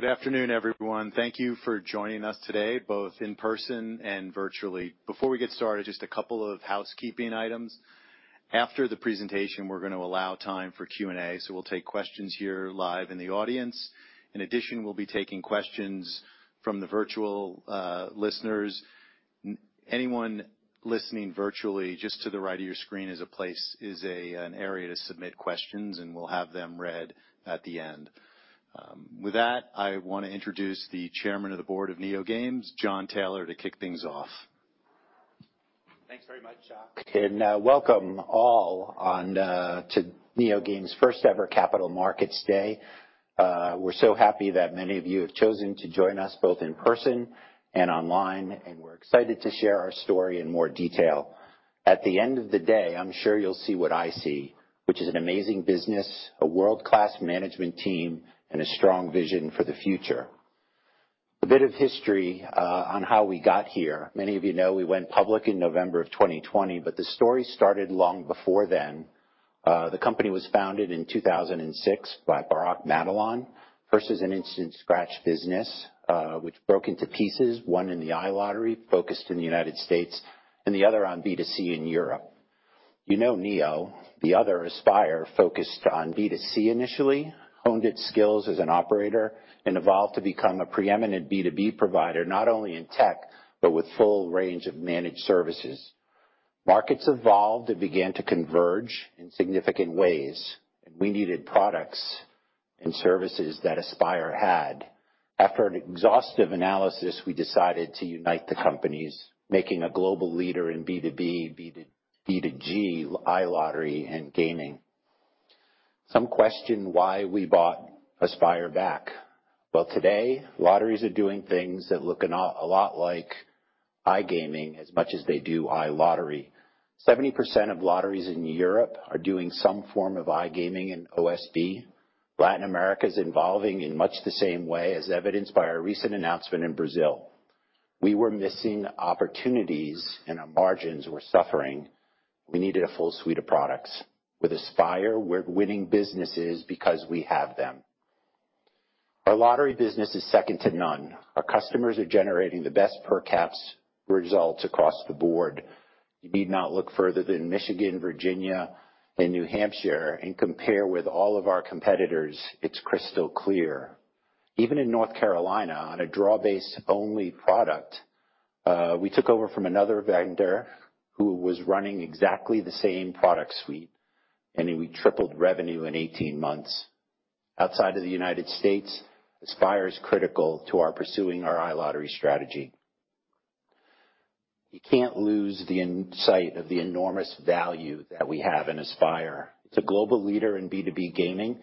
Good afternoon, everyone. Thank you for joining us today, both in person and virtually. Before we get started, just a couple of housekeeping items. After the presentation, we're gonna allow time for Q&A. We'll take questions here live in the audience. In addition, we'll be taking questions from the virtual listeners. Anyone listening virtually, just to the right of your screen is a place, an area to submit questions, and we'll have them read at the end. With that, I wanna introduce the Chairman of the Board of NeoGames, John Taylor, to kick things off. Thanks very much, Jack, and welcome all on to NeoGames' first-ever Capital Markets Day. We're so happy that many of you have chosen to join us both in person and online. We're excited to share our story in more detail. At the end of the day, I'm sure you'll see what I see, which is an amazing business, a world-class management team, and a strong vision for the future. A bit of history on how we got here. Many of you know we went public in November of 2020, the story started long before then. The company was founded in 2006 by Barak Matalon, first as an instant scratch business, which broke into pieces, one in the iLottery, focused in the United States, the other on B2C in Europe. You know Neo, the other Aspire, focused on B2C initially, honed its skills as an operator, and evolved to become a preeminent B2B provider, not only in tech, but with full range of managed services. Markets evolved and began to converge in significant ways, and we needed products and services that Aspire had. After an exhaustive analysis, we decided to unite the companies, making a global leader in B2B, B2G, iLottery, and gaming. Some question why we bought Aspire back. Well, today, lotteries are doing things that look a lot like iGaming as much as they do iLottery. 70% of lotteries in Europe are doing some form of iGaming and OSB. Latin America is evolving in much the same way, as evidenced by our recent announcement in Brazil. We were missing opportunities, and our margins were suffering. We needed a full suite of products. With Aspire, we're winning businesses because we have them. Our lottery business is second to none. Our customers are generating the best per caps results across the board. You need not look further than Michigan, Virginia, and New Hampshire. Compare with all of our competitors. It's crystal clear. Even in North Carolina, on a draw-based only product, we took over from another vendor who was running exactly the same product suite. We tripled revenue in 18 months. Outside of the United States, Aspire is critical to our pursuing our iLottery strategy. You can't lose the insight of the enormous value that we have in Aspire. It's a global leader in B2B gaming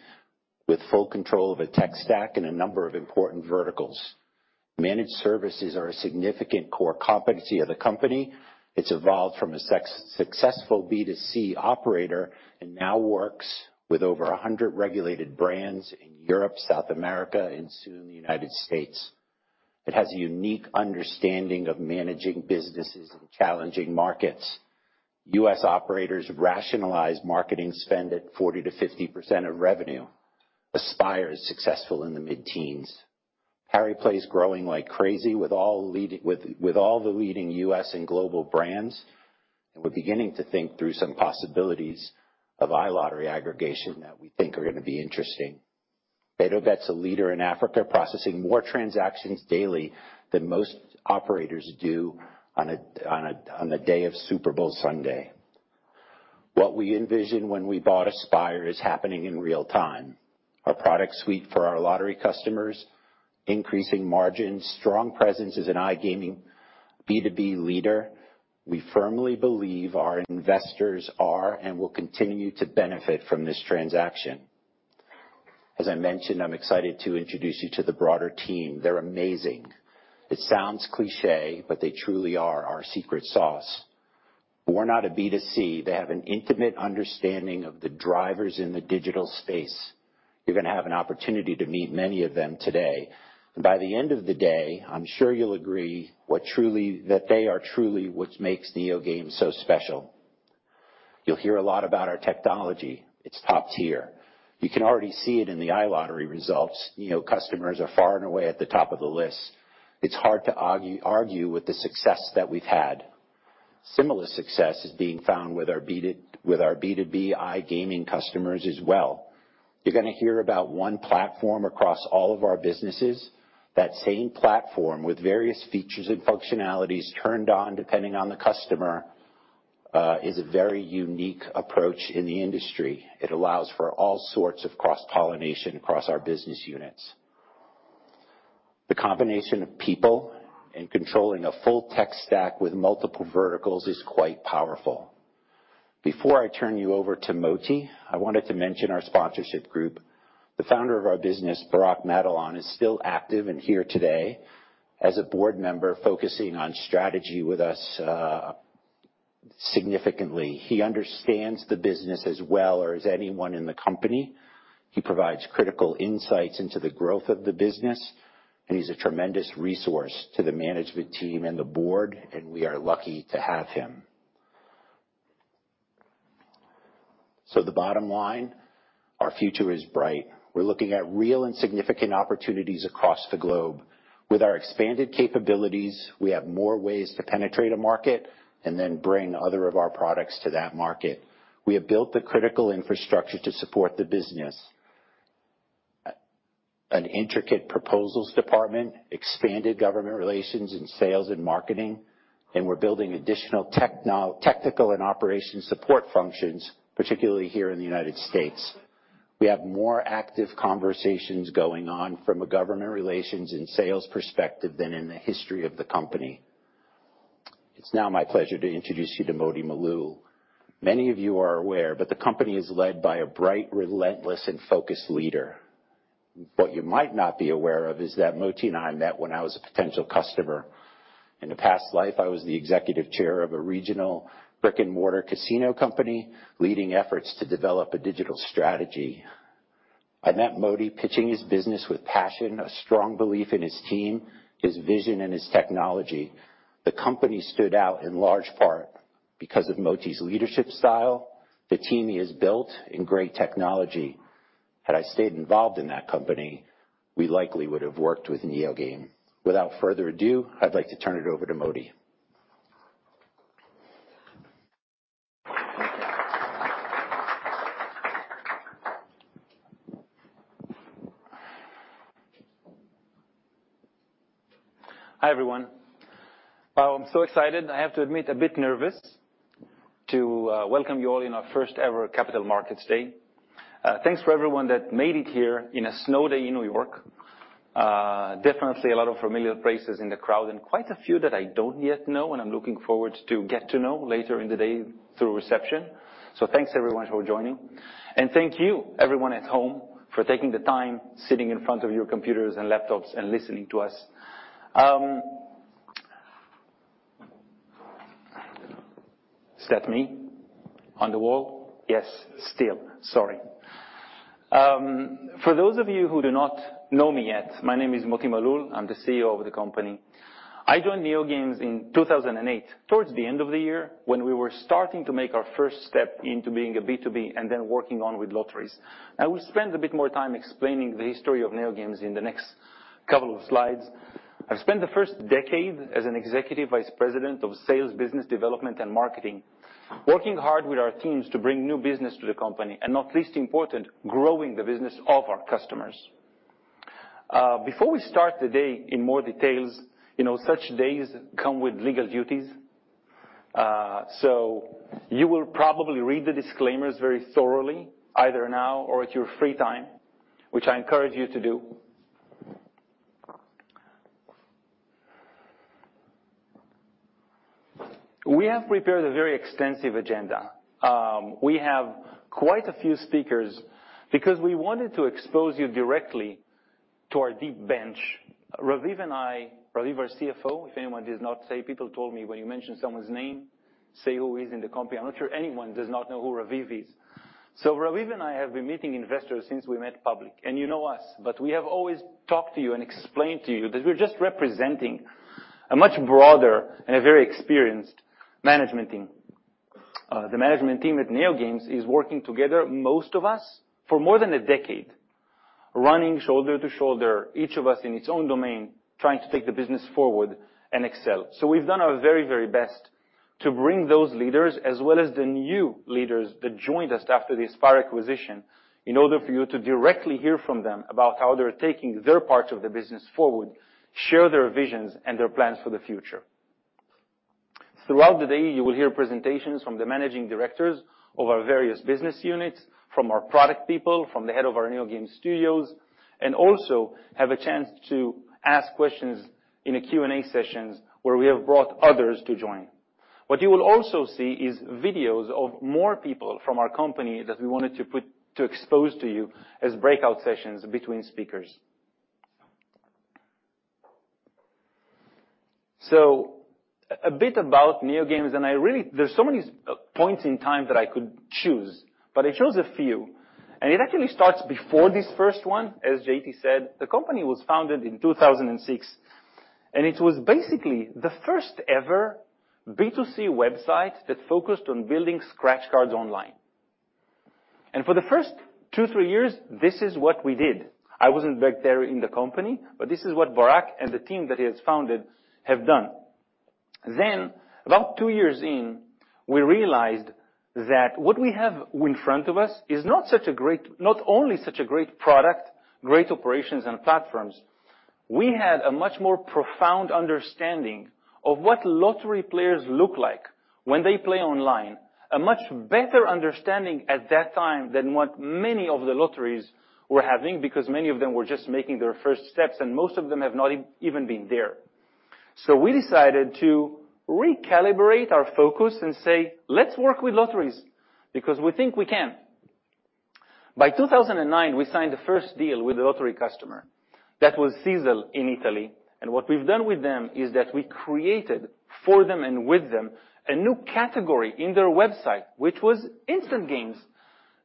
with full control of a tech stack and a number of important verticals. Managed services are a significant core competency of the company. It's evolved from a successful B2C operator now works with over 100 regulated brands in Europe, South America, and soon the United States. It has a unique understanding of managing businesses in challenging markets. U.S. operators rationalize marketing spend at 40%-50% of revenue. Aspire is successful in the mid-teens. Pariplay is growing like crazy with all the leading U.S. and global brands, we're beginning to think through some possibilities of iLottery aggregation that we think are gonna be interesting. BtoBet's a leader in Africa, processing more transactions daily than most operators do on a day of Super Bowl Sunday. What we envisioned when we bought Aspire is happening in real time. Our product suite for our lottery customers, increasing margins, strong presence as an iGaming B2B leader. We firmly believe our investors are and will continue to benefit from this transaction. As I mentioned, I'm excited to introduce you to the broader team. They're amazing. It sounds cliché, but they truly are our secret sauce. We're not a B2C. They have an intimate understanding of the drivers in the digital space. You're gonna have an opportunity to meet many of them today. By the end of the day, I'm sure you'll agree that they are truly what makes NeoGames so special. You'll hear a lot about our technology. It's top tier. You can already see it in the iLottery results. Neo customers are far and away at the top of the list. It's hard to argue with the success that we've had. Similar success is being found with our B2B iGaming customers as well. You're gonna hear about one platform across all of our businesses. That same platform with various features and functionalities turned on depending on the customer, is a very unique approach in the industry. It allows for all sorts of cross-pollination across our business units. The combination of people and controlling a full tech stack with multiple verticals is quite powerful. Before I turn you over to Moti, I wanted to mention our sponsorship group. The founder of our business, Barak Matalon, is still active and here today as a board member focusing on strategy with us, significantly. He understands the business as well or as anyone in the company. He provides critical insights into the growth of the business, and he's a tremendous resource to the management team and the board, and we are lucky to have him. The bottom line, our future is bright. We're looking at real and significant opportunities across the globe. With our expanded capabilities, we have more ways to penetrate a market and then bring other of our products to that market. We have built the critical infrastructure to support the business. An intricate proposals department, expanded government relations, and sales and marketing, and we're building additional technical and operations support functions, particularly here in the United States. We have more active conversations going on from a government relations and sales perspective than in the history of the company. It's now my pleasure to introduce you to Moti Malul. Many of you are aware, but the company is led by a bright, relentless, and focused leader. What you might not be aware of is that Moti and I met when I was a potential customer. In a past life, I was the executive chair of a regional brick-and-mortar casino company, leading efforts to develop a digital strategy. I met Moti pitching his business with passion, a strong belief in his team, his vision, and his technology. The company stood out in large part because of Moti's leadership style, the team he has built, and great technology. Had I stayed involved in that company, we likely would have worked with NeoGames. Without further ado, I'd like to turn it over to Moti. Hi, everyone. I'm so excited, I have to admit, a bit nervous to welcome you all in our first-ever Capital Markets Day. Thanks for everyone that made it here in a snow day in New York. Definitely a lot of familiar faces in the crowd, and quite a few that I don't yet know, and I'm looking forward to get to know later in the day through reception. Thanks, everyone, for joining. Thank you, everyone at home, for taking the time, sitting in front of your computers and laptops and listening to us. Is that me on the wall? Yes, still. Sorry. For those of you who do not know me yet, my name is Moti Malul. I'm the CEO of the company. I joined NeoGames in 2008 towards the end of the year, when we were starting to make our first step into being a B2B and then working on with lotteries. I will spend a bit more time explaining the history of NeoGames in the next couple of slides. I've spent the first decade as an executive vice president of sales, business development, and marketing, working hard with our teams to bring new business to the company, and not least important, growing the business of our customers. Before we start the day in more details, you know, such days come with legal duties. You will probably read the disclaimers very thoroughly, either now or at your free time, which I encourage you to do. We have prepared a very extensive agenda. We have quite a few speakers because we wanted to expose you directly to our deep bench. Raviv and I Raviv, our CFO, if anyone does not say, people told me, "When you mention someone's name, say who he is in the company." I'm not sure anyone does not know who Raviv is. Raviv and I have been meeting investors since we met public, and you know us, but we have always talked to you and explained to you that we're just representing a much broader and a very experienced management team. The management team at NeoGames is working together, most of us, for more than a decade, running shoulder to shoulder, each of us in its own domain, trying to take the business forward and excel. We've done our very, very best to bring those leaders as well as the new leaders that joined us after the Aspire acquisition, in order for you to directly hear from them about how they're taking their part of the business forward, share their visions and their plans for the future. Throughout the day, you will hear presentations from the managing directors of our various business units, from our product people, from the head of our NeoGames Studio, and also have a chance to ask questions in a Q&A sessions where we have brought others to join. What you will also see is videos of more people from our company that we wanted to put to expose to you as breakout sessions between speakers. A bit about NeoGames, and there's so many points in time that I could choose, but I chose a few. It actually starts before this first one. As JT said, the company was founded in 2006, it was basically the first-ever B2C website that focused on building scratch cards online. For the first two, three years, this is what we did. I wasn't back there in the company, this is what Barak and the team that he has founded have done. About two years in, we realized that what we have in front of us is not only such a great product, great operations, and platforms, we had a much more profound understanding of what lottery players look like when they play online, a much better understanding at that time than what many of the lotteries were having, because many of them were just making their first steps, most of them have not even been there. We decided to recalibrate our focus and say, "Let's work with lotteries, because we think we can." By 2009, we signed the first deal with a lottery customer. That was Sisal in Italy. What we've done with them is that we created for them and with them a new category in their website, which was instant games.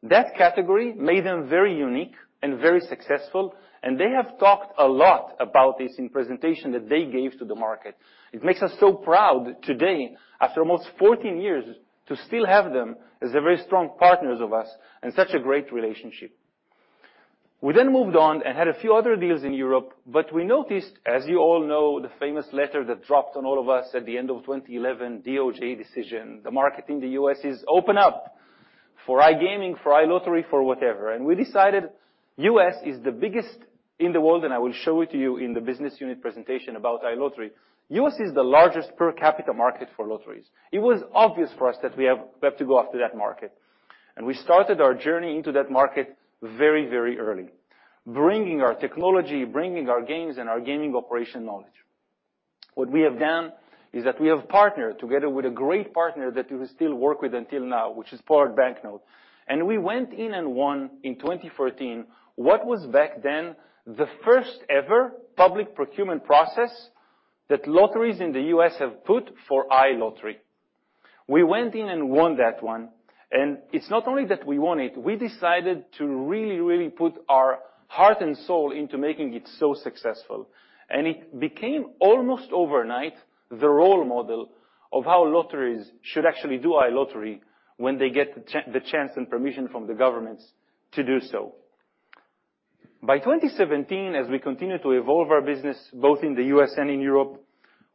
That category made them very unique and very successful, and they have talked a lot about this in presentation that they gave to the market. It makes us so proud today, after almost 14 years, to still have them as a very strong partners of us and such a great relationship. We then moved on and had a few other deals in Europe, we noticed, as you all know, the famous letter that dropped on all of us at the end of 2011 DOJ decision. The market in the U.S. is open up for iGaming, for iLottery, for whatever. We decided U.S. is the biggest in the world, and I will show it to you in the business unit presentation about iLottery. U.S. is the largest per capita market for lotteries. It was obvious for us that we have to go after that market. We started our journey into that market very, very early, bringing our technology, bringing our games and our gaming operation knowledge. What we have done is that we have partnered together with a great partner that we still work with until now, which is Pollard Banknote. We went in and won in 2014, what was back then, the first-ever public procurement process that lotteries in the U.S. have put for iLottery. We went in and won that one, it's not only that we won it, we decided to really, really put our heart and soul into making it so successful. It became, almost overnight, the role model of how lotteries should actually do iLottery when they get the chance and permission from the governments to do so. By 2017, as we continue to evolve our business, both in the U.S. and in Europe,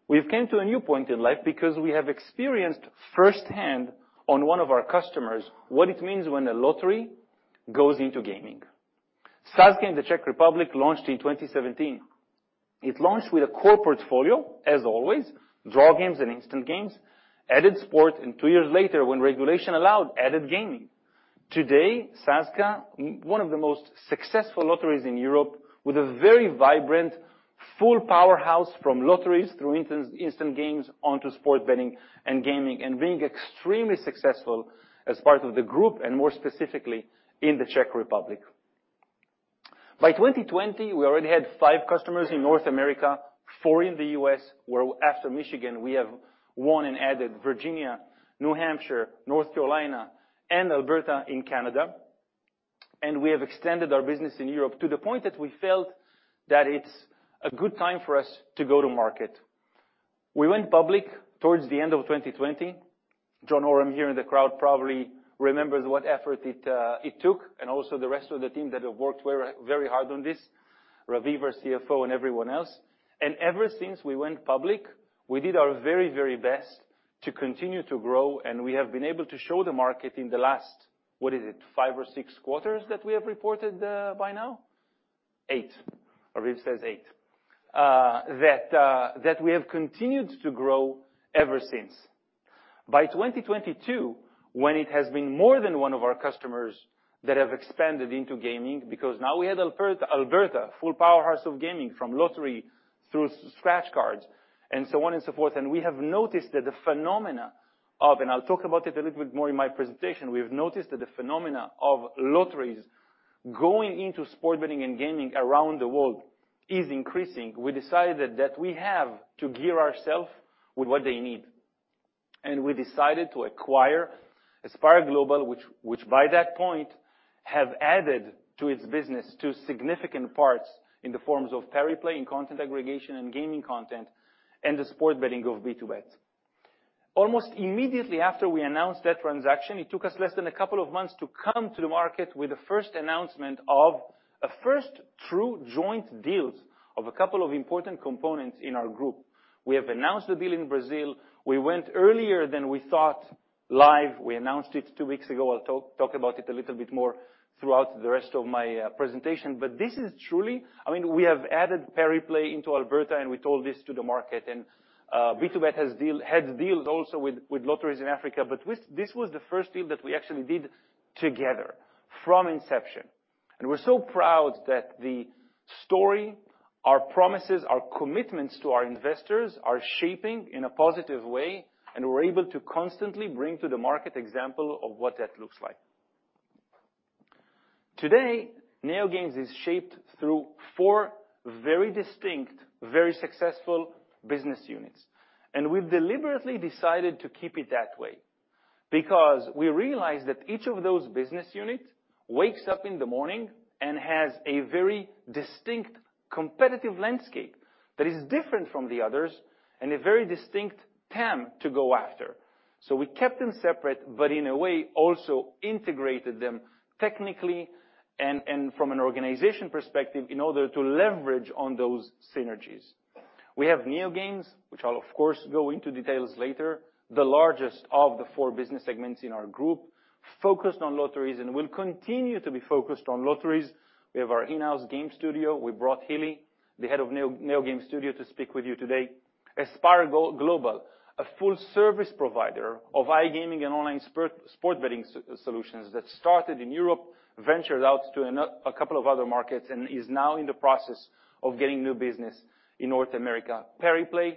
we've came to a new point in life because we have experienced firsthand on one of our customers what it means when a lottery goes into gaming. Sazka in the Czech Republic launched in 2017. It launched with a core portfolio, as always, draw games and instant games, added sport, two years later, when regulation allowed, added gaming. Today, Sazka, one of the most successful lotteries in Europe with a very vibrant full powerhouse from lotteries through instant games onto sport betting and gaming, and being extremely successful as part of the group, and more specifically in the Czech Republic. By 2020, we already had five customers in North America, four in the U.S., where after Michigan, we have won and added Virginia, New Hampshire, North Carolina and Alberta in Canada. We have extended our business in Europe to the point that we felt that it's a good time for us to go to market. We went public towards the end of 2020. John Oram here in the crowd probably remembers what effort it took, and also the rest of the team that have worked very, very hard on this. Raviv, our CFO, and everyone else. Ever since we went public, we did our very, very best to continue to grow, and we have been able to show the market in the last, what is it? Five or six quarters that we have reported by now. Eight. Raviv says eight. That we have continued to grow ever since. By 2022, when it has been more than one of our customers that have expanded into gaming, because now we have Alberta, full powerhouse of gaming from lottery through scratch cards and so on and so forth, and we have noticed that the phenomena of... I'll talk about it a little bit more in my presentation. We have noticed that the phenomena of lotteries going into sport betting and gaming around the world is increasing. We decided that we have to gear ourself with what they need, and we decided to acquire Aspire Global, which by that point, have added to its business two significant parts in the forms of Pariplay in content aggregation and gaming content, and the sport betting of BtoBet. Almost immediately after we announced that transaction, it took us less than a couple of months to come to the market with the first announcement of a first true joint deals of a couple of important components in our group. We have announced the deal in Brazil. We went earlier than we thought live. We announced it two weeks ago. I'll talk about it a little bit more throughout the rest of my presentation. This is truly... I mean, we have added Pariplay into Alberta, and we told this to the market. BtoBet has deals also with lotteries in Africa. This was the first deal that we actually did together from inception. We're so proud that the story, our promises, our commitments to our investors are shaping in a positive way, and we're able to constantly bring to the market example of what that looks like. Today, NeoGames is shaped through four very distinct, very successful business units. We've deliberately decided to keep it that way because we realize that each of those business unit wakes up in the morning and has a very distinct competitive landscape that is different from the others and a very distinct TAM to go after. We kept them separate, but in a way, also integrated them technically and from an organization perspective in order to leverage on those synergies. We have NeoGames, which I'll of course go into details later, the largest of the four business segments in our group, focused on lotteries and will continue to be focused on lotteries. We have our in-house game studio. We brought Hili, the Head of NeoGames Studio, to speak with you today. Aspire Global, a full service provider of iGaming and online sport betting solutions that started in Europe, ventured out to a couple of other markets, and is now in the process of getting new business in North America. Pariplay,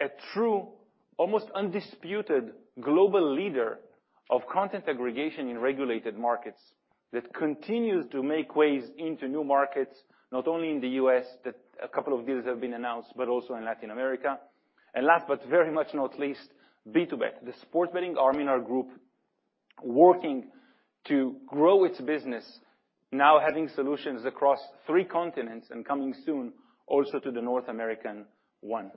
a true, almost undisputed global leader of content aggregation in regulated markets that continues to make ways into new markets, not only in the U.S. that a couple of deals have been announced, but also in Latin America. Last, but very much not least, BtoBet, the sports betting arm in our group working to grow its business, now having solutions across three continents, and coming soon also to the North American one.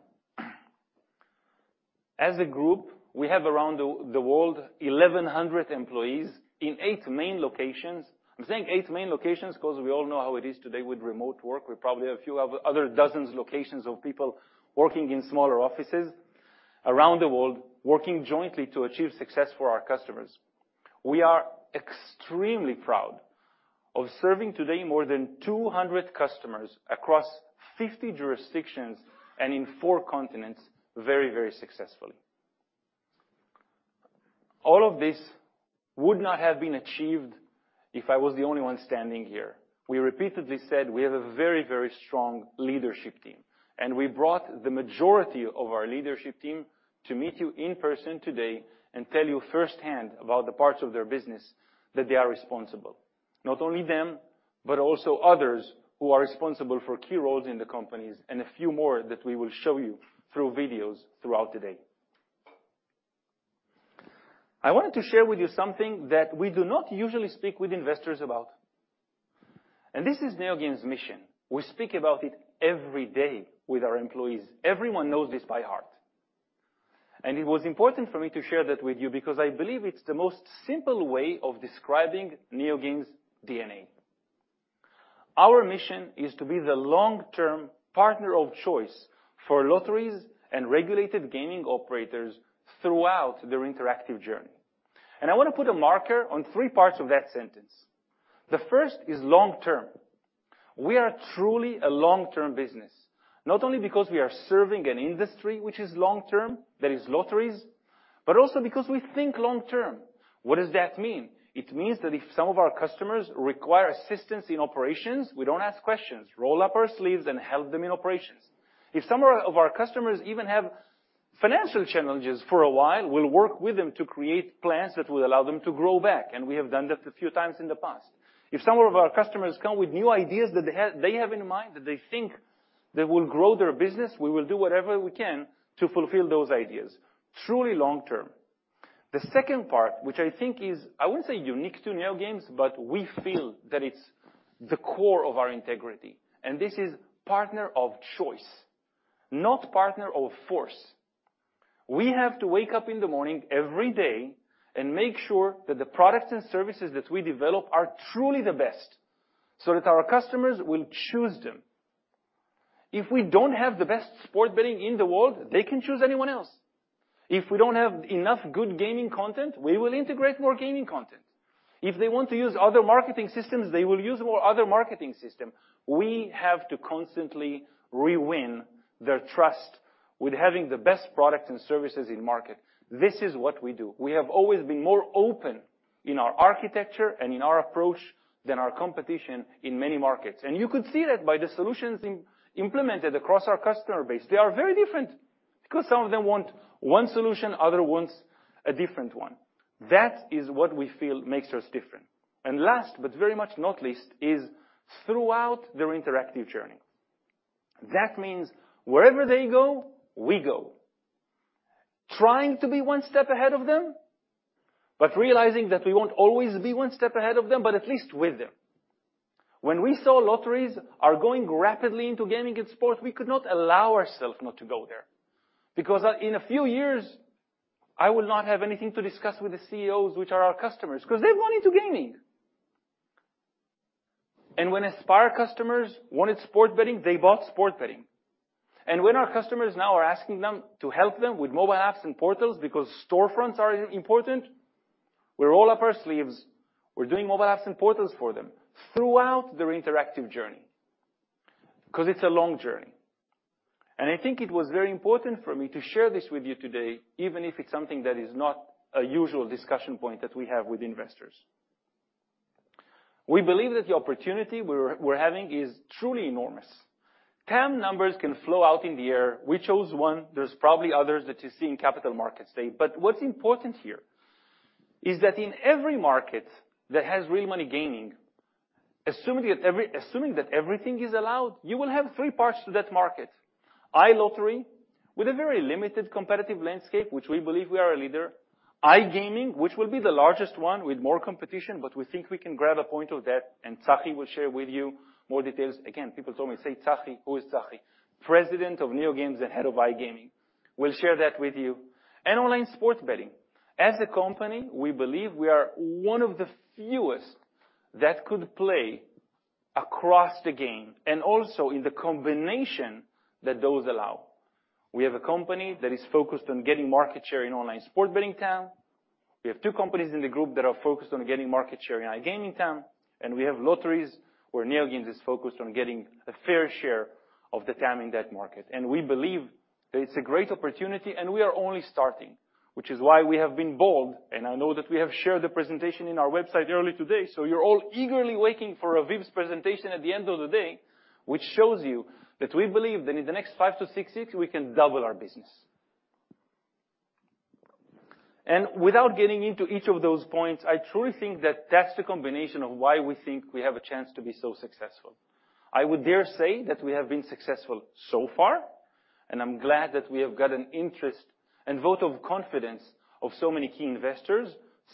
As a group, we have around the world 1,100 employees in eight main locations. I'm saying eight main locations 'cause we all know how it is today with remote work. We probably have a few other dozens locations of people working in smaller offices around the world, working jointly to achieve success for our customers. We are extremely proud of serving today more than 200 customers across 50 jurisdictions and in four continents very, very successfully. All of this would not have been achieved if I was the only one standing here. We repeatedly said we have a very, very strong leadership team, and we brought the majority of our leadership team to meet you in person today and tell you firsthand about the parts of their business that they are responsible. Not only them, but also others who are responsible for key roles in the companies, and a few more that we will show you through videos throughout the day. I wanted to share with you something that we do not usually speak with investors about. This is NeoGames' mission. We speak about it every day with our employees. Everyone knows this by heart. It was important for me to share that with you because I believe it's the most simple way of describing NeoGames' DNA. Our mission is to be the long-term partner of choice for lotteries and regulated gaming operators throughout their interactive journey. I wanna put a marker on three parts of that sentence. The first is long term. We are truly a long-term business. Not only because we are serving an industry which is long term, that is lotteries, but also because we think long term. What does that mean? It means that if some of our customers require assistance in operations, we don't ask questions. Roll up our sleeves and help them in operations. If some of our customers even have financial challenges for a while, we'll work with them to create plans that will allow them to grow back, and we have done that a few times in the past. If some of our customers come with new ideas that they have in mind that they think they will grow their business, we will do whatever we can to fulfill those ideas. Truly long term. The second part, which I think is, I wouldn't say unique to NeoGames, but we feel that it's the core of our integrity, this is partner of choice, not partner of force. We have to wake up in the morning every day and make sure that the products and services that we develop are truly the best, so that our customers will choose them. If we don't have the best sport betting in the world, they can choose anyone else. If we don't have enough good gaming content, we will integrate more gaming content. If they want to use other marketing systems, they will use more other marketing system. We have to constantly re-win their trust with having the best products and services in market. This is what we do. We have always been more open in our architecture and in our approach than our competition in many markets. You could see that by the solutions implemented across our customer base. They are very different 'cause some of them want one solution, other wants a different one. That is what we feel makes us different. Last, but very much not least, is throughout their interactive journey. That means wherever they go, we go. Trying to be one step ahead of them, but realizing that we won't always be one step ahead of them, but at least with them. When we saw lotteries are going rapidly into gaming and sport, we could not allow ourself not to go there. Because in a few years, I will not have anything to discuss with the CEOs, which are our customers, 'cause they've gone into gaming. When Aspire customers wanted sport betting, they bought sport betting. When our customers now are asking them to help them with mobile apps and portals because storefronts are important, we roll up our sleeves, we're doing mobile apps and portals for them throughout their interactive journey, 'cause it's a long journey. I think it was very important for me to share this with you today, even if it's something that is not a usual discussion point that we have with investors. We believe that the opportunity we're having is truly enormous. TAM numbers can flow out in the air. We chose one. There's probably others that you see in capital markets today. What's important here is that in every market that has real money gaming, assuming that everything is allowed, you will have three parts to that market. iLottery, with a very limited competitive landscape, which we believe we are a leader. iGaming, which will be the largest one with more competition, but we think we can grab a point of that, and Tsachi will share with you more details. People told me, "Say Tsachi." Who is Tsachi? President of NeoGames and Head of iGaming, will share that with you. Online sports betting. As a company, we believe we are one of the fewest that could play across the game and also in the combination that those allow. We have a company that is focused on getting market share in online sports betting TAM. We have two companies in the group that are focused on getting market share in iGaming TAM, and we have lotteries where NeoGames is focused on getting a fair share of the TAM in that market. We believe that it's a great opportunity, and we are only starting, which is why we have been bold. I know that we have shared the presentation in our website earlier today, so you're all eagerly waiting for Raviv's presentation at the end of the day, which shows you that we believe that in the next five to six years, we can double our business. Without getting into each of those points, I truly think that that's the combination of why we think we have a chance to be so successful. I would dare say that we have been successful so far. I'm glad that we have got an interest and vote of confidence of so many key investors.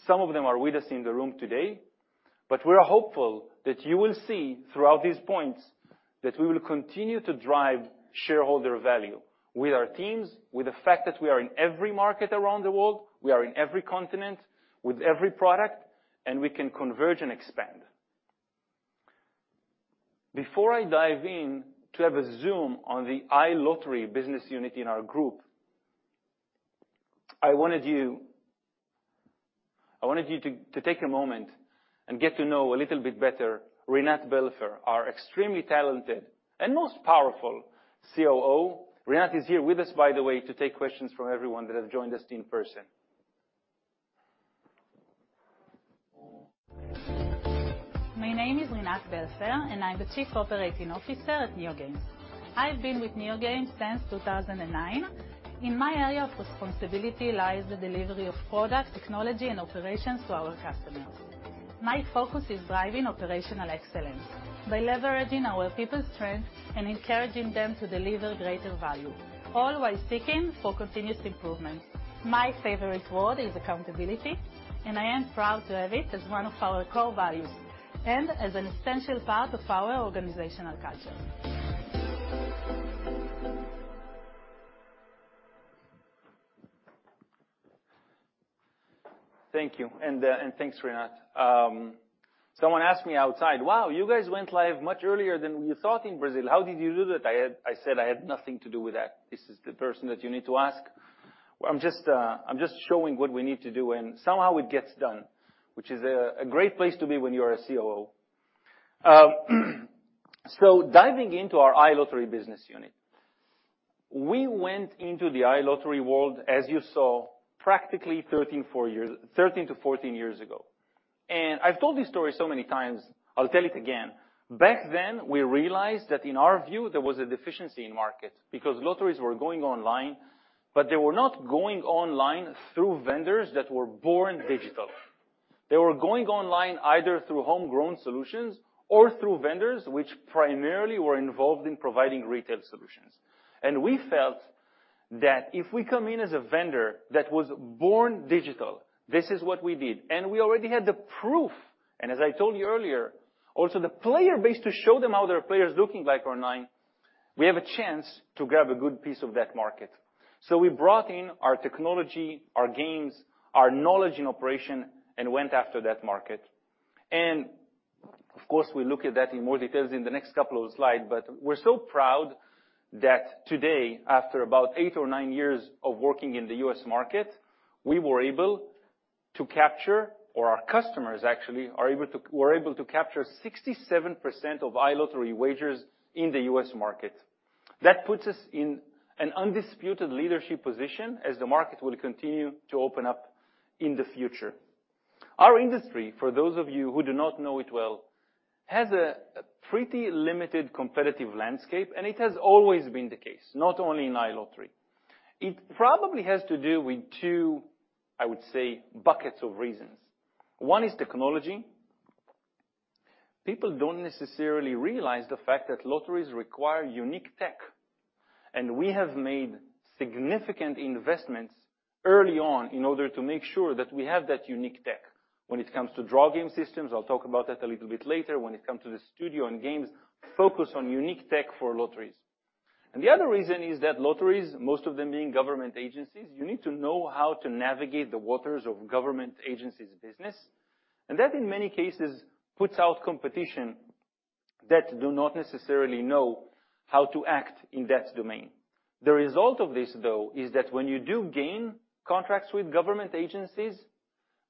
Some of them are with us in the room today. We are hopeful that you will see throughout these points that we will continue to drive shareholder value with our teams, with the fact that we are in every market around the world, we are in every continent with every product, and we can converge and expand. Before I dive in to have a zoom on the iLottery business unit in our group, I wanted you to take a moment and get to know a little bit better Rinat Belfer, our extremely talented and most powerful COO. Rinat is here with us, by the way, to take questions from everyone that has joined us in person. My name is Rinat Belfer, and I'm the Chief Operating Officer at NeoGames. I've been with NeoGames since 2009. In my area of responsibility lies the delivery of product, technology, and operations to our customers. My focus is driving operational excellence by leveraging our people's strengths and encouraging them to deliver greater value, all while seeking for continuous improvements. My favorite word is accountability, and I am proud to have it as one of our core values and as an essential part of our organizational culture. Thank you, and thanks, Rinat. Someone asked me outside, "Wow, you guys went live much earlier than you thought in Brazil. How did you do that?" I said, "I had nothing to do with that. This is the person that you need to ask." I'm just, I'm just showing what we need to do, and somehow it gets done, which is a great place to be when you're a COO. Diving into our iLottery business unit. We went into the iLottery world, as you saw, practically 13-14 years ago. I've told this story so many times, I'll tell it again. Back then, we realized that in our view, there was a deficiency in market because lotteries were going online, but they were not going online through vendors that were born digital. They were going online either through homegrown solutions or through vendors which primarily were involved in providing retail solutions. We felt that if we come in as a vendor that was born digital, this is what we did. We already had the proof, and as I told you earlier, also the player base to show them how their players looking like online, we have a chance to grab a good piece of that market. We brought in our technology, our games, our knowledge in operation, and went after that market. Of course, we look at that in more details in the next couple of slides, but we're so proud that today, after about eight or nine years of working in the U.S. market, we were able to capture, or our customers actually were able to capture 67% of iLottery wagers in the U.S. market. That puts us in an undisputed leadership position as the market will continue to open up in the future. Our industry, for those of you who do not know it well, has a pretty limited competitive landscape. It has always been the case, not only in iLottery. It probably has to do with two, I would say, buckets of reasons. One is technology. People don't necessarily realize the fact that lotteries require unique tech. We have made significant investments early on in order to make sure that we have that unique tech when it comes to draw game systems, I'll talk about that a little bit later, when it comes to the studio and games focused on unique tech for lotteries. The other reason is that lotteries, most of them being government agencies, you need to know how to navigate the waters of government agencies business. That, in many cases, puts out competition that do not necessarily know how to act in that domain. The result of this, though, is that when you do gain contracts with government agencies,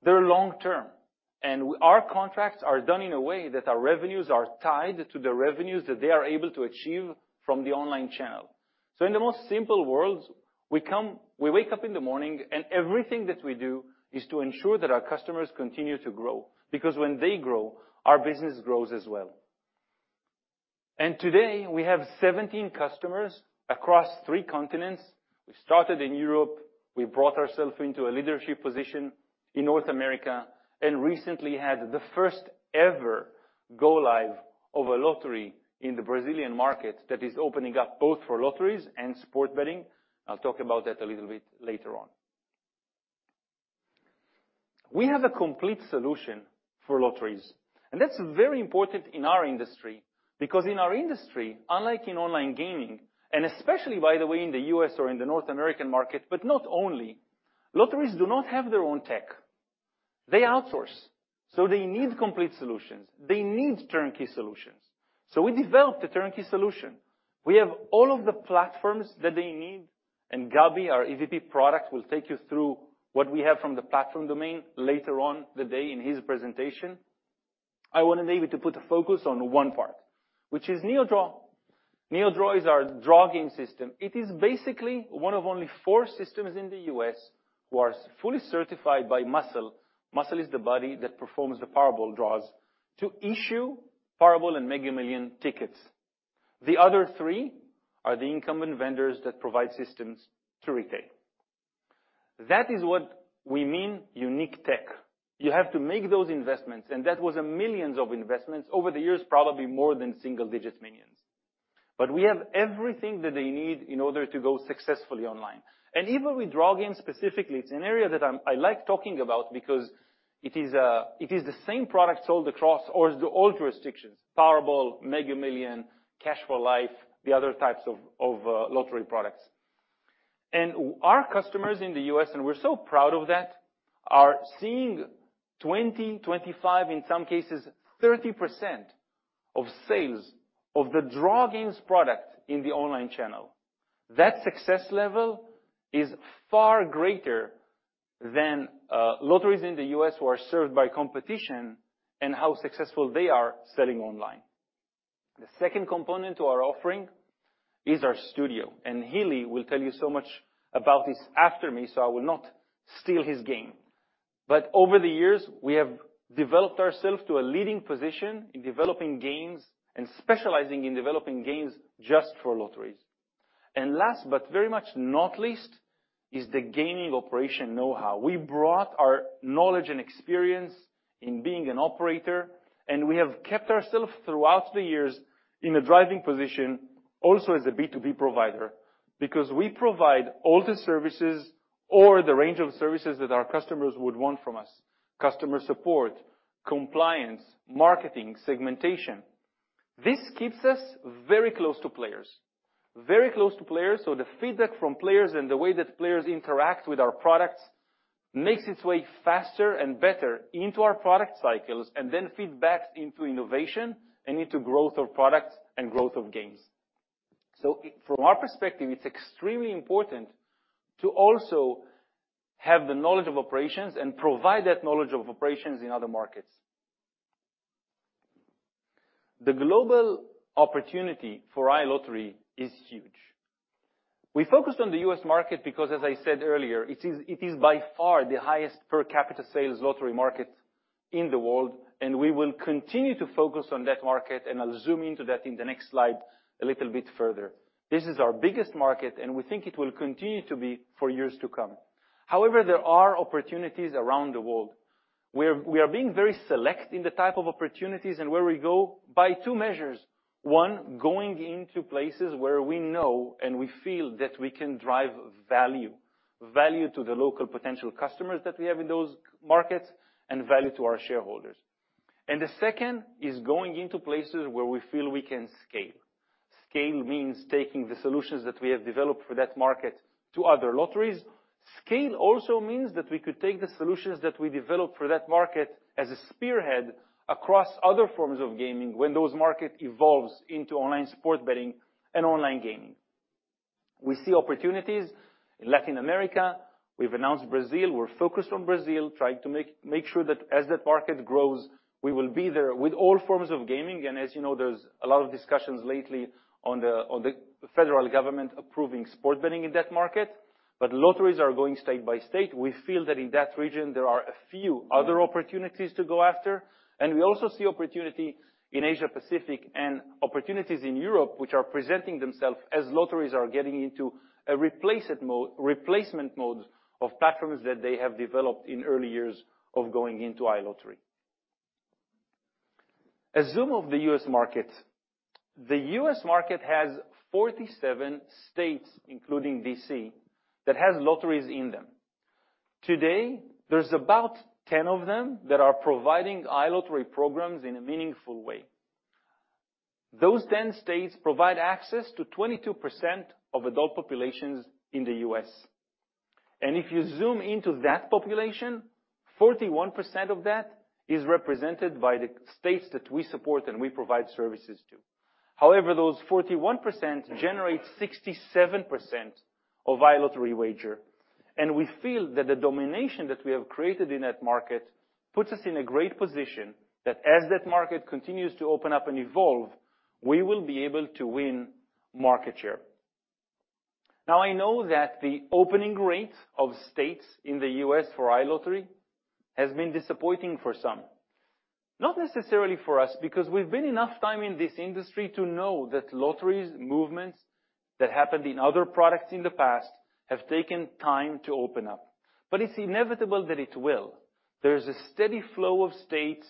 they're long-term. Our contracts are done in a way that our revenues are tied to the revenues that they are able to achieve from the online channel. In the most simple world, we come, we wake up in the morning, and everything that we do is to ensure that our customers continue to grow, because when they grow, our business grows as well. Today, we have 17 customers across three continents. We started in Europe, we brought ourselves into a leadership position in North America. Recently had the first-ever go live of a lottery in the Brazilian market that is opening up both for lotteries and sports betting. I'll talk about that a little bit later on. We have a complete solution for lotteries. That's very important in our industry, because in our industry, unlike in online gaming, and especially by the way, in the U.S. or in the North American market, but not only, lotteries do not have their own tech. They outsource, so they need complete solutions. They need turnkey solutions. We developed a turnkey solution. We have all of the platforms that they need. Gabby, our EVP Product, will take you through what we have from the platform domain later on today in his presentation. I wanted to put a focus on one part, which is NeoDraw. NeoDraw is our draw game system. It is basically one of only four systems in the U.S. who are fully certified by MUSL. MUSL is the body that performs the Powerball draws to issue Powerball and Mega Millions tickets. The other three are the incumbent vendors that provide systems to retail. That is what we mean unique tech. You have to make those investments, and that was a millions of investments over the years, probably more than single-digit millions. We have everything that they need in order to go successfully online. Even with draw games specifically, it's an area that I like talking about because it is the same product sold across all jurisdictions, Powerball, Mega Millions, Cash4Life, the other types of lottery products. Our customers in the U.S., and we're so proud of that, are seeing 20%, 25%, in some cases 30% of sales of the draw games product in the online channel. That success level is far greater than lotteries in the U.S. who are served by competition and how successful they are selling online. The second component to our offering is our Studio, and Hili will tell you so much about this after me, so I will not steal his game. Over the years, we have developed ourselves to a leading position in developing games and specializing in developing games just for lotteries. Last, but very much not least, is the gaming operation know-how. We brought our knowledge and experience in being an operator, and we have kept ourselves throughout the years in a driving position, also as a B2B provider, because we provide all the services or the range of services that our customers would want from us, customer support, compliance, marketing, segmentation. This keeps us very close to players. The feedback from players and the way that players interact with our products makes its way faster and better into our product cycles, and then feedbacks into innovation and into growth of products and growth of games. From our perspective, it's extremely important to also have the knowledge of operations and provide that knowledge of operations in other markets. The global opportunity for iLottery is huge. We focused on the U.S. market because, as I said earlier, it is by far the highest per capita sales lottery market in the world, and we will continue to focus on that market, and I'll zoom into that in the next slide a little bit further. This is our biggest market, and we think it will continue to be for years to come. However, there are opportunities around the world. We are being very select in the type of opportunities and where we go by two measures. One, going into places where we know and we feel that we can drive value to the local potential customers that we have in those markets and value to our shareholders. The second is going into places where we feel we can scale. Scale means taking the solutions that we have developed for that market to other lotteries. Scale also means that we could take the solutions that we developed for that market as a spearhead across other forms of gaming when those market evolves into online sports betting and online gaming. We see opportunities in Latin America. We've announced Brazil. We're focused on Brazil, trying to make sure that as that market grows, we will be there with all forms of gaming. As you know, there's a lot of discussions lately on the, on the federal government approving sports betting in that market, but lotteries are going state by state. We feel that in that region, there are a few other opportunities to go after. We also see opportunity in Asia-Pacific and opportunities in Europe, which are presenting themselves as lotteries are getting into a replacement mode of platforms that they have developed in early years of going into iLottery. A zoom of the U.S. market. The U.S. market has 47 states, including D.C., that has lotteries in them. Today, there's about 10 of them that are providing iLottery programs in a meaningful way. Those 10 states provide access to 22% of adult populations in the U.S. If you zoom into that population, 41% of that is represented by the states that we support and we provide services to. However, those 41% generate 67% of iLottery wager, and we feel that the domination that we have created in that market puts us in a great position that as that market continues to open up and evolve, we will be able to win market share. Now, I know that the opening rate of states in the U.S. for iLottery has been disappointing for some. Not necessarily for us, because we've been enough time in this industry to know that lotteries, movements that happened in other products in the past have taken time to open up. It's inevitable that it will. There's a steady flow of states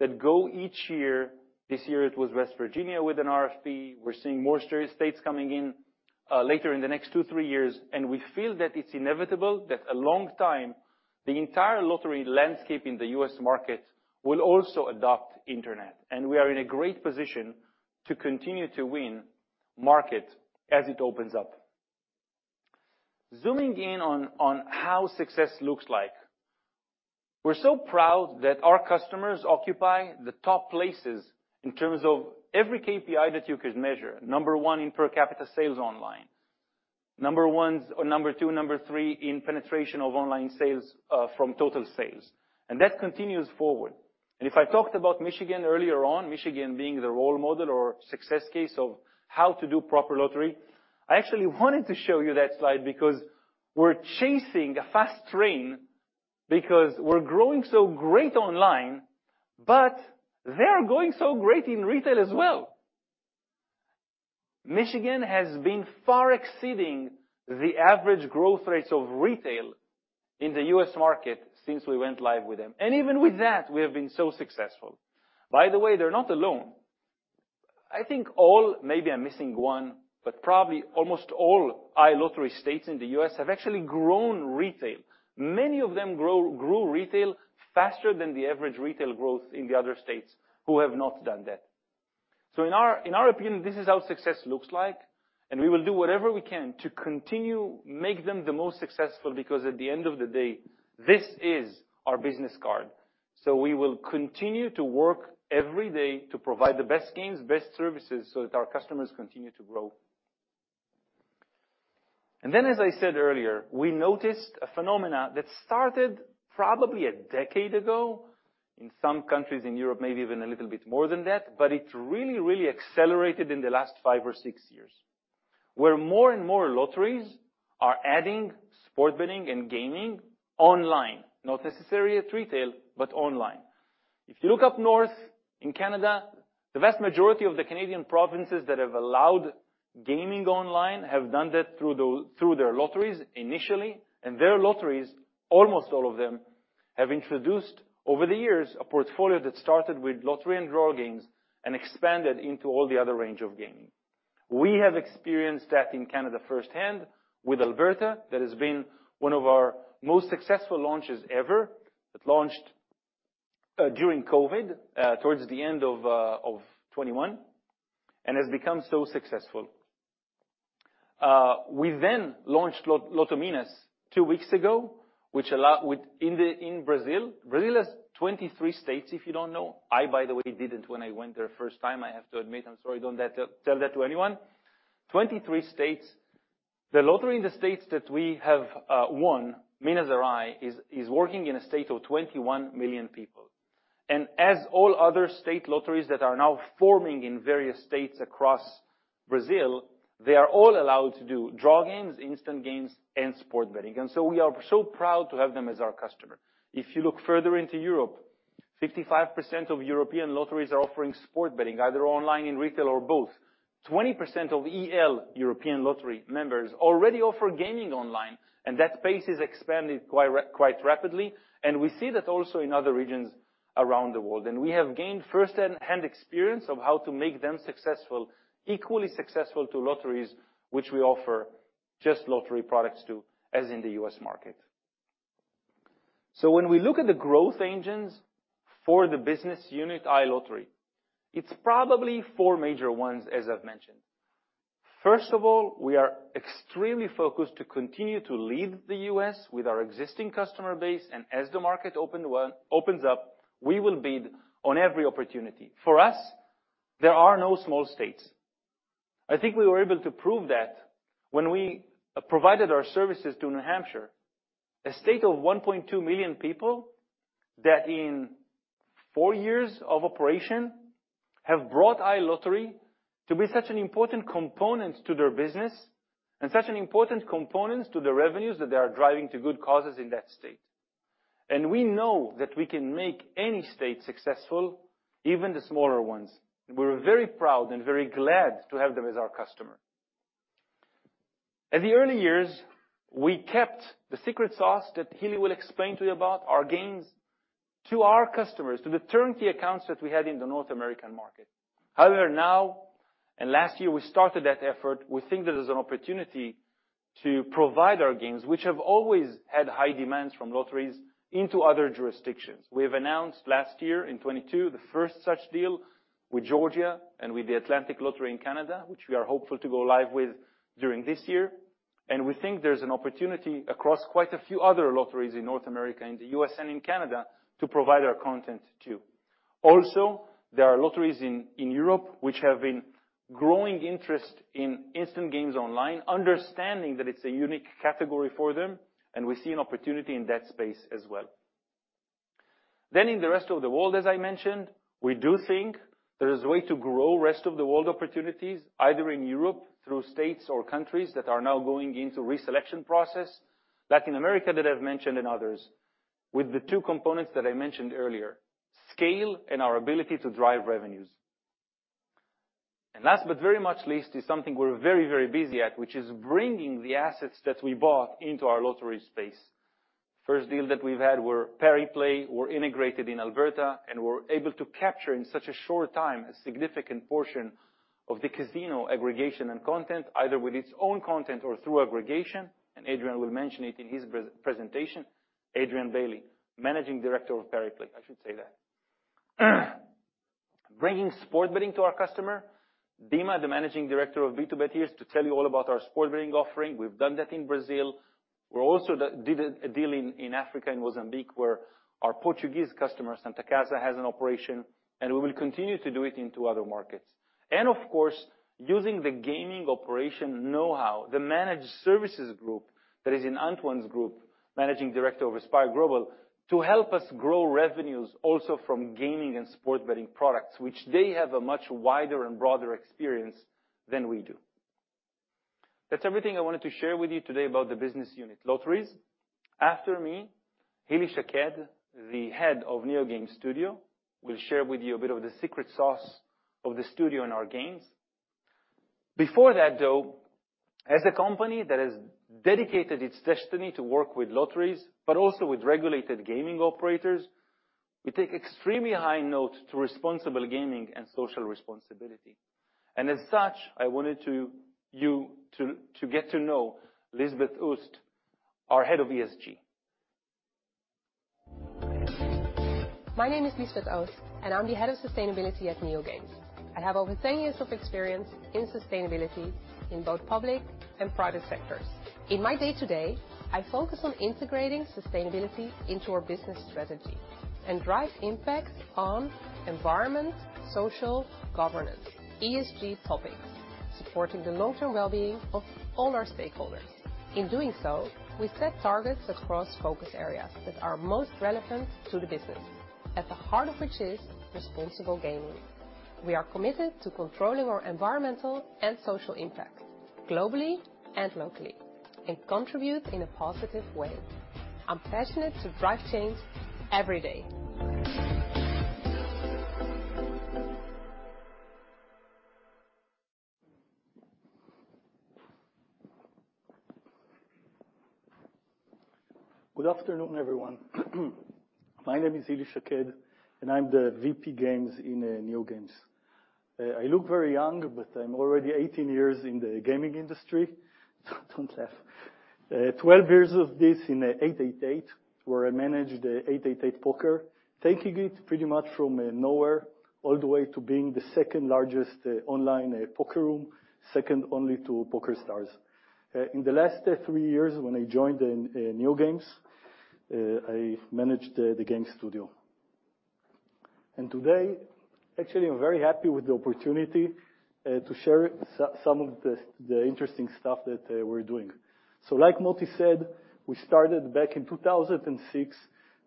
that go each year. This year, it was West Virginia with an RFP. We're seeing more serious states coming in later in the next two, three years. We feel that it's inevitable that a long time, the entire lottery landscape in the U.S. market will also adopt Internet, and we are in a great position to continue to win market as it opens up. Zooming in on how success looks like. We're so proud that our customers occupy the top places in terms of every KPI that you could measure. Number one in per capita sales online. Number ones or number two, number three in penetration of online sales from total sales. That continues forward. If I talked about Michigan earlier on, Michigan being the role model or success case of how to do proper lottery, I actually wanted to show you that slide because we're chasing a fast train because we're growing so great online, but they are going so great in retail as well. Michigan has been far exceeding the average growth rates of retail in the U.S. market since we went live with them. Even with that, we have been so successful. By the way, they're not alone. I think all, maybe I'm missing one, but probably almost all iLottery states in the U.S. have actually grown retail. Many of them grew retail faster than the average retail growth in the other states who have not done that. In our opinion, this is how success looks like, and we will do whatever we can to continue make them the most successful because at the end of the day, this is our business card. We will continue to work every day to provide the best games, best services, so that our customers continue to grow. Then, as I said earlier, we noticed a phenomena that started probably a decade ago in some countries in Europe, maybe even a little bit more than that, but it really, really accelerated in the last five or six years, where more and more lotteries are adding sports betting and gaming online. Not necessarily at retail, but online. If you look up north in Canada, the vast majority of the Canadian provinces that have allowed gaming online have done that through their lotteries initially. Their lotteries, almost all of them, have introduced, over the years, a portfolio that started with lottery and draw games and expanded into all the other range of gaming. We have experienced that in Canada firsthand with Alberta. That has been one of our most successful launches ever. It launched during COVID towards the end of 2021. It has become so successful. We launched LotoMinas two weeks ago with in Brazil. Brazil has 23 states, if you don't know. I, by the way, didn't when I went there first time, I have to admit. I'm sorry. Don't tell that to anyone. 23 states. The lottery in the states that we have won, Minas Gerais, is working in a state of 21 million people. As all other state lotteries that are now forming in various states across Brazil, they are all allowed to do draw games, instant games, and sports betting. We are so proud to have them as our customer. If you look further into Europe, 55% of European lotteries are offering sports betting, either online, in retail or both. 20% of EL, European Lotteries members already offer gaming online, and that space is expanding quite rapidly. We see that also in other regions around the world. We have gained first-hand experience of how to make them successful, equally successful to lotteries, which we offer just lottery products to, as in the U.S. market. When we look at the growth engines for the business unit iLottery, it's probably four major ones, as I've mentioned. First of all, we are extremely focused to continue to lead the U.S. with our existing customer base, and as the market opens up, we will bid on every opportunity. For us, there are no small states. I think we were able to prove that when we provided our services to New Hampshire, a state of 1.2 million people that in four years of operation have brought iLottery to be such an important component to their business and such an important component to the revenues that they are driving to good causes in that state. We know that we can make any state successful, even the smaller ones. We're very proud and very glad to have them as our customer. In the early years, we kept the secret sauce that Hili will explain to you about our games to our customers, to the turnkey accounts that we had in the North American market. However, now, and last year, we started that effort. We think there is an opportunity to provide our games, which have always had high demands from lotteries into other jurisdictions. We have announced last year in 2022, the first such deal with Georgia and with the Atlantic Lottery in Canada, which we are hopeful to go live with during this year. We think there's an opportunity across quite a few other lotteries in North America, in the U.S., and in Canada to provide our content too. There are lotteries in Europe which have been growing interest in instant games online, understanding that it's a unique category for them, and we see an opportunity in that space as well. In the rest of the world, as I mentioned, we do think there is a way to grow rest of the world opportunities, either in Europe through states or countries that are now going into reselection process. Latin America that I've mentioned and others, with the two components that I mentioned earlier, scale and our ability to drive revenues. Last but very much least, is something we're very busy at, which is bringing the assets that we bought into our lottery space. First deal that we've had were Pariplay or integrated in Alberta, and we're able to capture in such a short time a significant portion of the casino aggregation and content, either with its own content or through aggregation. Adrian will mention it in his presentation. Adrian Bailey, Managing Director of Pariplay, I should say that. Bringing sport betting to our customer. Dima, the Managing Director of BtoBet here is to tell you all about our sport betting offering. We've done that in Brazil. We also did a deal in Africa, in Mozambique, where our Portuguese customer, Santa Casa, has an operation, and we will continue to do it into other markets. Of course, using the gaming operation know-how, the managed services group that is in Antoine's group, managing director of Aspire Global, to help us grow revenues also from gaming and sports betting products, which they have a much wider and broader experience than we do. That's everything I wanted to share with you today about the business unit lotteries. After me, Hili Shakked, the Head of NeoGames Studio, will share with you a bit of the secret sauce of the studio and our games. Before that, though, as a company that has dedicated its destiny to work with lotteries, but also with regulated gaming operators, we take extremely high note to responsible gaming and social responsibility. As such, I wanted to get to know Liesbeth Oost, our Head of ESG. My name is Liesbeth Oost, and I'm the Head of Sustainability at NeoGames. I have over 10 years of experience in sustainability in both public and private sectors. In my day-to-day, I focus on integrating sustainability into our business strategy and drive impact on environment, social, governance, ESG topics, supporting the long-term well-being of all our stakeholders. In doing so, we set targets across focus areas that are most relevant to the business, at the heart of which is responsible gaming. We are committed to controlling our environmental and social impact globally and locally, and contribute in a positive way. I'm passionate to drive change every day. Good afternoon, everyone. My name is Hili Shakked, I'm the VP Games in NeoGames. I look very young, but I'm already 18 years in the gaming industry. Don't laugh. 12 years of this in 888, where I managed 888poker, taking it pretty much from nowhere all the way to being the second-largest online poker room, second only to PokerStars. In the last three years when I joined in NeoGames, I managed the game studio. Today, actually, I'm very happy with the opportunity to share some of the interesting stuff that we're doing. Like Moti said, we started back in 2006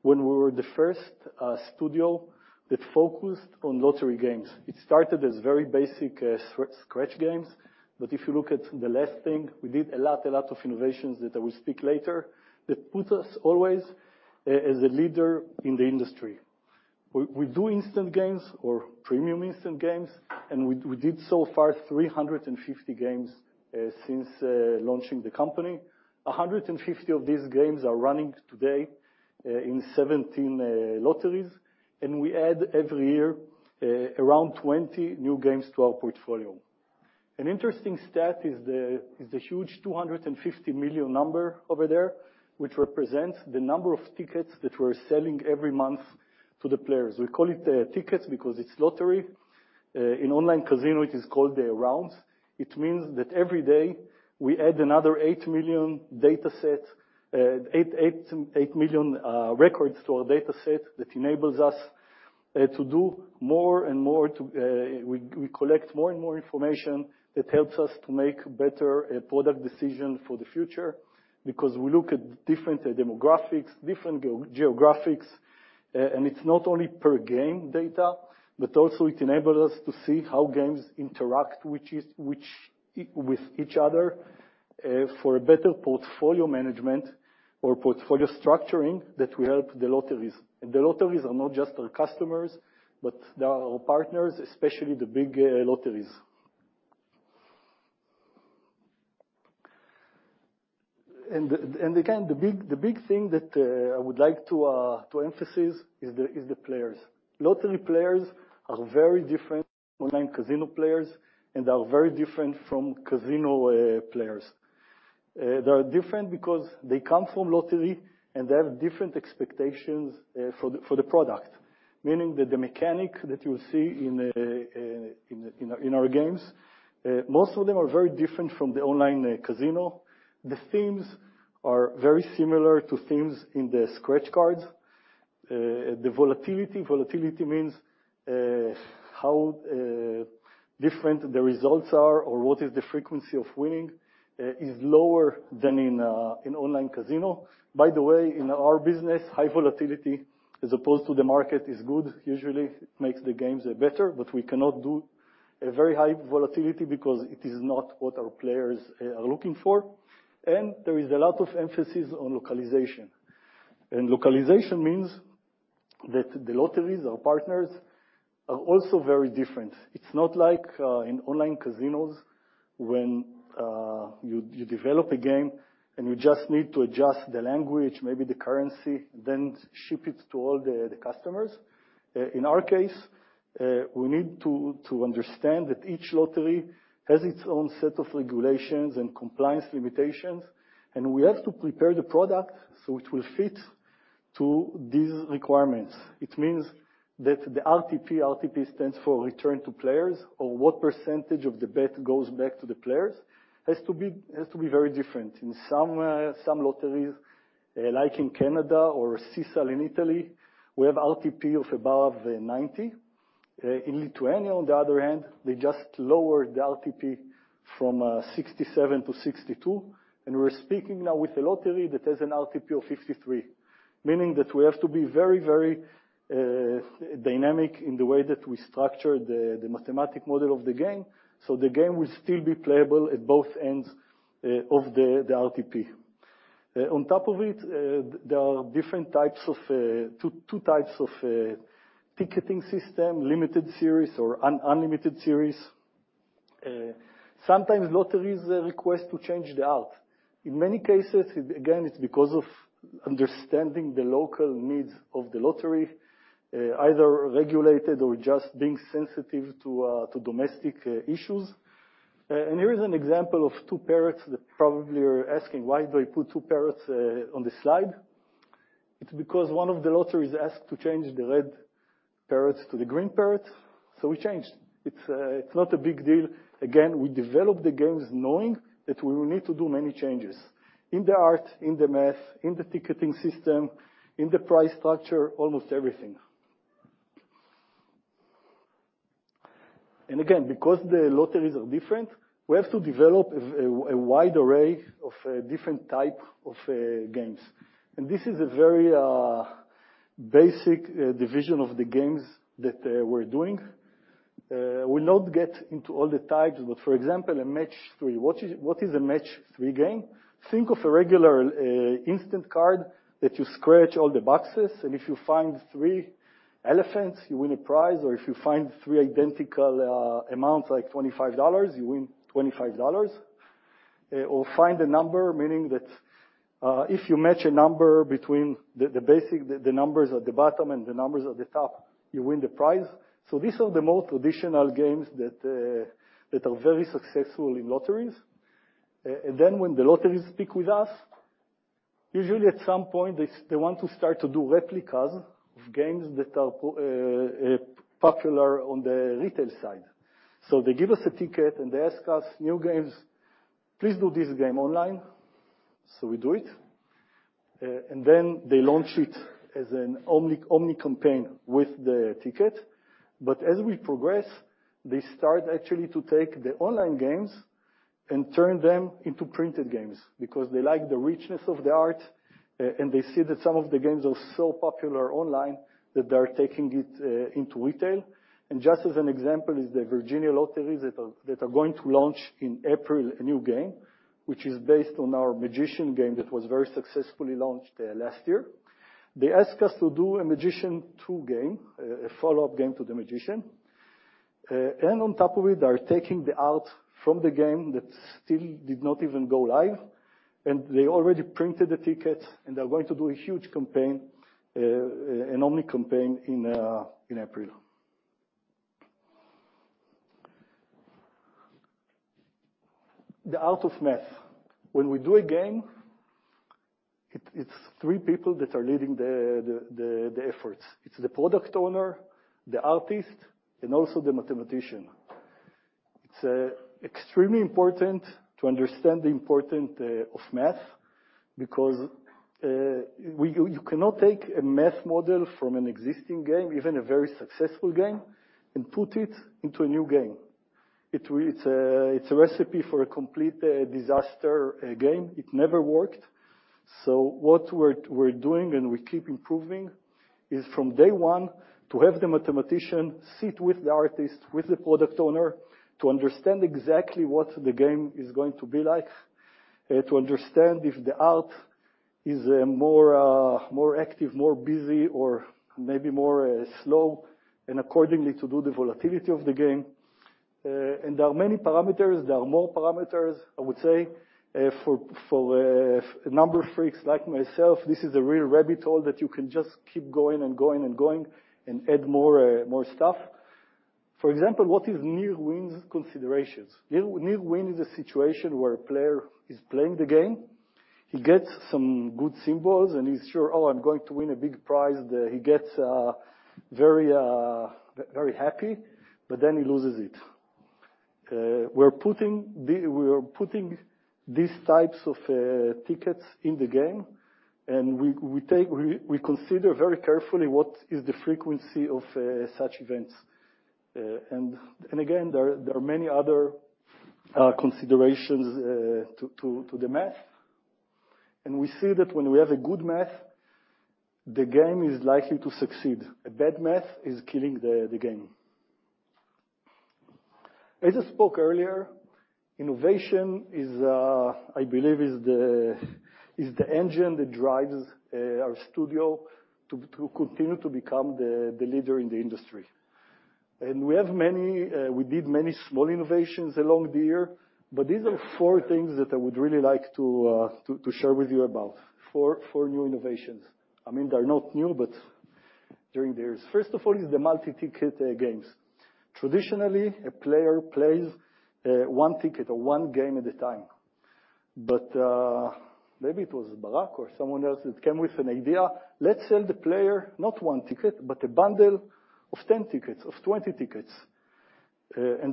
when we were the first studio that focused on lottery games. It started as very basic scratch games. If you look at the last thing, we did a lot of innovations that I will speak later, that put us always as a leader in the industry. We do instant games or premium instant games, we did so far 350 games since launching the company. 150 of these games are running today in 17 lotteries, and we add every year around 20 new games to our portfolio. An interesting stat is the huge 250 million number over there, which represents the number of tickets that we're selling every month to the players. We call it tickets because it's lottery. In online casino, it is called the rounds. It means that every day we add another 8 million datasets, 8 million records to our dataset that enables us to do more and more. We collect more and more information that helps us to make better product decision for the future because we look at different demographics, different geographics. It's not only per game data, but also it enables us to see how games interact with each other for a better portfolio management or portfolio structuring that will help the lotteries. The lotteries are not just our customers, but they are our partners, especially the big lotteries. Again, the big thing that I would like to emphasis is the players. Lottery players are very different from online casino players and are very different from casino players. They are different because they come from lottery, and they have different expectations for the product. Meaning that the mechanic that you see in our games, most of them are very different from the online casino. The themes are very similar to themes in the scratch cards. The volatility means how different the results are or what is the frequency of winning is lower than in online casino. By the way, in our business, high volatility as opposed to the market is good. Usually it makes the games better, we cannot do a very high volatility because it is not what our players are looking for. There is a lot of emphasis on localization. Localization means that the lotteries, our partners, are also very different. It's not like in online casinos when you develop a game, and you just need to adjust the language, maybe the currency, then ship it to all the customers. In our case, we need to understand that each lottery has its own set of regulations and compliance limitations, and we have to prepare the product so it will fit to these requirements. It means that the RTP stands for Return To Players, or what percentage of the bet goes back to the players, has to be very different. In some lotteries, like in Canada or Sisal in Italy, we have RTP of above 90. In Lithuania, on the other hand, they just lowered the RTP from 67 to 62, and we're speaking now with a lottery that has an RTP of 53. Meaning that we have to be very, very dynamic in the way that we structure the mathematical model of the game, so the game will still be playable at both ends of the RTP. On top of it, there are different types of two types of ticketing system: limited series or unlimited series. Sometimes lotteries request to change the art. In many cases, again, it's because of understanding the local needs of the lottery, either regulated or just being sensitive to domestic issues. Here is an example of two parrots that probably you're asking, "Why do I put two parrots on the slide?" It's because one of the lotteries asked to change the red parrots to the green parrot, so we changed. It's not a big deal. Again, we develop the games knowing that we will need to do many changes, in the art, in the math, in the ticketing system, in the price structure, almost everything. Again, because the lotteries are different, we have to develop a wide array of different type of games. This is a very basic division of the games that we're doing. We'll not get into all the types, but for example, a Match 3. What is, what is a Match 3 game? Think of a regular instant card that you scratch all the boxes. If you find three elephants, you win a prize. If you find three identical amounts, like $25, you win $25. Find a number, meaning that if you match a number between the basic numbers at the bottom and the numbers at the top, you win the prize. These are the most traditional games that are very successful in lotteries. When the lotteries speak with us, usually at some point, they want to start to do replicas of games that are popular on the retail side. They give us a ticket, and they ask us, "NeoGames. Please do this game online." We do it. They launch it as an omni-campaign with the ticket. As we progress, they start actually to take the online games and turn them into printed games because they like the richness of the art, and they see that some of the games are so popular online that they are taking it into retail. Just as an example is the Virginia Lotteries that are going to launch in April a new game, which is based on our Magician game that was very successfully launched last year. They asked us to do a Magician 2 game, a follow-up game to the Magician. On top of it, they are taking the art from the game that still did not even go live, and they already printed the ticket, and they are going to do a huge campaign, an omni-campaign in April. The art of math. When we do a game, it's three people that are leading the efforts. It's the product owner, the artist, and also the mathematician. It's extremely important to understand the important of math because you cannot take a math model from an existing game, even a very successful game, and put it into a new game. It's a recipe for a complete disaster game. It never worked. What we're doing, and we keep improving, is from day one to have the mathematician sit with the artist, with the product owner to understand exactly what the game is going to be like, to understand if the art is more, more active, more busy, or maybe more slow, and accordingly, to do the volatility of the game. There are many parameters. There are more parameters, I would say, for number freaks like myself. This is a real rabbit hole that you can just keep going and going and add more stuff. For example, what is near-wins considerations? Near-win is a situation where a player is playing the game. He gets some good symbols, and he's sure, "Oh, I'm going to win a big prize." He gets very happy, but then he loses it. We are putting these types of tickets in the game, and we consider very carefully what is the frequency of such events. Again, there are many other considerations to the math, and we see that when we have a good math, the game is likely to succeed. A bad math is killing the game. As I spoke earlier, innovation, I believe, is the engine that drives our studio to continue to become the leader in the industry. We have many, we did many small innovations along the year, but these are four things that I would really like to share with you about. Four new innovations. I mean, they're not new, but during the years. First of all is the multi-ticket games. Traditionally, a player plays one ticket or one game at a time. Maybe it was Barak or someone else that came with an idea, "Let's sell the player not one ticket, but a bundle of 10 tickets, of 20 tickets."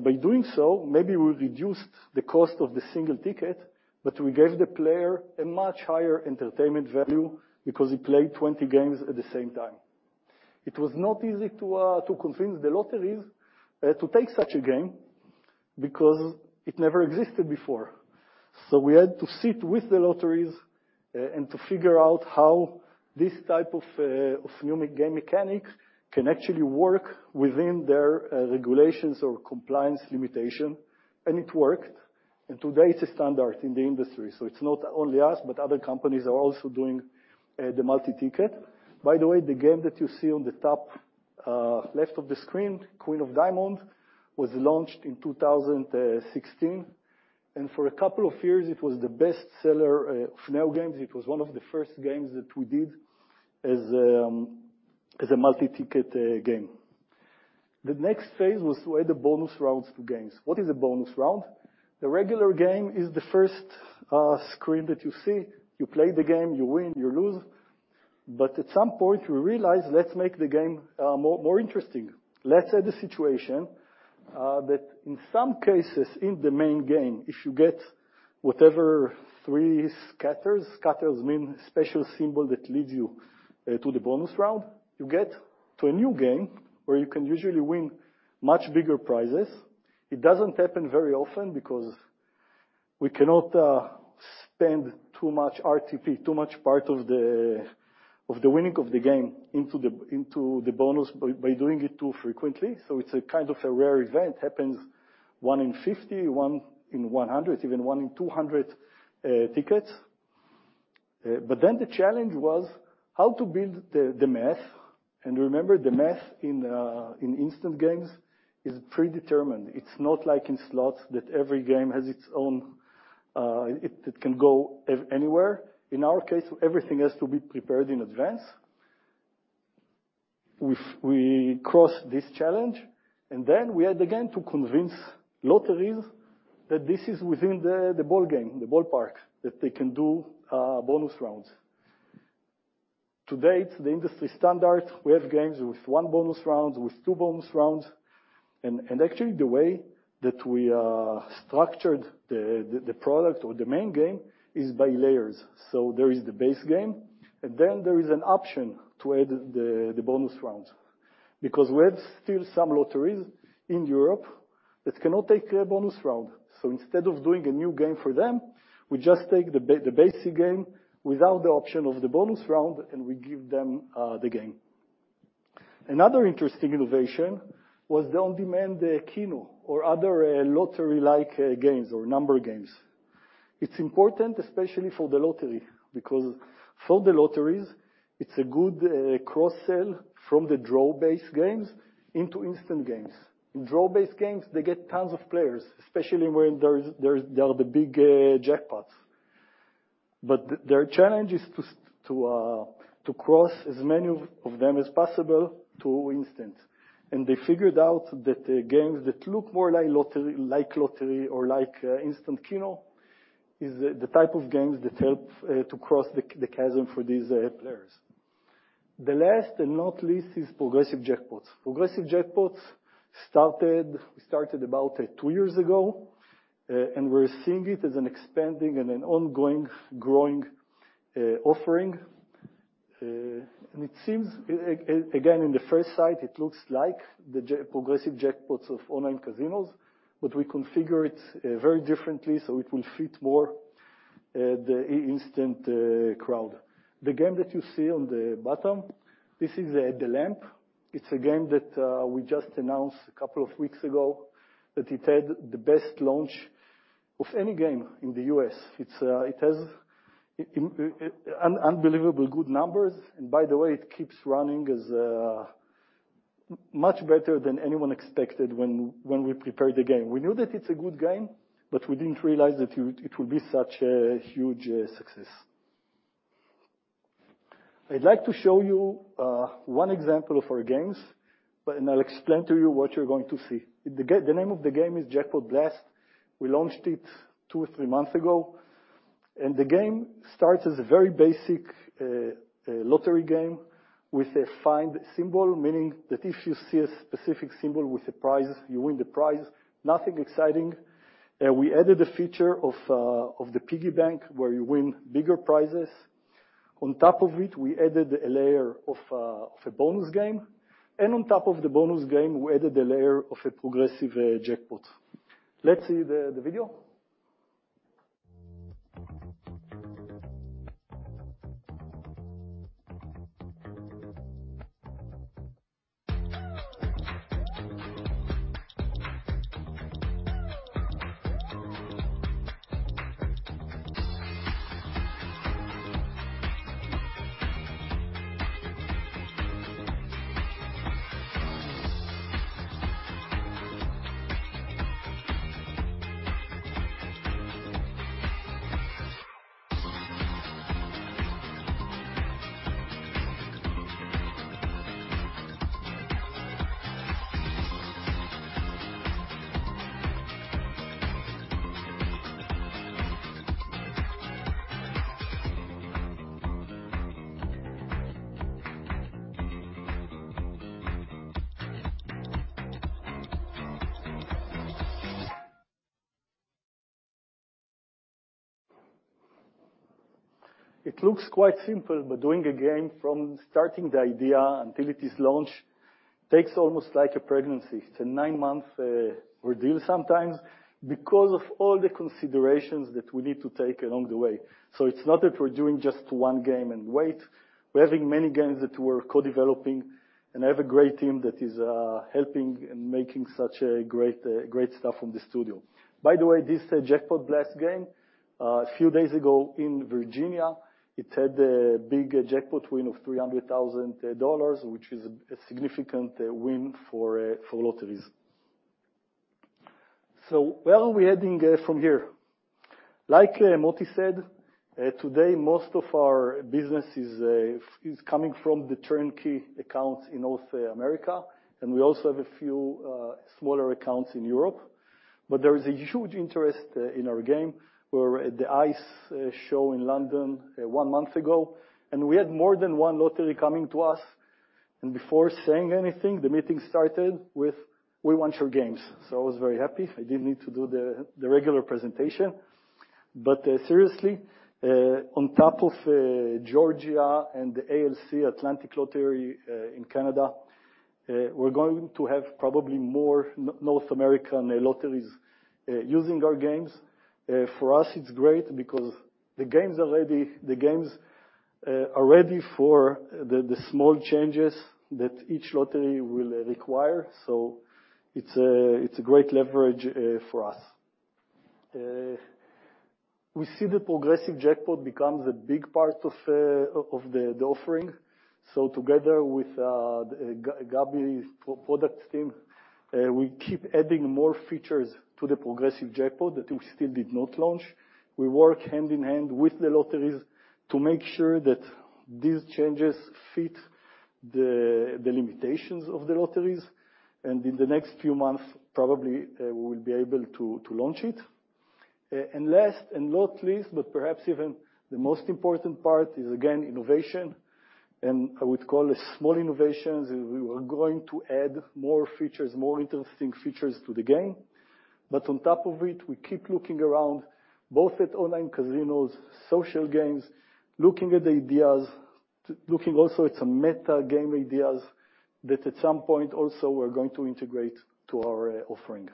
By doing so, maybe we reduced the cost of the single ticket, but we gave the player a much higher entertainment value because he played 20 games at the same time. It was not easy to convince the lotteries to take such a game. Because it never existed before. We had to sit with the lotteries and to figure out how this type of new game mechanics can actually work within their regulations or compliance limitation, and it worked. Today, it's a standard in the industry. It's not only us, but other companies are also doing the multi-ticket. By the way, the game that you see on the top left of the screen, Queen of Diamonds, was launched in 2016. For a couple of years, it was the best seller of NeoGames. It was one of the first games that we did as a multi-ticket game. The next phase was to add the bonus rounds to games. What is a bonus round? The regular game is the first screen that you see. You play the game, you win, you lose. At some point, we realized, let's make the game more interesting. Let's say the situation that in some cases in the main game, if you get whatever three scatters mean special symbol that leads you to the bonus round, you get to a new game where you can usually win much bigger prizes. It doesn't happen very often because we cannot spend too much RTP, too much part of the winning of the game into the bonus by doing it too frequently. It's a kind of a rare event. Happens one in 50, one in 100, even one in 200 tickets. The challenge was how to build the math. Remember, the math in instant games is predetermined. It's not like in slots that every game has its own, it can go anywhere. In our case, everything has to be prepared in advance. We crossed this challenge, and then we had again to convince lotteries that this is within the ball game, the ballpark, that they can do bonus rounds. To date, the industry standard, we have games with one bonus round, with two bonus rounds. Actually, the way that we structured the product or the main game is by layers. There is the base game, and then there is an option to add the bonus rounds. We have still some lotteries in Europe that cannot take a bonus round. Instead of doing a new game for them, we just take the basic game without the option of the bonus round, and we give them the game. Another interesting innovation was the on-demand Keno or other lottery-like games or number games. It's important especially for the lottery, because for the lotteries, it's a good cross sell from the draw-based games into instant games. In draw-based games, they get tons of players, especially when there are the big jackpots. Their challenge is to cross as many of them as possible to instant. They figured out that games that look more like lottery, like lottery or like Instant Keno is the type of games that help to cross the chasm for these players. The last and not least is progressive jackpots. Progressive jackpots started about two years ago. We're seeing it as an expanding and an ongoing growing offering. It seems again, in the first sight, it looks like the progressive jackpots of online casinos, but we configure it very differently, so it will fit more the instant crowd. The game that you see on the bottom, this is The Lamp. It's a game that we just announced a couple of weeks ago that it had the best launch of any game in the U.S. It's it has it unbelievable good numbers. By the way, it keeps running as much better than anyone expected when we prepared the game. We knew that it's a good game, but we didn't realize that it would be such a huge success. I'd like to show you one example of our games. I'll explain to you what you're going to see. The name of the game is Jackpot Blast. We launched it two or three months ago. The game starts as a very basic lottery game with a find symbol, meaning that if you see a specific symbol with a prize, you win the prize. Nothing exciting. We added a feature of the piggy bank where you win bigger prizes. On top of it, we added a layer of a bonus game. On top of the bonus game, we added a layer of a progressive jackpot. Let's see the video. It looks quite simple, but doing a game from starting the idea until it is launched takes almost like a pregnancy. It's a nine-month ordeal sometimes because of all the considerations that we need to take along the way. It's not that we're doing just one game and wait. We're having many games that we're co-developing, and I have a great team that is helping in making such a great great stuff from the studio. By the way, this Jackpot Blast game, a few days ago in Virginia, it had a big jackpot win of $300,000, which is a significant win for lotteries. Where are we heading from here? Like Moti said, today most of our business is coming from the turnkey accounts in North America, and we also have a few smaller accounts in Europe, but there is a huge interest in our game. We were at the ICE show in London one month ago, and we had more than one lottery coming to us. Before saying anything, the meeting started with, "We want your games." I was very happy. I didn't need to do the regular presentation. Seriously, on top of Georgia and the ALC, Atlantic Lottery, in Canada, we're going to have probably more North American lotteries using our games. For us, it's great because the games are ready. The games are ready for the small changes that each lottery will require. It's a great leverage for us. We see the progressive jackpot become a big part of the offering. Together with Gabby's product team, we keep adding more features to the progressive jackpot that we still did not launch. We work hand in hand with the lotteries to make sure that these changes fit the limitations of the lotteries. In the next few months, probably, we will be able to launch it. Last and not least, but perhaps even the most important part is, again, innovation. I would call it small innovations. We are going to add more features, more interesting features to the game. On top of it, we keep looking around, both at online casinos, social games, looking at the ideas, looking also at some meta game ideas that at some point also we're going to integrate to our offering.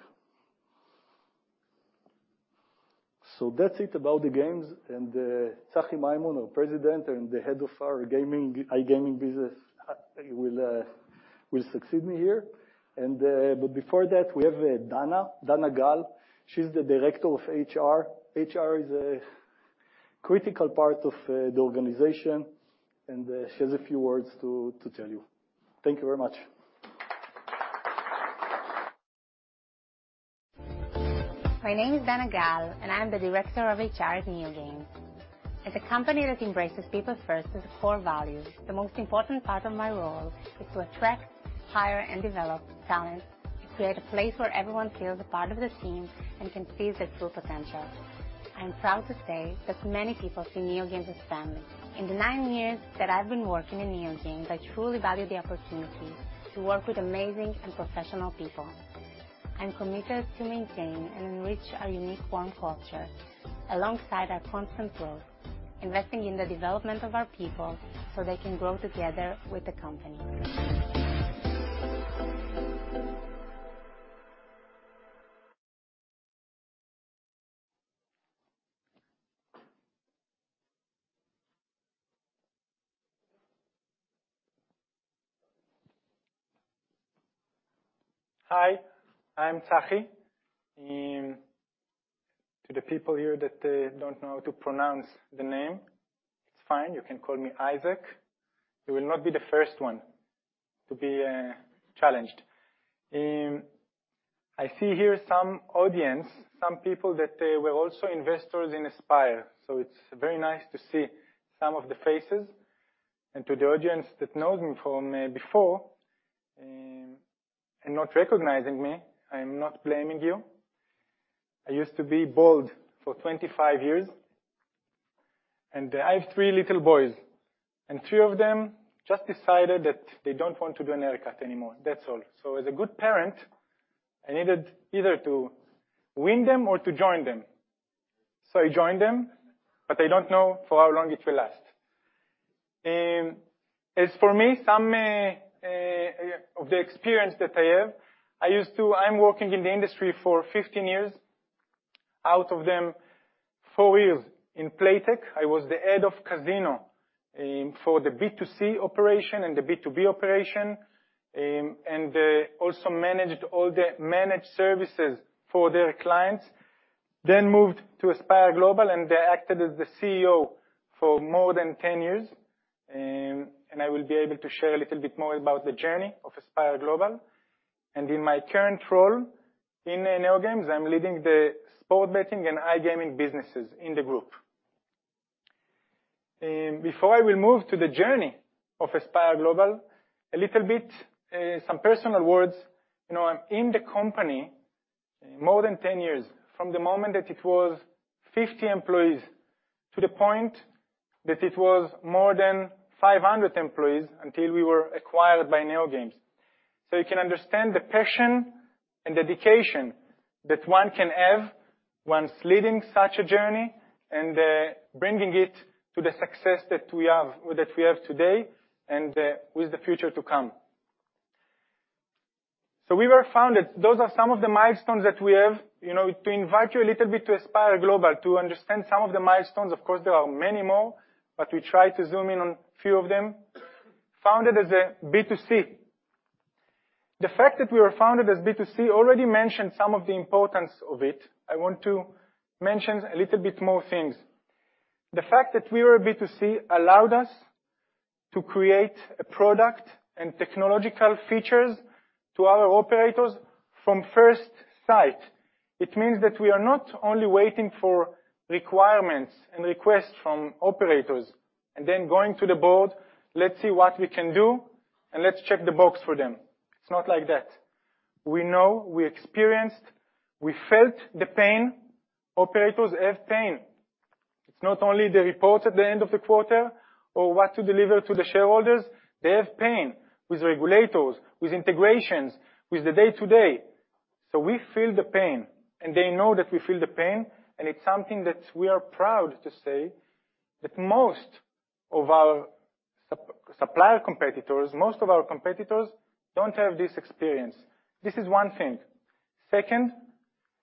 That's it about the games. Tsachi Maimon, our President, and the Head of our iGaming business, will succeed me here. Before that, we have Dana Gal. She's the Director of HR. HR is a critical part of the organization, she has a few words to tell you. Thank you very much. My name is Dana Gal, I'm the Director of HR at NeoGames. As a company that embraces people first as a core value, the most important part of my role is to attract, hire, and develop talent, to create a place where everyone feels a part of the team and can seize their true potential. I'm proud to say that many people see NeoGames as family. In the nine years that I've been working in NeoGames, I truly value the opportunity to work with amazing and professional people. I'm committed to maintain and enrich our unique form culture alongside our constant growth, investing in the development of our people so they can grow together with the company. Hi, I'm Tsachi. To the people here that don't know how to pronounce the name, it's fine. You can call me Isaac. You will not be the first one to be challenged. I see here some audience, some people that were also investors in Aspire. It's very nice to see some of the faces. To the audience that knows me from before and not recognizing me, I'm not blaming you. I used to be bald for 25 years, and I have three little boys, and three of them just decided that they don't want to do an haircut anymore. That's all. As a good parent, I needed either to win them or to join them. I joined them, but I don't know for how long it will last. As for me, some of the experience that I have, I'm working in the industry for 15 years. Out of them, four years in Playtech, I was the Head of Casino for the B2C operation and the B2B operation, also managed all the managed services for their clients. Moved to Aspire Global, I acted as the CEO for more than 10 years. I will be able to share a little bit more about the journey of Aspire Global. In my current role in NeoGames, I'm leading the sports betting and iGaming businesses in the group. Before I will move to the journey of Aspire Global, a little bit, some personal words. You know, I'm in the company more than 10 years, from the moment that it was 50 employees to the point that it was more than 500 employees until we were acquired by NeoGames. You can understand the passion and dedication that one can have once leading such a journey and bringing it to the success that we have today, and with the future to come. Those are some of the milestones that we have, you know, to invite you a little bit to Aspire Global, to understand some of the milestones. Of course, there are many more, but we try to zoom in on few of them. Founded as a B2C. The fact that we were founded as B2C, already mentioned some of the importance of it. I want to mention a little bit more things. The fact that we were B2C allowed us to create a product and technological features to our operators from first sight. It means that we are not only waiting for requirements and requests from operators, and then going to the board, "Let's see what we can do, and let's check the box for them." It's not like that. We know, we experienced, we felt the pain. Operators have pain. It's not only the reports at the end of the quarter or what to deliver to the shareholders. They have pain with regulators, with integrations, with the day-to-day. We feel the pain, and they know that we feel the pain, and it's something that we are proud to say that most of our competitors don't have this experience. This is one thing. Second,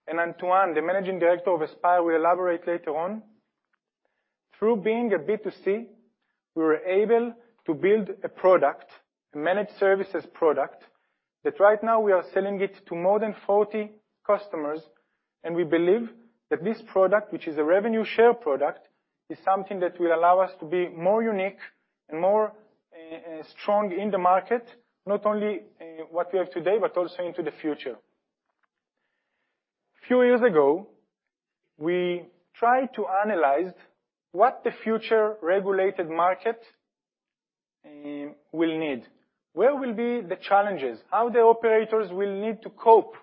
Antoine, the managing director of Aspire, will elaborate later on. Through being a B2C, we were able to build a product, a managed services product, that right now we are selling it to more than 40 customers. We believe that this product, which is a revenue share product, is something that will allow us to be more unique and more strong in the market, not only what we have today, but also into the future. A few years ago, we tried to analyze what the future regulated market will need. Where will be the challenges? How the operators will need to cope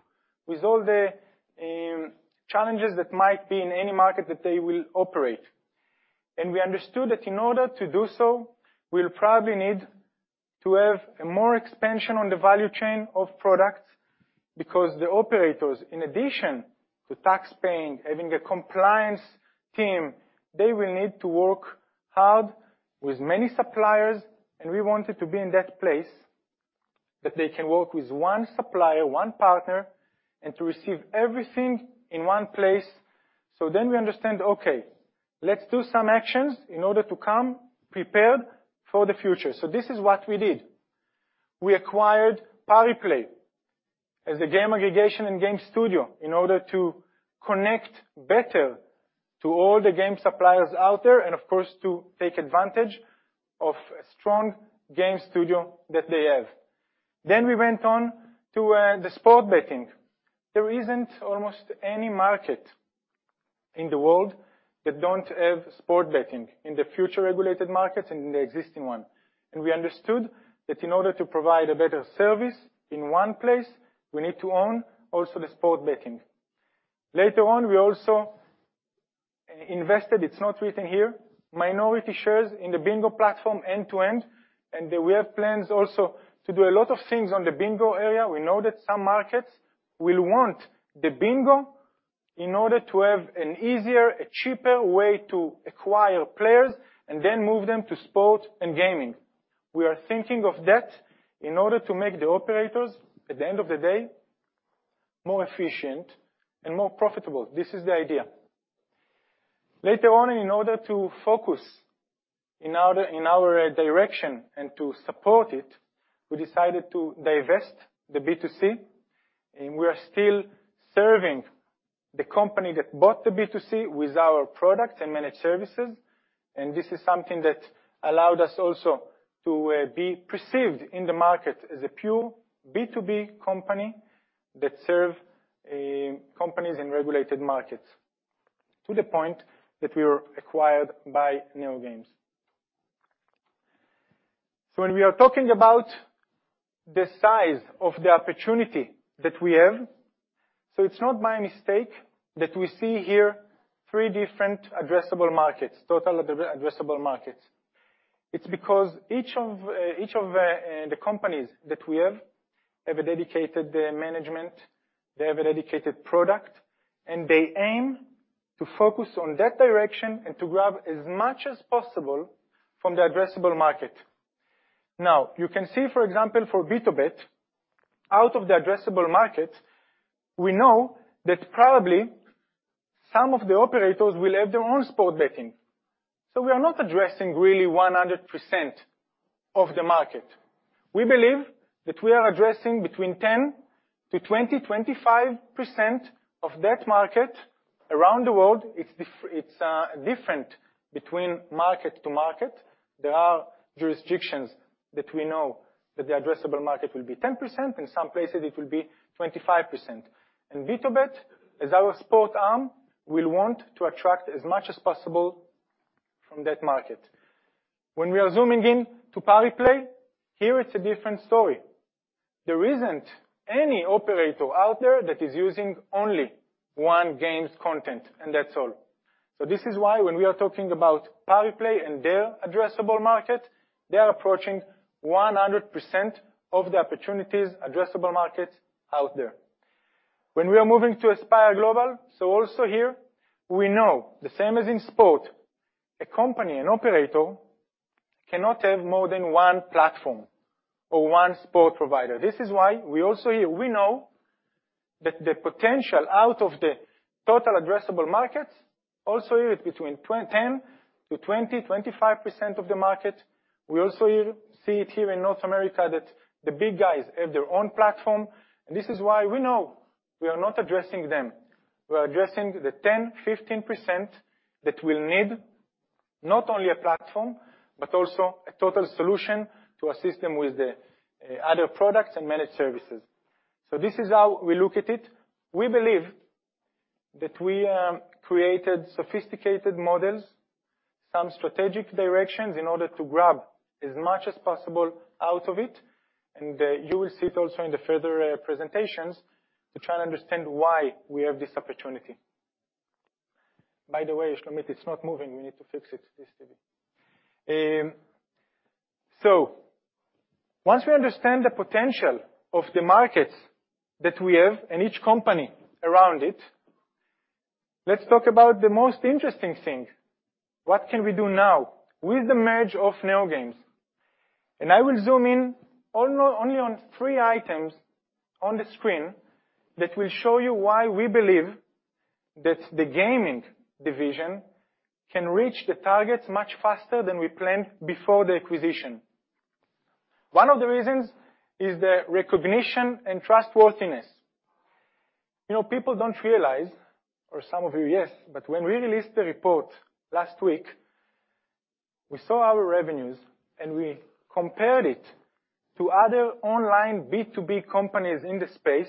with all the challenges that might be in any market that they will operate. We understood that in order to do so, we'll probably need to have a more expansion on the value chain of products because the operators, in addition to tax-paying, having a compliance team, they will need to work hard with many suppliers, and we wanted to be in that place, that they can work with one supplier, one partner, and to receive everything in one place. We understand, okay, let's do some actions in order to come prepared for the future. This is what we did. We acquired Pariplay as a game aggregation and game studio in order to connect better to all the game suppliers out there, and of course, to take advantage of a strong game studio that they have. We went on to the sports betting. There isn't almost any market in the world that don't have sports betting in the future regulated markets and in the existing one. We understood that in order to provide a better service in one place, we need to own also the sports betting. Later on, we also invested, it's not written here, minority shares in the bingo platform end-to-end, and we have plans also to do a lot of things on the bingo area. We know that some markets will want the bingo in order to have an easier, a cheaper way to acquire players and then move them to sports and gaming. We are thinking of that in order to make the operators, at the end of the day, more efficient and more profitable. This is the idea. Later on, in order to focus... In our direction and to support it, we decided to divest the B2C. We are still serving the company that bought the B2C with our products and managed services. This is something that allowed us also to be perceived in the market as a pure B2B company that serve companies in regulated markets, to the point that we were acquired by NeoGames. When we are talking about the size of the opportunity that we have. It's not by mistake that we see here three different addressable markets, total addressable markets. It's because each of the companies that we have a dedicated management, they have a dedicated product, and they aim to focus on that direction and to grab as much as possible from the addressable market. You can see, for example, for BtoBet, out of the addressable market, we know that probably some of the operators will have their own sport betting. We are not addressing really 100% of the market. We believe that we are addressing between 10%-20%, 25% of that market around the world. It's different between market to market. There are jurisdictions that we know that the addressable market will be 10%, in some places it will be 25%. BtoBet, as our sport arm, will want to attract as much as possible from that market. When we are zooming in to Pariplay, here it's a different story. There isn't any operator out there that is using only one game's content, and that's all. This is why when we are talking about Pariplay and their addressable market, they are approaching 100% of the opportunities addressable market out there. When we are moving to Aspire Global, also here we know the same as in sport. A company, an operator cannot have more than one platform or one sport provider. This is why we also here, we know that the potential out of the total addressable market also is between 10%-20%, 25% of the market. We also see it here in North America that the big guys have their own platform. This is why we know we are not addressing them. We are addressing the 10%, 15% that will need not only a platform, but also a total solution to assist them with the other products and managed services. This is how we look at it. We believe that we created sophisticated models, some strategic directions in order to grab as much as possible out of it. You will see it also in the further presentations to try and understand why we have this opportunity. By the way, Shlomit, it's not moving. We need to fix it, this TV. Once we understand the potential of the market that we have and each company around it, let's talk about the most interesting thing. What can we do now with the merge of NeoGames? I will zoom in only on three items on the screen that will show you why we believe that the gaming division can reach the targets much faster than we planned before the acquisition. One of the reasons is the recognition and trustworthiness. You know, people don't realize, or some of you, yes, but when we released the report last week, we saw our revenues, and we compared it to other online B2B companies in the space,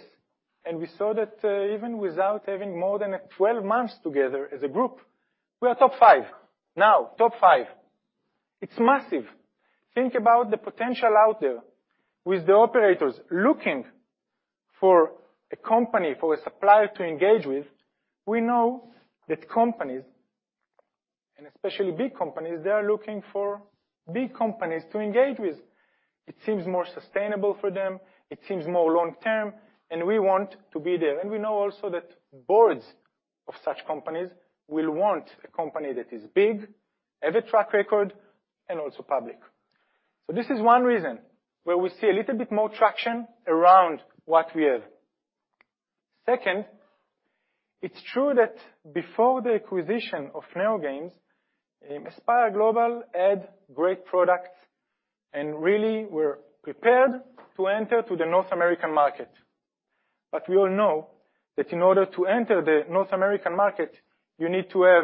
and we saw that, even without having more than 12 months together as a group, we are top 5. Top 5. It's massive. Think about the potential out there with the operators looking for a company, for a supplier to engage with. We know that companies, and especially big companies, they are looking for big companies to engage with. It seems more sustainable for them, it seems more long-term, and we want to be there. We know also that boards of such companies will want a company that is big, have a track record, and also public. This is one reason where we see a little bit more traction around what we have. Second, it's true that before the acquisition of NeoGames, Aspire Global had great products and really were prepared to enter to the North American market. We all know that in order to enter the North American market, you need to have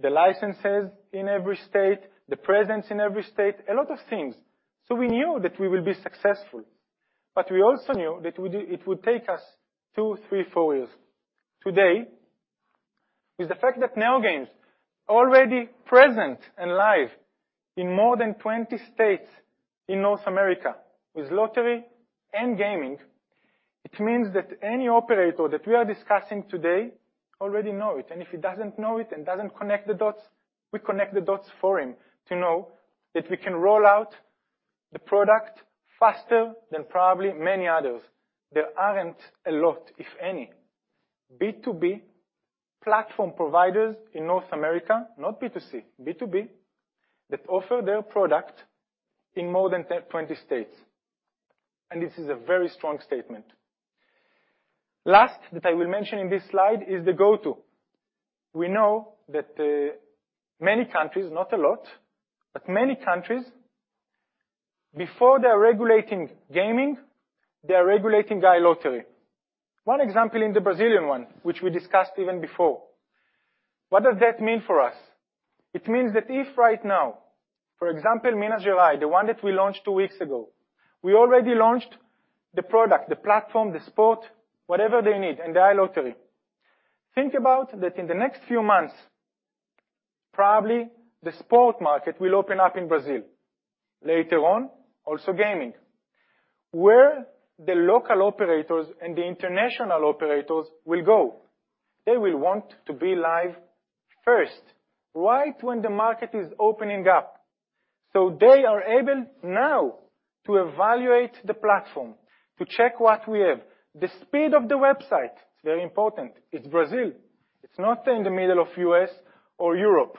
the licenses in every state, the presence in every state, a lot of things. We knew that we will be successful, but we also knew that it would take us two, three, four years. Today, with the fact that NeoGames already present and live in more than 20 states in North America with lottery and gaming, it means that any operator that we are discussing today already know it. If he doesn't know it and doesn't connect the dots, we connect the dots for him to know that we can roll out the product faster than probably many others. There aren't a lot, if any, B2B platform providers in North America, not B2C, B2B, that offer their product in more than 20 states. This is a very strong statement. Last, that I will mention in this slide is the go-to. We know that many countries, not a lot, but many countries, before they are regulating gaming, they are regulating iLottery. One example in the Brazilian one, which we discussed even before. What does that mean for us? It means that if right now, for example, Minas Gerais, the one that we launched two weeks ago, we already launched the product, the platform, the sport, whatever they need, and iLottery. Think about that in the next few months, probably the sport market will open up in Brazil. Later on, also gaming, where the local operators and the international operators will go. They will want to be live first, right when the market is opening up. They are able now to evaluate the platform, to check what we have. The speed of the website, it's very important. It's Brazil. It's not in the middle of U.S. or Europe.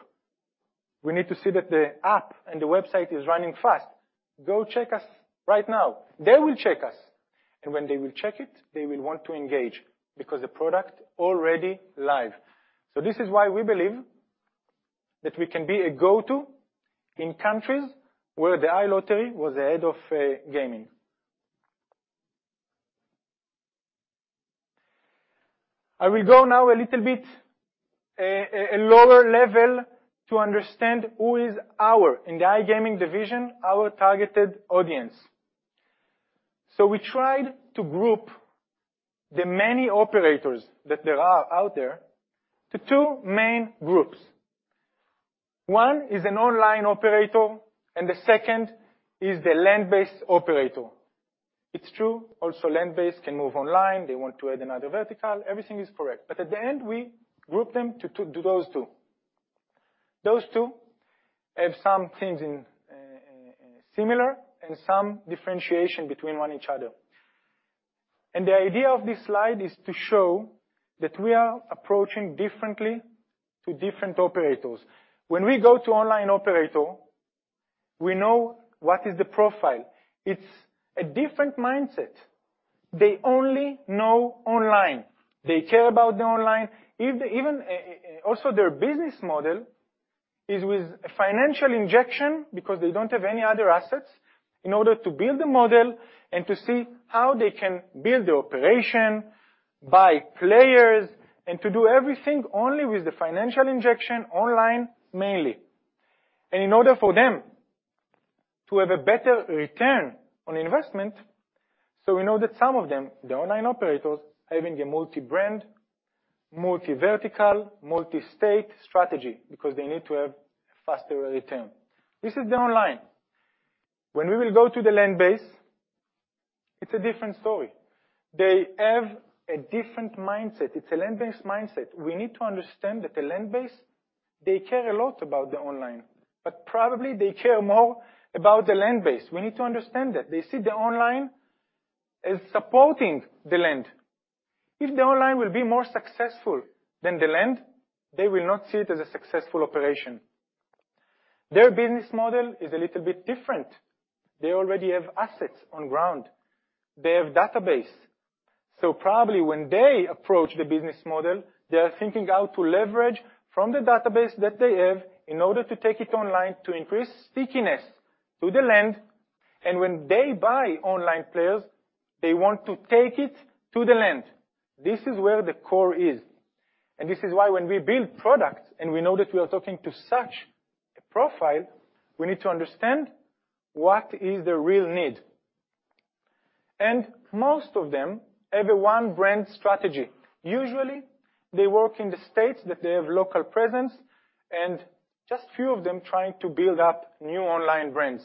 We need to see that the app and the website is running fast. Go check us right now. They will check us, and when they will check it, they will want to engage because the product already live. This is why we believe that we can be a go-to in countries where the iLottery was ahead of gaming. I will go now a little bit, a lower level to understand who is our, in the iGaming division, our targeted audience. We tried to group the many operators that there are out there to two main groups. One is an online operator, and the second is the land-based operator. It's true, also land-based can move online. They want to add another vertical. Everything is correct, but at the end, we group them to those two. Those two have some things in similar and some differentiation between one each other. The idea of this slide is to show that we are approaching differently to different operators. When we go to online operator, we know what is the profile. It's a different mindset. They only know online. They care about the online. Even, also their business model is with a financial injection because they don't have any other assets in order to build the model and to see how they can build the operation by players and to do everything only with the financial injection online, mainly. In order for them to have a better return on investment, so we know that some of them, the online operators, are having a multi-brand, multi-vertical, multi-state strategy because they need to have faster return. This is the online. When we will go to the land-based, it's a different story. They have a different mindset. It's a land-based mindset. We need to understand that the land-based, they care a lot about the online, but probably they care more about the land-based. We need to understand that. They see the online as supporting the land. If the online will be more successful than the land, they will not see it as a successful operation. Their business model is a little bit different. They already have assets on ground. They have database. Probably when they approach the business model, they are thinking how to leverage from the database that they have in order to take it online to increase stickiness to the land. When they buy online players, they want to take it to the land. This is where the core is. This is why when we build products and we know that we are talking to such a profile, we need to understand what is the real need. Most of them have a one-brand strategy. Usually, they work in the states that they have local presence, just few of them trying to build up new online brands.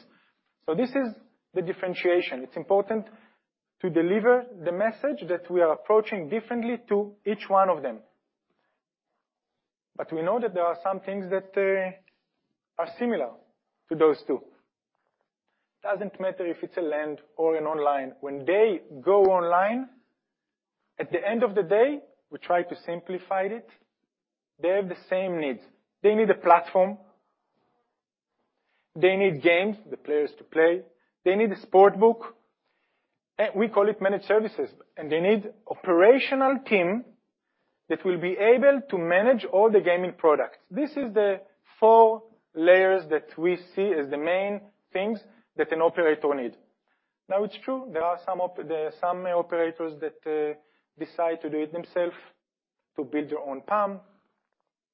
This is the differentiation. It's important to deliver the message that we are approaching differently to each one of them. We know that there are some things that are similar to those two. It doesn't matter if it's a land or an online. When they go online, at the end of the day, we try to simplify it, they have the same needs. They need a platform, they need games, the players to play, they need a sport book. We call it managed services, and they need operational team that will be able to manage all the gaming products. This is the four layers that we see as the main things that an operator need. Now, it's true, there are some operators that decide to do it themselves, to build their own PAM,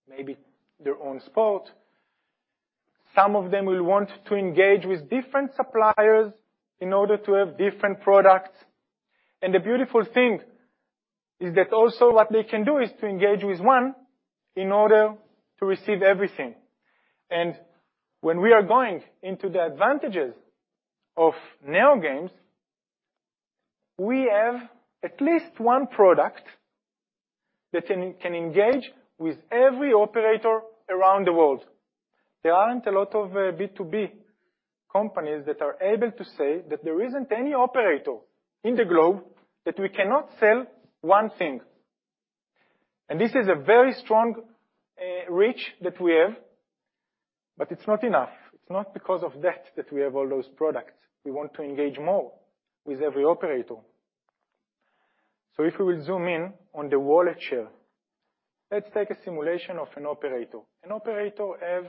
maybe their own sport. Some of them will want to engage with different suppliers in order to have different products. The beautiful thing is that also what they can do is to engage with one in order to receive everything. When we are going into the advantages of NeoGames, we have at least one product that can engage with every operator around the world. There aren't a lot of B2B companies that are able to say that there isn't any operator in the globe that we cannot sell one thing. This is a very strong reach that we have, but it's not enough. It's not because of that that we have all those products. We want to engage more with every operator. If we will zoom in on the wallet share, let's take a simulation of an operator. An operator have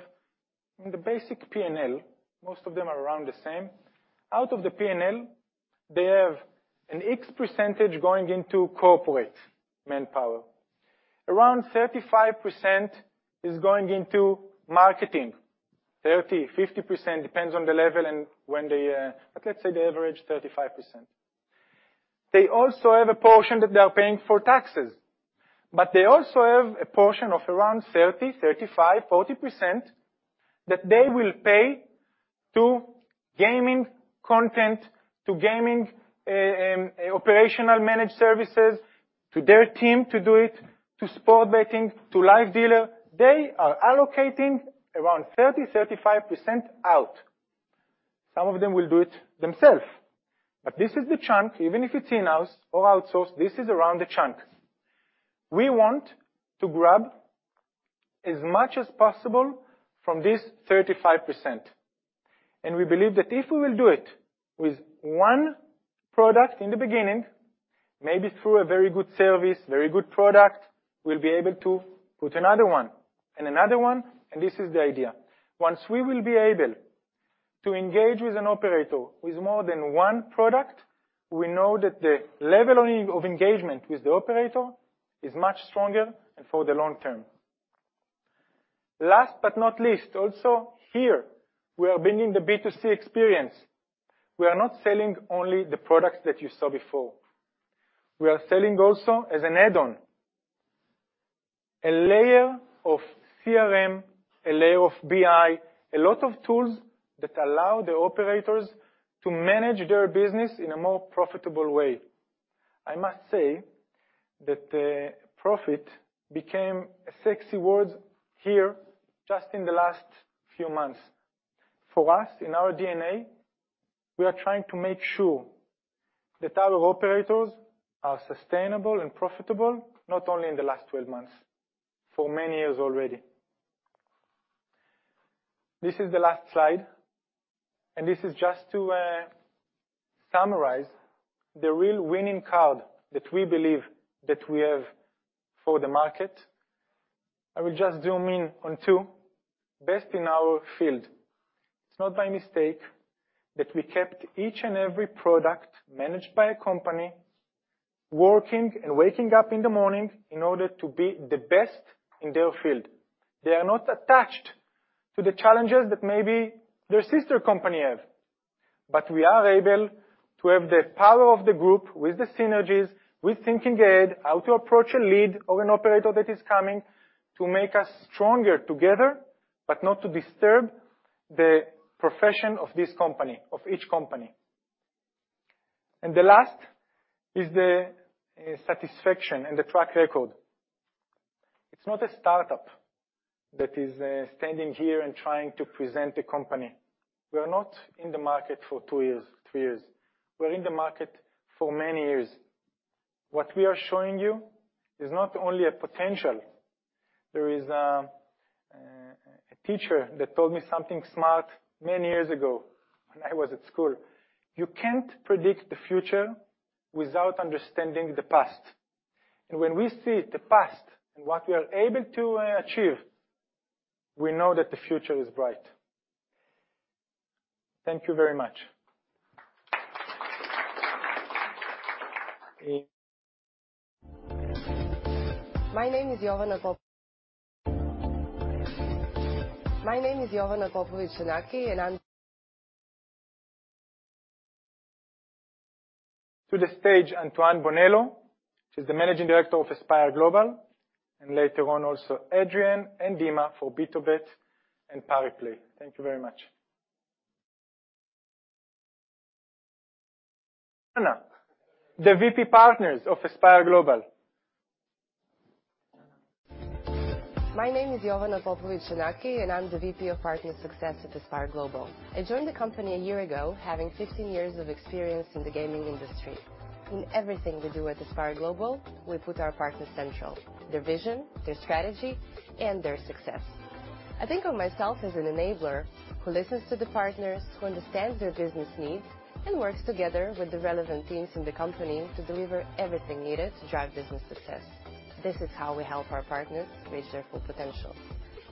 the basic P&L, most of them are around the same. Out of the P&L, they have an X percentage going into corporate manpower. Around 35% is going into marketing. 30%-50%, depends on the level and when they. Let's say they average 35%. They also have a portion that they are paying for taxes, they also have a portion of around 30%-35%-40% that they will pay to gaming content, to gaming operational managed services, to their team to do it, to sports betting, to live dealer. They are allocating around 30%-35% out. Some of them will do it themselves. This is the chunk, even if it's in-house or outsourced, this is around the chunk. We want to grab as much as possible from this 35%. We believe that if we will do it with one product in the beginning, maybe through a very good service, very good product, we'll be able to put another one and another one, and this is the idea. Once we will be able to engage with an operator with more than one product, we know that the level only of engagement with the operator is much stronger and for the long term. Last but not least, also here, we are bringing the B2C experience. We are not selling only the products that you saw before. We are selling also as an add-on, a layer of CRM, a layer of BI, a lot of tools that allow the operators to manage their business in a more profitable way. I must say that profit became a sexy word here just in the last few months. For us, in our DNA, we are trying to make sure that our operators are sustainable and profitable, not only in the last 12 months, for many years already. This is the last slide, this is just to summarize the real winning card that we believe that we have for the market. I will just zoom in on two. Best in our field. It's not by mistake that we kept each and every product managed by a company, working and waking up in the morning in order to be the best in their field. They are not attached to the challenges that maybe their sister company have. We are able to have the power of the group with the synergies, with thinking ahead how to approach a lead of an operator that is coming to make us stronger together, but not to disturb the profession of this company, of each company. The last is the satisfaction and the track record. It's not a startup that is standing here and trying to present a company. We're not in the market for two years, three years. We're in the market for many years. What we are showing you is not only a potential. There is a teacher that told me something smart many years ago when I was at school. "You can't predict the future without understanding the past." When we see the past and what we are able to achieve, we know that the future is bright. Thank you very much. My name is Jovana Popovic Canaki, and I'm- To the stage, Antoine Bonello, who's the Managing Director of Aspire Global, and later on also Adrian and Dima for BtoBet and Pariplay. Thank you very much. Jovana, the VP Partners of Aspire Global. My name is Jovana Popovic Canaki, I'm the VP of Partner Success at Aspire Global. I joined the company a year ago, having 15 years of experience in the gaming industry. In everything we do at Aspire Global, we put our partners central, their vision, their strategy, and their success. I think of myself as an enabler who listens to the partners, who understands their business needs, and works together with the relevant teams in the company to deliver everything needed to drive business success. This is how we help our partners reach their full potential.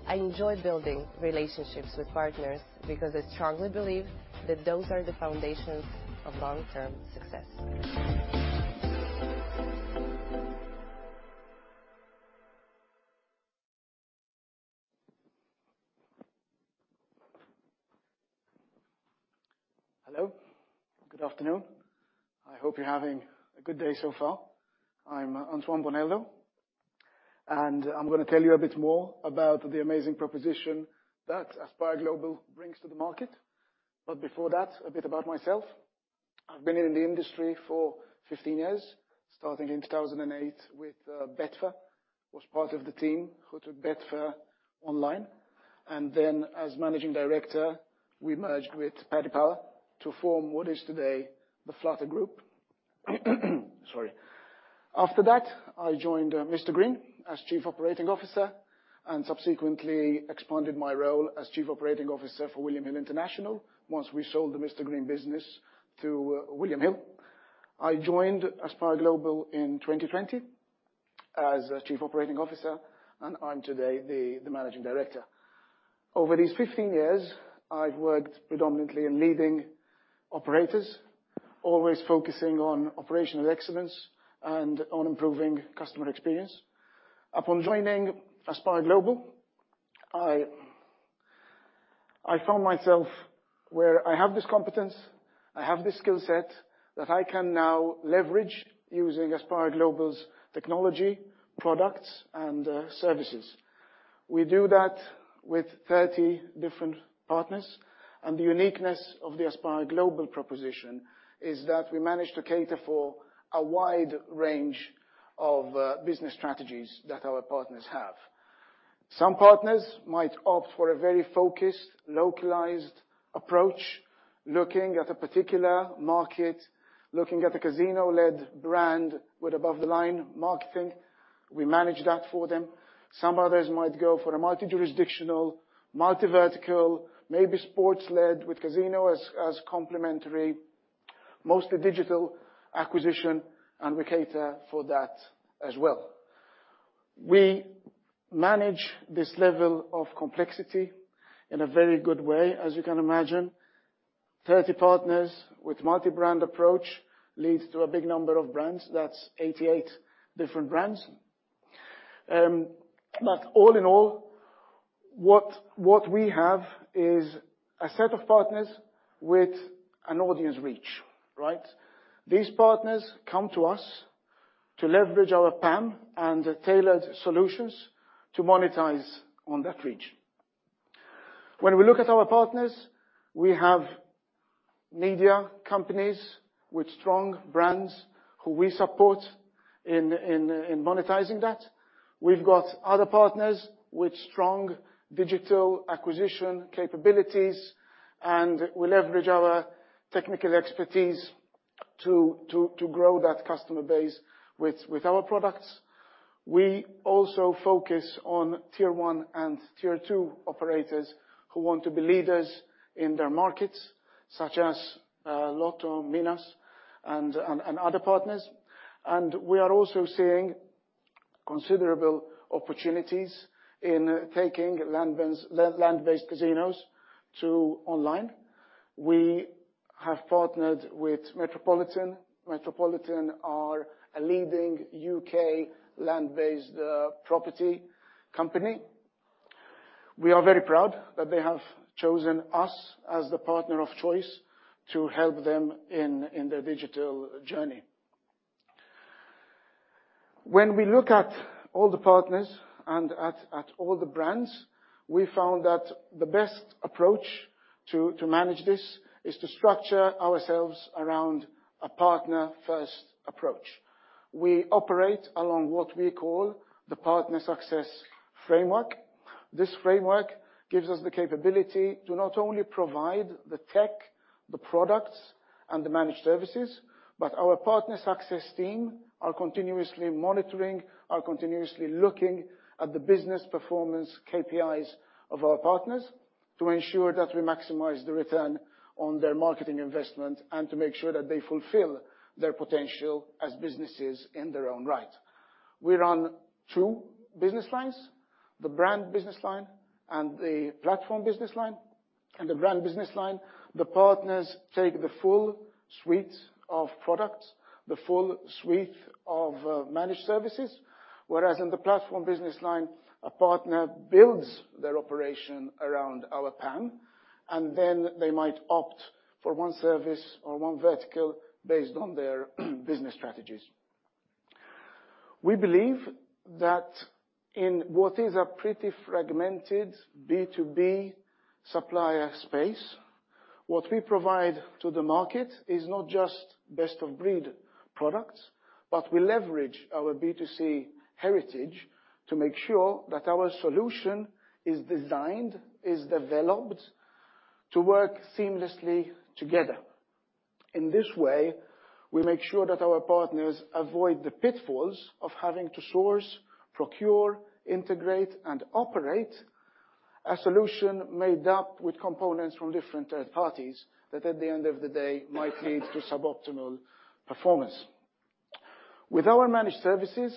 I enjoy building relationships with partners because I strongly believe that those are the foundations of long-term success. Hello, good afternoon. I hope you're having a good day so far. I'm Antoine Bonello, and I'm gonna tell you a bit more about the amazing proposition that Aspire Global brings to the market. Before that, a bit about myself. I've been in the industry for 15 years, starting in 2008 with Betfair, was part of the team who took Betfair online, and then as managing director, we merged with Paddy Power to form what is today the Flutter Group. Sorry. After that, I joined Mr Green as Chief Operating Officer and subsequently expanded my role as Chief Operating Officer for William Hill International once we sold the Mr Green business to William Hill. I joined Aspire Global in 2020 as a Chief Operating Officer, and I'm today the Managing Director. Over these 15 years, I've worked predominantly in leading operators, always focusing on operational excellence and on improving customer experience. Upon joining Aspire Global, I found myself where I have this competence, I have this skill set that I can now leverage using Aspire Global's technology, products, and services. We do that with 30 different partners. The uniqueness of the Aspire Global proposition is that we manage to cater for a wide range of business strategies that our partners have. Some partners might opt for a very focused, localized approach, looking at a particular market, looking at a casino-led brand with above the line marketing. We manage that for them. Some others might go for a multi-jurisdictional, multi-vertical, maybe sports-led with casino as complementary, mostly digital acquisition, and we cater for that as well. We manage this level of complexity in a very good way, as you can imagine. 30 partners with multi-brand approach leads to a big number of brands. That's 88 different brands. All in all, we have a set of partners with an audience reach, right? These partners come to us to leverage our PAM and tailored solutions to monetize on that reach. When we look at our partners, we have media companies with strong brands who we support in monetizing that. We've got other partners with strong digital acquisition capabilities, and we leverage our technical expertise to grow that customer base with our products. We also focus on tier one and tier two operators who want to be leaders in their markets, such as LotoMinas and other partners. We are also seeing considerable opportunities in taking land-based casinos to online. We have partnered with Metropolitan. Metropolitan are a leading U.K. land-based property company. We are very proud that they have chosen us as the partner of choice to help them in their digital journey. When we look at all the partners and at all the brands, we found that the best approach to manage this is to structure ourselves around a partner-first approach. We operate along what we call the Partner Success Framework. This framework gives us the capability to not only provide the tech, the products, and the managed services. Our partner success team are continuously monitoring, are continuously looking at the business performance KPIs of our partners to ensure that we maximize the return on their marketing investment and to make sure that they fulfill their potential as businesses in their own right. We run two business lines, the brand business line and the platform business line. In the brand business line, the partners take the full suite of products, the full suite of managed services, whereas in the platform business line, a partner builds their operation around our PAM, and then they might opt for one service or one vertical based on their business strategies. We believe that in what is a pretty fragmented B2B supplier space, what we provide to the market is not just best-of-breed products, but we leverage our B2C heritage to make sure that our solution is designed, is developed to work seamlessly together. In this way, we make sure that our partners avoid the pitfalls of having to source, procure, integrate, and operate a solution made up with components from different third parties that at the end of the day might lead to suboptimal performance. With our managed services,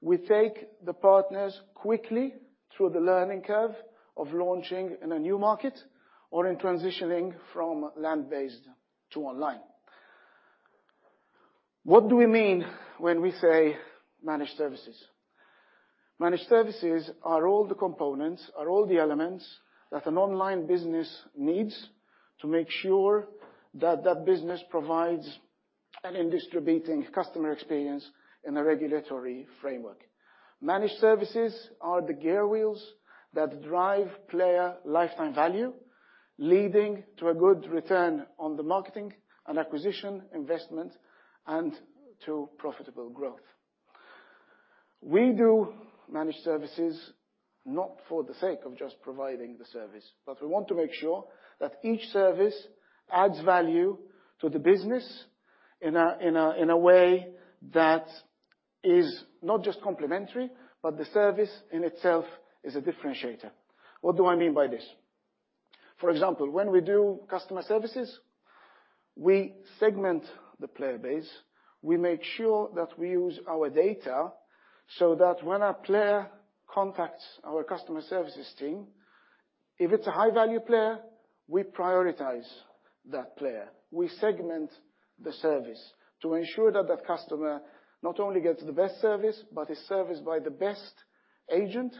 we take the partners quickly through the learning curve of launching in a new market or in transitioning from land-based to online. What do we mean when we say managed services? Managed services are all the components, are all the elements that an online business needs to make sure that that business provides an distributing customer experience in a regulatory framework. Managed services are the gear wheels that drive player lifetime value, leading to a good return on the marketing and acquisition investment, to profitable growth. We do managed services not for the sake of just providing the service, but we want to make sure that each service adds value to the business in a way that is not just complementary, but the service in itself is a differentiator. What do I mean by this? For example, when we do customer services, we segment the player base. We make sure that we use our data so that when a player contacts our customer services team, if it's a high-value player, we prioritize that player. We segment the service to ensure that that customer not only gets the best service, but is serviced by the best agent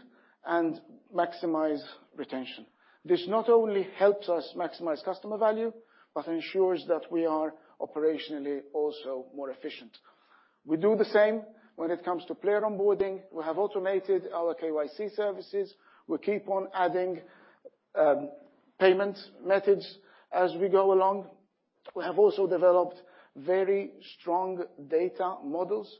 and maximize retention. This not only helps us maximize customer value, but ensures that we are operationally also more efficient. We do the same when it comes to player onboarding. We have automated our KYC services. We keep on adding payment methods as we go along. We have also developed very strong data models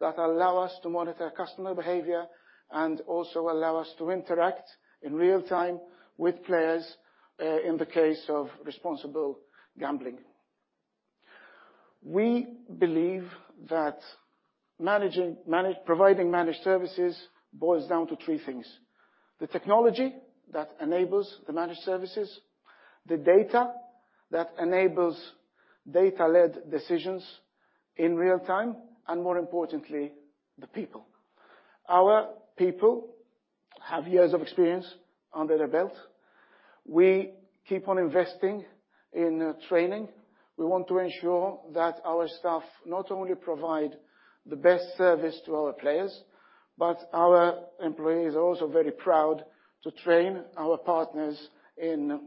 that allow us to monitor customer behavior and also allow us to interact in real time with players in the case of responsible gambling. We believe that providing managed services boils down to three things: the technology that enables the managed services, the data that enables data-led decisions in real time, and more importantly, the people. Our people have years of experience under their belt. We keep on investing in training. We want to ensure that our staff not only provide the best service to our players, but our employees are also very proud to train our partners in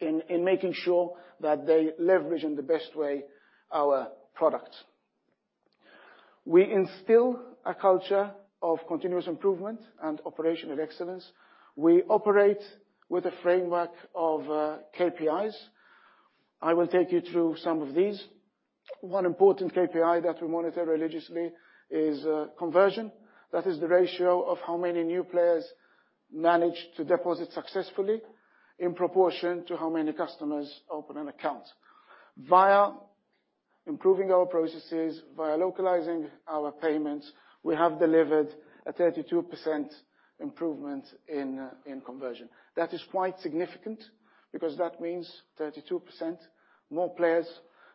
making sure that they leverage in the best way our product. We instill a culture of continuous improvement and operational excellence. We operate with a framework of KPIs. I will take you through some of these. One important KPI that we monitor religiously is conversion. That is the ratio of how many new players manage to deposit successfully in proportion to how many customers open an account. Via improving our processes, via localizing our payments, we have delivered a 32% improvement in conversion. That is quite significant because that means 32% more players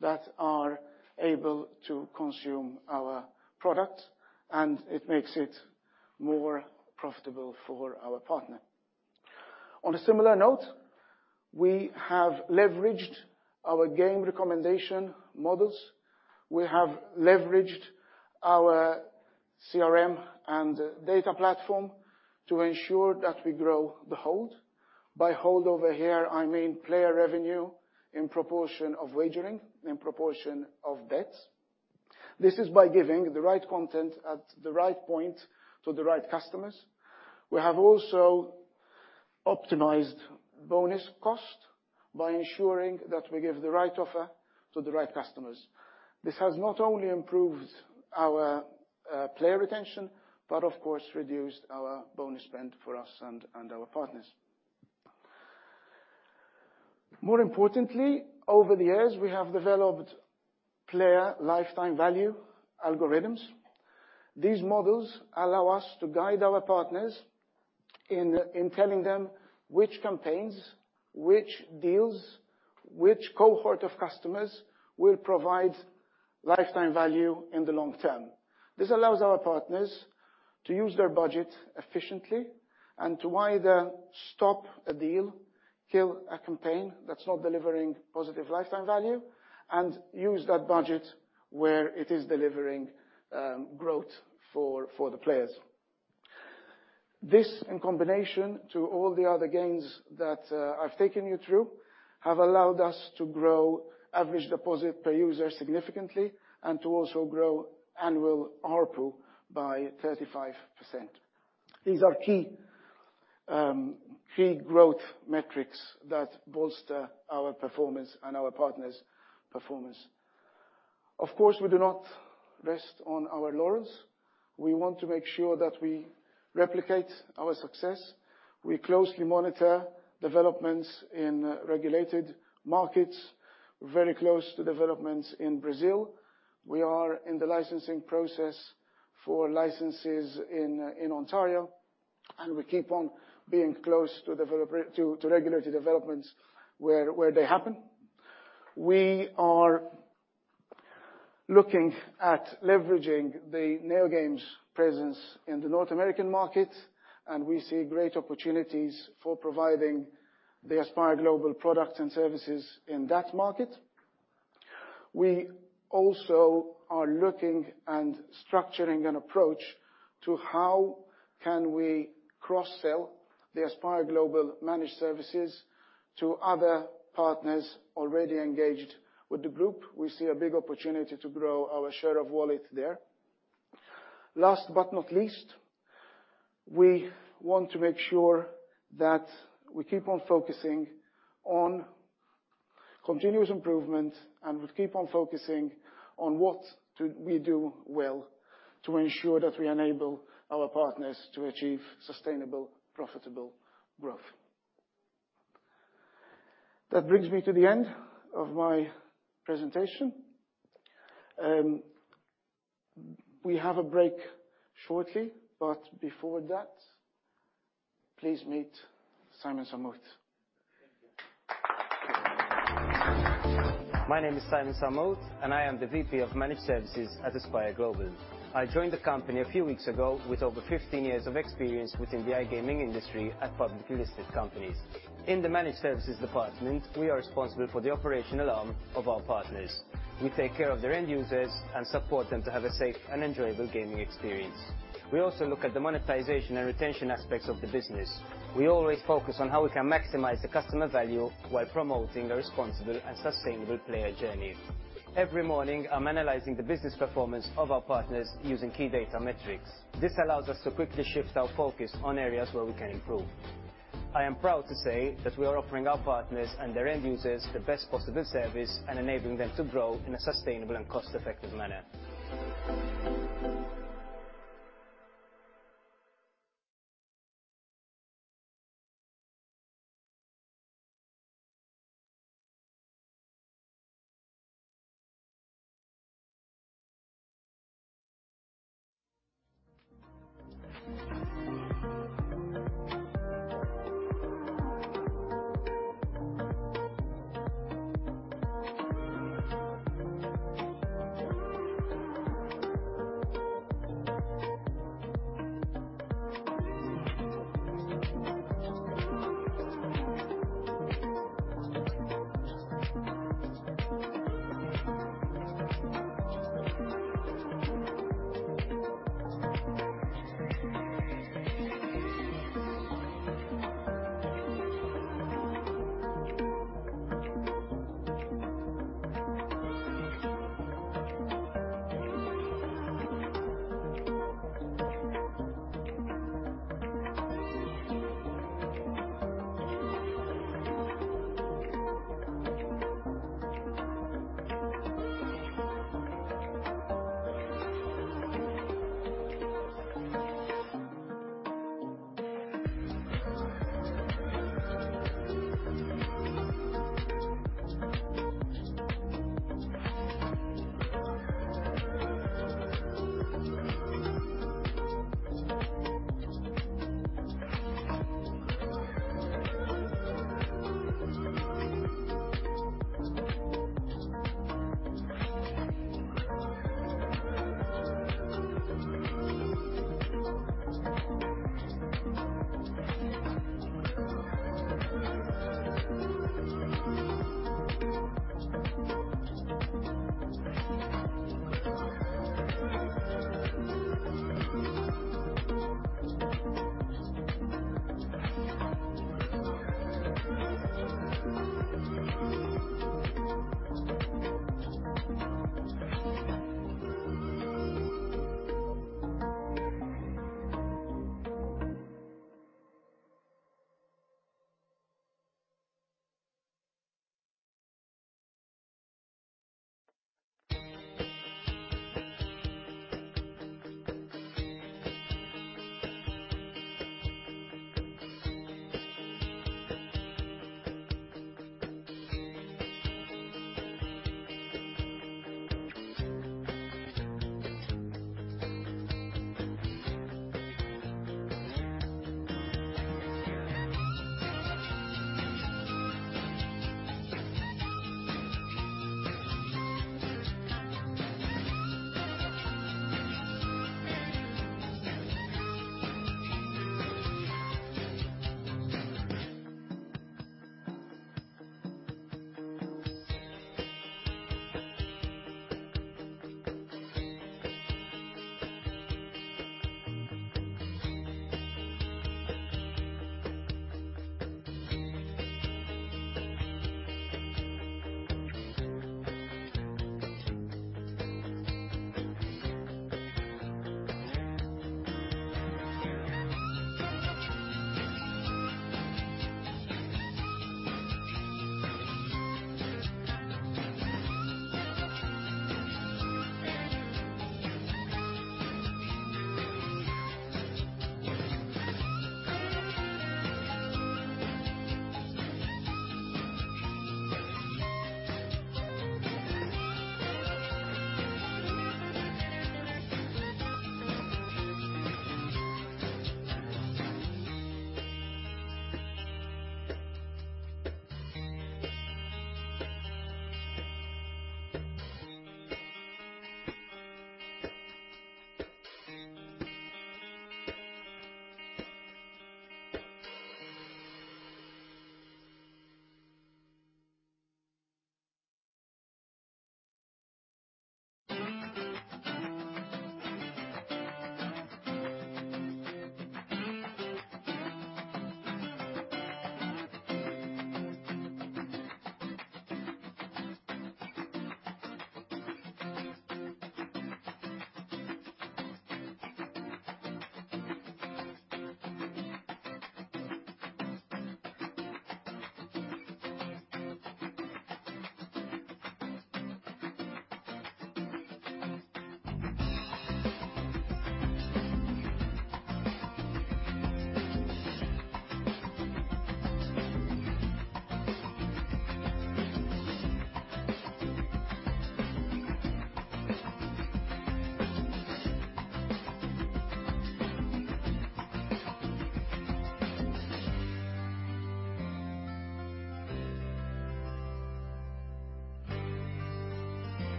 that are able to consume our product, and it makes it more profitable for our partner. On a similar note, we have leveraged our game recommendation models. We have leveraged our CRM and data platform to ensure that we grow the hold. By hold over here, I mean player revenue in proportion of wagering, in proportion of debts. This is by giving the right content at the right point to the right customers. We have also optimized bonus cost by ensuring that we give the right offer to the right customers. This has not only improved our player retention, but of course reduced our bonus spend for us and our partners. More importantly, over the years we have developed player lifetime value algorithms. These models allow us to guide our partners in telling them which campaigns, which deals, which cohort of customers will provide lifetime value in the long term. This allows our partners to use their budget efficiently and to either stop a deal, kill a campaign that's not delivering positive lifetime value, and use that budget where it is delivering growth for the players. This, in combination to all the other gains that I've taken you through, have allowed us to grow average deposit per user significantly and to also grow annual ARPU by 35%. These are key growth metrics that bolster our performance and our partners' performance. We do not rest on our laurels. We want to make sure that we replicate our success. We closely monitor developments in regulated markets, very close to developments in Brazil. We are in the licensing process for licenses in Ontario, we keep on being close to regulatory developments where they happen. We are looking at leveraging the NeoGames presence in the North American market, and we see great opportunities for providing the Aspire Global products and services in that market. We also are looking and structuring an approach to how can we cross-sell the Aspire Global Managed Services to other partners already engaged with the group. We see a big opportunity to grow our share of wallet there. Last but not least, we want to make sure that we keep on focusing on continuous improvement and we keep on focusing on what we do well to ensure that we enable our partners to achieve sustainable, profitable growth. That brings me to the end of my presentation. We have a break shortly, but before that, please meet Simon Sammut. My name is Simon Sammut, I am the VP of Managed Services at Aspire Global. I joined the company a few weeks ago with over 15 years of experience within the iGaming industry at public listed companies. In the managed services department, we are responsible for the operational arm of our partners. We take care of their end users and support them to have a safe and enjoyable gaming experience. We also look at the monetization and retention aspects of the business. We always focus on how we can maximize the customer value while promoting a responsible and sustainable player journey. Every morning, I'm analyzing the business performance of our partners using key data metrics. This allows us to quickly shift our focus on areas where we can improve. I am proud to say that we are offering our partners and their end users the best possible service and enabling them to grow in a sustainable and cost-effective manner.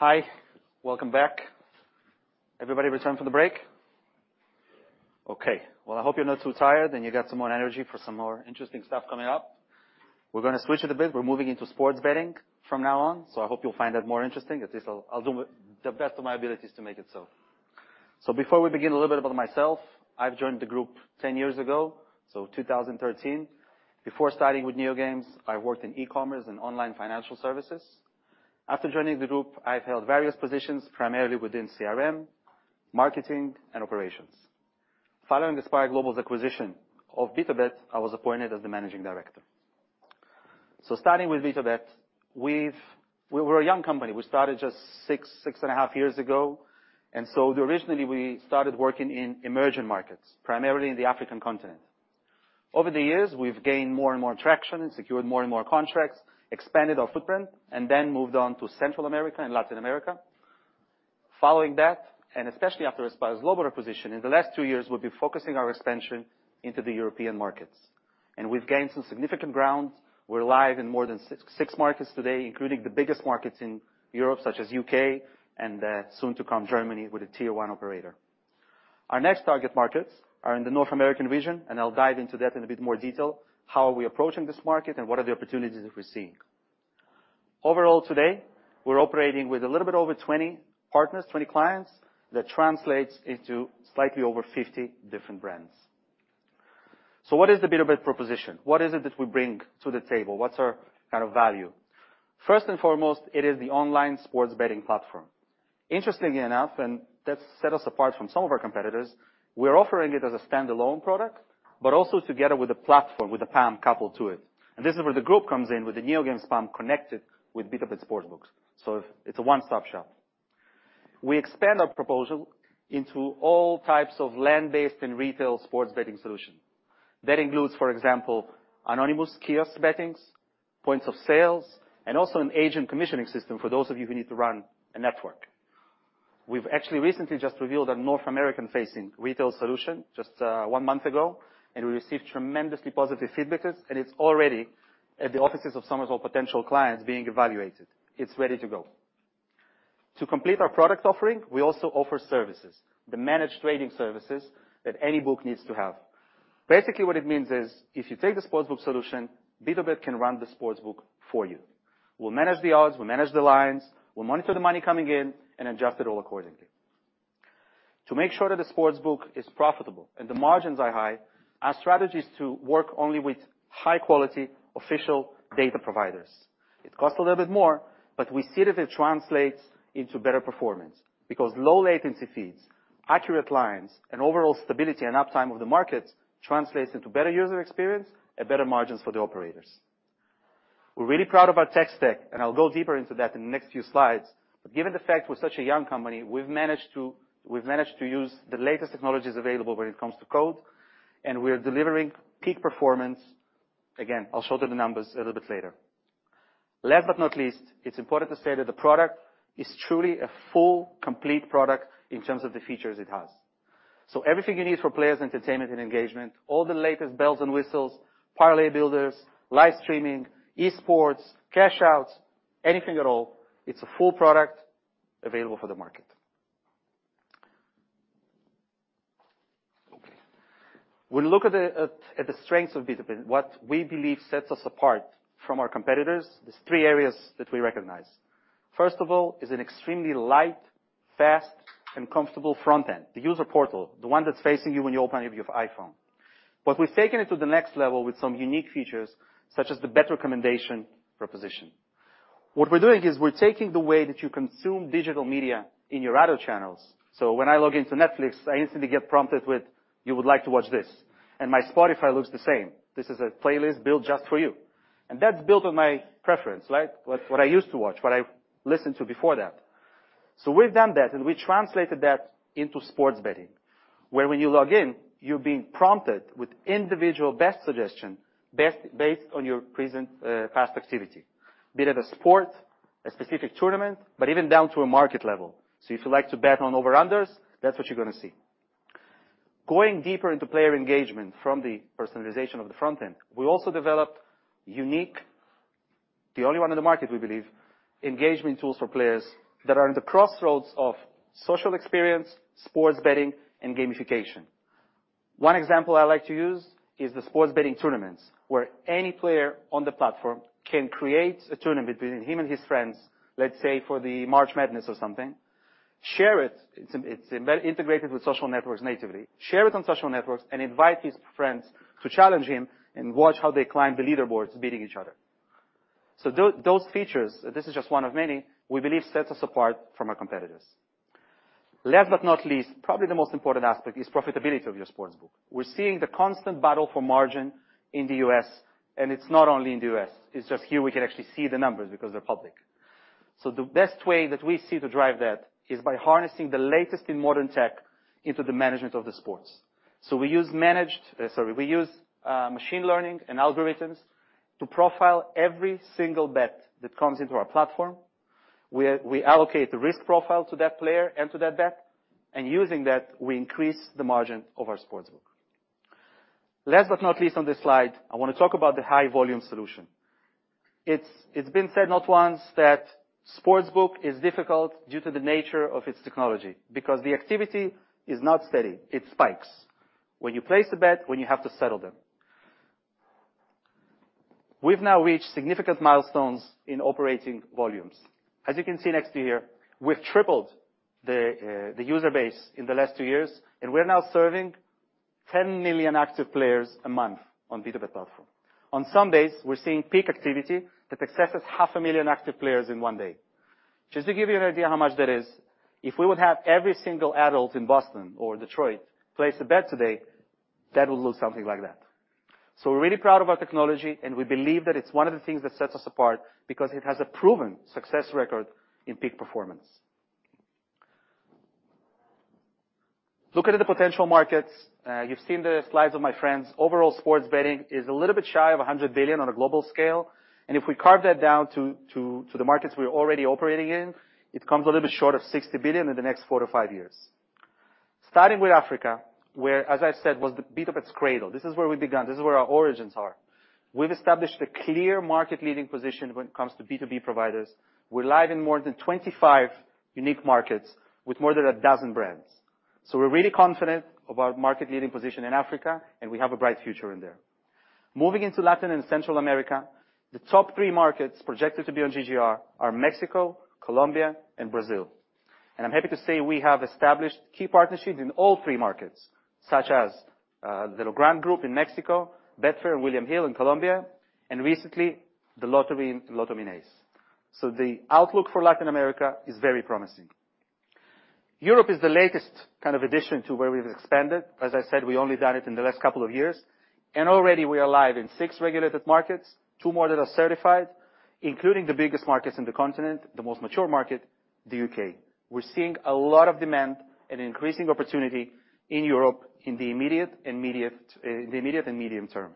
Hi, welcome back. Everybody return from the break? Okay, well, I hope you're not too tired, and you got some more energy for some more interesting stuff coming up. We're gonna switch it a bit. We're moving into sports betting from now on, so I hope you'll find that more interesting. At least I'll do the best of my abilities to make it so. Before we begin, a little bit about myself. I've joined the group 10 years ago, so 2013. Before starting with NeoGames, I worked in e-commerce and online financial services. After joining the group, I've held various positions, primarily within CRM, marketing, and operations. Following Aspire Global's acquisition of BtoBet, I was appointed as the Managing Director. Starting with BtoBet, we were a young company. We started just six and a half years ago. Originally we started working in emerging markets, primarily in the African continent. Over the years, we've gained more and more traction and secured more and more contracts, expanded our footprint, moved on to Central America and Latin America. Following that, especially after Aspire Global acquisition, in the last two years, we've been focusing our expansion into the European markets, we've gained some significant ground. We're live in more than six markets today, including the biggest markets in Europe, such as U.K. And soon to come, Germany, with a tier one operator. Our next target markets are in the North American region, I'll dive into that in a bit more detail, how we're approaching this market and what are the opportunities that we're seeing. Overall today, we're operating with a little bit over 20 partners, 20 clients. That translates into slightly over 50 different brands. What is the BtoBet proposition? What is it that we bring to the table? What's our kind of value? First and foremost, it is the online sports betting platform. Interestingly enough, and that set us apart from some of our competitors, we're offering it as a standalone product, but also together with a platform, with a PAM coupled to it. This is where the group comes in with the NeoGames PAM connected with BtoBet sportsbooks, so it's a one-stop shop. We expand our proposal into all types of land-based and retail sports betting solution. That includes, for example, anonymous kiosk bettings, points of sales, and also an agent commissioning system for those of you who need to run a network. We've actually recently just revealed a North American-facing retail solution just 1 month ago. We received tremendously positive feedbacks. It's already at the offices of some of our potential clients being evaluated. It's ready to go. To complete our product offering, we also offer services, the managed trading services that any book needs to have. Basically, what it means is if you take the sportsbook solution, BtoBet can run the sportsbook for you. We'll manage the odds, we'll manage the lines, we'll monitor the money coming in and adjust it all accordingly. To make sure that the sportsbook is profitable and the margins are high, our strategy is to work only with high-quality official data providers. It costs a little bit more, but we see that it translates into better performance because low latency feeds, accurate lines, and overall stability and uptime of the markets translates into better user experience and better margins for the operators. We're really proud of our tech stack, and I'll go deeper into that in the next few slides. Given the fact we're such a young company, we've managed to use the latest technologies available when it comes to code, and we're delivering peak performance. I'll show you the numbers a little bit later. Last but not least, it's important to say that the product is truly a full, complete product in terms of the features it has. Everything you need for players' entertainment and engagement, all the latest bells and whistles, parlay builders, live streaming, esports, cash outs, anything at all. It's a full product available for the market. Okay. We look at the strengths of BtoBet. What we believe sets us apart from our competitors. There's three areas that we recognize. First of all is an extremely light, fast, and comfortable front end. The user portal, the one that's facing you when you open if you have iPhone. We've taken it to the next level with some unique features, such as the bet recommendation proposition. What we're doing is we're taking the way that you consume digital media in your other channels. When I log into Netflix, I instantly get prompted with, "You would like to watch this." My Spotify looks the same. "This is a playlist built just for you." That's built on my preference, right? What I used to watch, what I listened to before that. We've done that, and we translated that into sports betting, where when you log in, you're being prompted with individual bet suggestion based on your present past activity, be that a sport, a specific tournament, but even down to a market level. If you like to bet on over-unders, that's what you're gonna see. Going deeper into player engagement from the personalization of the front end, we also developed unique, the only one in the market, we believe, engagement tools for players that are in the crossroads of social experience, sports betting, and gamification. One example I like to use is the sports betting tournaments, where any player on the platform can create a tournament between him and his friends, let's say, for the March Madness or something, share it. It's integrated with social networks natively. Share it on social networks, and invite his friends to challenge him, and watch how they climb the leaderboards, beating each other. Those features, this is just one of many, we believe sets us apart from our competitors. Last but not least, probably the most important aspect is profitability of your sportsbook. We're seeing the constant battle for margin in the U.S., and it's not only in the U.S., it's just here we can actually see the numbers because they're public. The best way that we see to drive that is by harnessing the latest in modern tech into the management of the sports. Sorry, we use machine learning and algorithms to profile every single bet that comes into our platform. We allocate the risk profile to that player and to that bet. Using that, we increase the margin of our sportsbook. Last but not least on this slide, I wanna talk about the high volume solution. It's been said not once that sportsbook is difficult due to the nature of its technology because the activity is not steady, it spikes when you place a bet, when you have to settle them. We've now reached significant milestones in operating volumes. As you can see next to here, we've tripled the user base in the last two years. We're now serving 10 million active players a month on BtoBet platform. On some days, we're seeing peak activity that exceeds 500,000 active players in one day. Just to give you an idea how much that is, if we would have every single adult in Boston or Detroit place a bet today, that would look something like that. We're really proud of our technology, and we believe that it's one of the things that sets us apart because it has a proven success record in peak performance. Looking at the potential markets, you've seen the slides of my friends. Overall sports betting is a little bit shy of $100 billion on a global scale, and if we carve that down to the markets we're already operating in, it comes a little bit short of $60 billion in the next four to five years. Starting with Africa, where, as I said, was the BtoBet's cradle. This is where we begun. This is where our origins are. We've established a clear market-leading position when it comes to B2B providers. We're live in more than 25 unique markets with more than 12 brands. We're really confident of our market-leading position in Africa, and we have a bright future in there. Moving into Latin and Central America, the top 3 markets projected to be on GGR are Mexico, Colombia, and Brazil. I'm happy to say we have established key partnerships in all three markets, such as the Logrand Group in Mexico, Betfair and William Hill in Colombia, and recently the lottery in LotoMinas. The outlook for Latin America is very promising. Europe is the latest kind of addition to where we've expanded. As I said, we only done it in the last couple of years. Already we are live in six regulated markets, two more that are certified, including the biggest markets in the continent, the most mature market, the U.K. We're seeing a lot of demand and increasing opportunity in Europe in the immediate and medium term.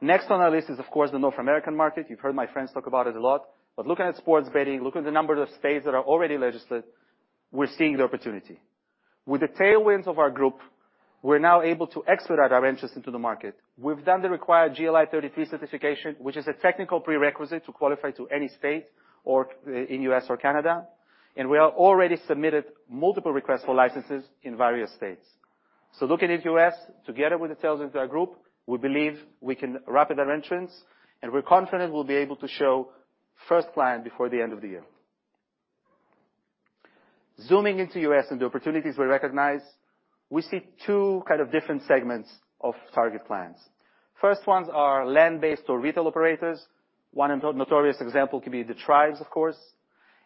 Next on our list is, of course, the North American market. You've heard my friends talk about it a lot. Looking at sports betting, looking at the number of states that are already legislate, we're seeing the opportunity. With the tailwinds of our group, we're now able to expedite our entrance into the market. We've done the required GLI 33 certification, which is a technical prerequisite to qualify to any state or in U.S. or Canada. We have already submitted multiple requests for licenses in various states. Looking at U.S. together with the sales into our group, we believe we can rapid our entrance, and we're confident we'll be able to show first client before the end of the year. Zooming into U.S. and the opportunities we recognize, we see two kind of different segments of target plans. First ones are land-based or retail operators. One of the notorious example could be the tribes, of course.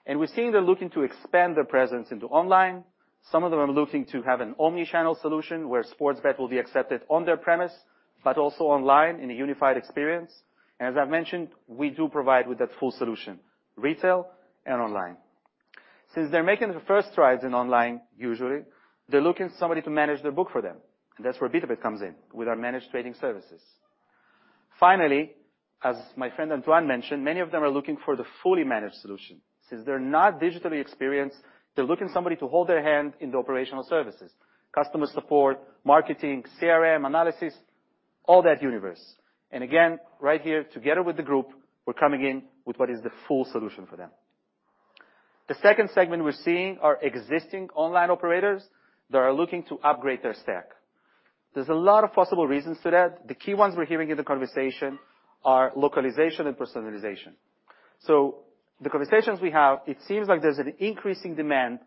We're seeing they're looking to expand their presence into online. Some of them are looking to have an omni-channel solution, where sports bet will be accepted on their premise, but also online in a unified experience. As I've mentioned, we do provide with that full solution, retail and online. Since they're making the first strides in online, usually, they're looking somebody to manage their book for them. That's where BtoBet comes in with our managed trading services. Finally, as my friend Antoine mentioned, many of them are looking for the fully managed solution. Since they're not digitally experienced, they're looking somebody to hold their hand in the operational services, customer support, marketing, CRM, analysis, all that universe. Again, right here, together with the group, we're coming in with what is the full solution for them. The second segment we're seeing are existing online operators that are looking to upgrade their stack. There's a lot of possible reasons to that. The key ones we're hearing in the conversation are localization and personalization. The conversations we have, it seems like there's an increasing demand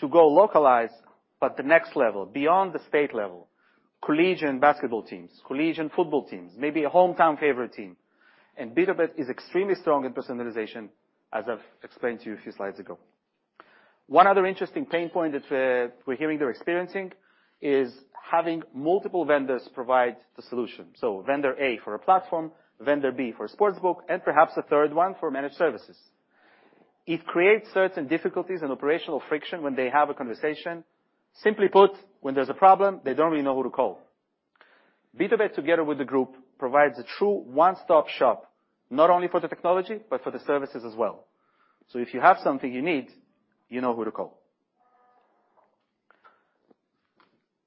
to go localized, but the next level, beyond the state level, collegiate basketball teams, collegiate football teams, maybe a hometown favorite team. BtoBet is extremely strong in personalization, as I've explained to you a few slides ago. One other interesting pain point that we're hearing they're experiencing is having multiple vendors provide the solution. Vendor A for a platform, vendor B for a sportsbook, and perhaps a third one for managed services. It creates certain difficulties and operational friction when they have a conversation. Simply put, when there's a problem, they don't really know who to call. BtoBet, together with the group, provides a true one-stop shop, not only for the technology, but for the services as well. If you have something you need, you know who to call.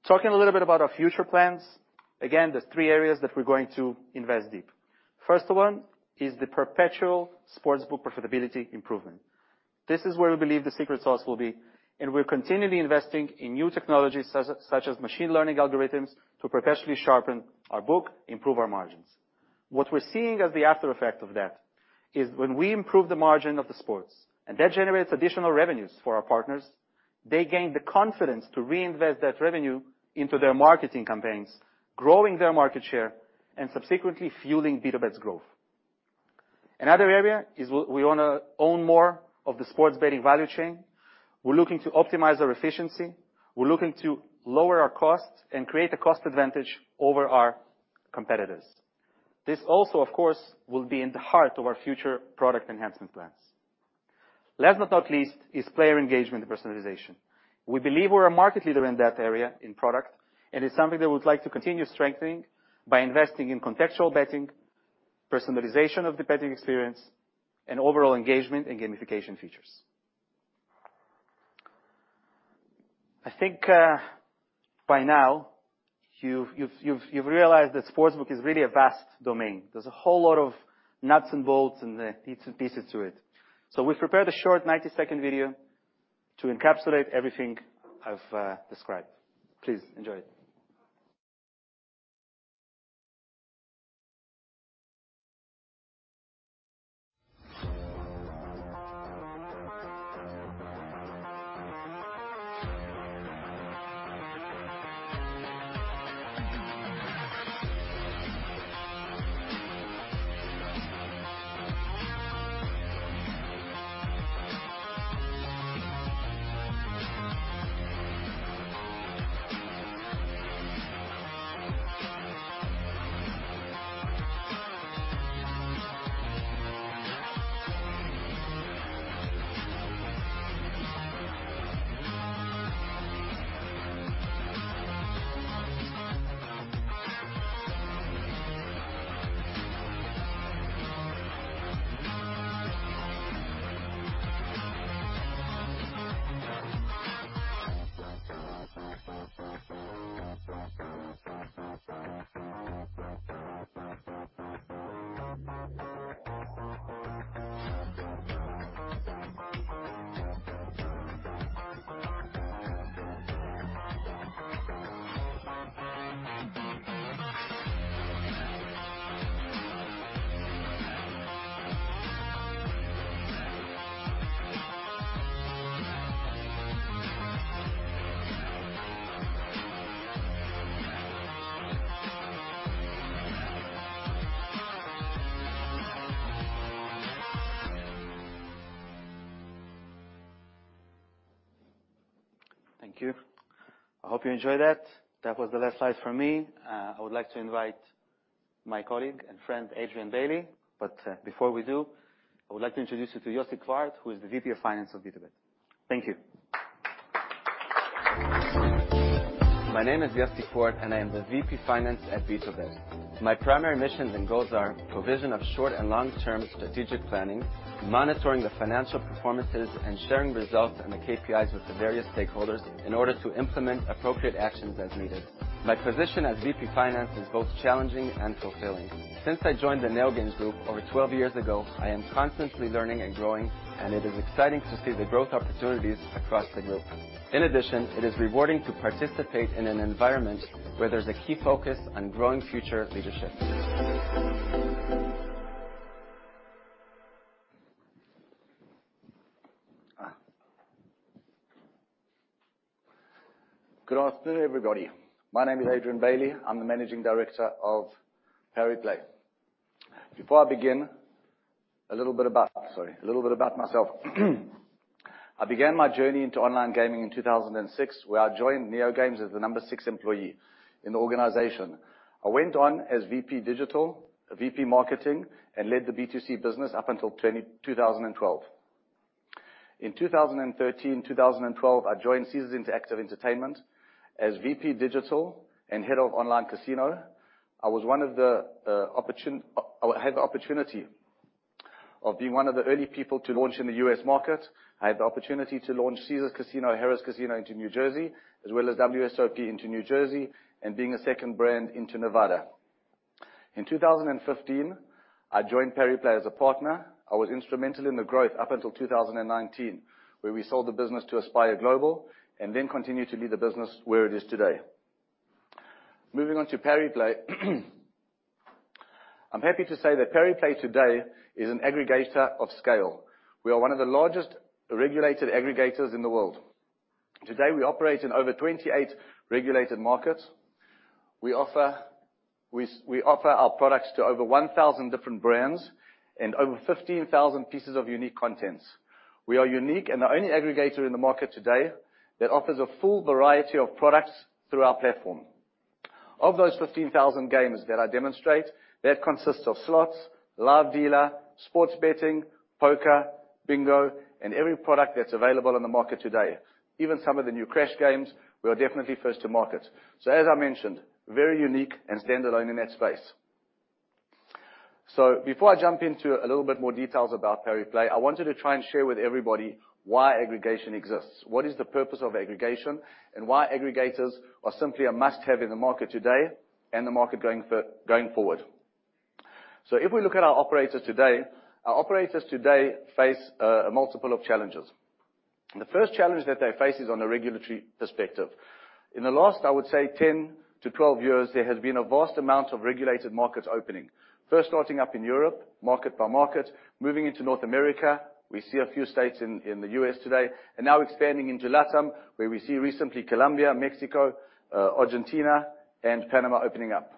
Talking a little bit about our future plans, again, there's three areas that we're going to invest deep. First one is the perpetual sportsbook profitability improvement. This is where we believe the secret sauce will be, and we're continually investing in new technologies such as machine learning algorithms to professionally sharpen our book, improve our margins. What we're seeing as the after effect of that is when we improve the margin of the sports, and that generates additional revenues for our partners, they gain the confidence to reinvest that revenue into their marketing campaigns, growing their market share, and subsequently fueling BtoBet's growth. Another area is we wanna own more of the sports betting value chain. We're looking to optimize our efficiency. We're looking to lower our costs and create a cost advantage over our competitors. This also, of course, will be in the heart of our future product enhancement plans. Last but not least is player engagement and personalization. We believe we're a market leader in that area in product, and it's something that we'd like to continue strengthening by investing in contextual betting, personalization of the betting experience, and overall engagement and gamification features. I think by now you've realized that sports book is really a vast domain. There's a whole lot of nuts and bolts and bits and pieces to it. We've prepared a short 90-second video to encapsulate everything I've described. Please enjoy it. Thank you. I hope you enjoyed that. That was the last slide from me. I would like to invite my colleague and friend, Adrian Bailey. Before we do, I would like to introduce you to Yossi Kwart, who is the VP of Finance of BtoBet. Thank you. My name is Yossi Kwart, and I am the VP Finance at BtoBet. My primary missions and goals are provision of short and long-term strategic planning, monitoring the financial performances, and sharing results and the KPIs with the various stakeholders in order to implement appropriate actions as needed. My position as VP Finance is both challenging and fulfilling. Since I joined the NeoGames group over 12 years ago, I am constantly learning and growing, and it is exciting to see the growth opportunities across the group. In addition, it is rewarding to participate in an environment where there's a key focus on growing future leadership. Good afternoon, everybody. My name is Adrian Bailey. I'm the Managing Director of Pariplay. Before I begin, a little bit about myself. I began my journey into online gaming in 2006, where I joined NeoGames as the number six employee in the organization. I went on as VP Digital, VP Marketing, and led the B2C business up until 2012. In 2013, 2012, I joined Caesars Interactive Entertainment as VP Digital and Head of Online Casino. I was one of the early people to launch in the U.S. market. I had the opportunity to launch Caesars Casino, Harrah's Casino into New Jersey, as well as WSOP into New Jersey, and being a second brand into Nevada. In 2015, I joined Pariplay as a partner. I was instrumental in the growth up until 2019, where we sold the business to Aspire Global, and then continued to lead the business where it is today. Moving on to Pariplay, I'm happy to say that Pariplay today is an aggregator of scale. We are one of the largest regulated aggregators in the world. Today, we operate in over 28 regulated markets. We offer our products to over 1,000 different brands and over 15,000 pieces of unique content. We are unique and the only aggregator in the market today that offers a full variety of products through our platform. Of those 15,000 games that I demonstrate, that consists of slots, live dealer, sports betting, poker, bingo, and every product that's available on the market today. Even some of the new crash games, we are definitely first to market. As I mentioned, very unique and standalone in that space. Before I jump into a little bit more details about Pariplay, I wanted to try and share with everybody why aggregation exists, what is the purpose of aggregation, and why aggregators are simply a must-have in the market today and the market going forward. So if we look at our operators today, our operators today face a multiple of challenges. The first challenge that they face is on a regulatory perspective. In the last, I would say 10 to 12 years, there has been a vast amount of regulated markets opening, first starting up in Europe, market by market, moving into North America, we see a few states in the U.S. today, and now expanding in LatAm, where we see recently Colombia, Mexico, Argentina, and Panama opening up.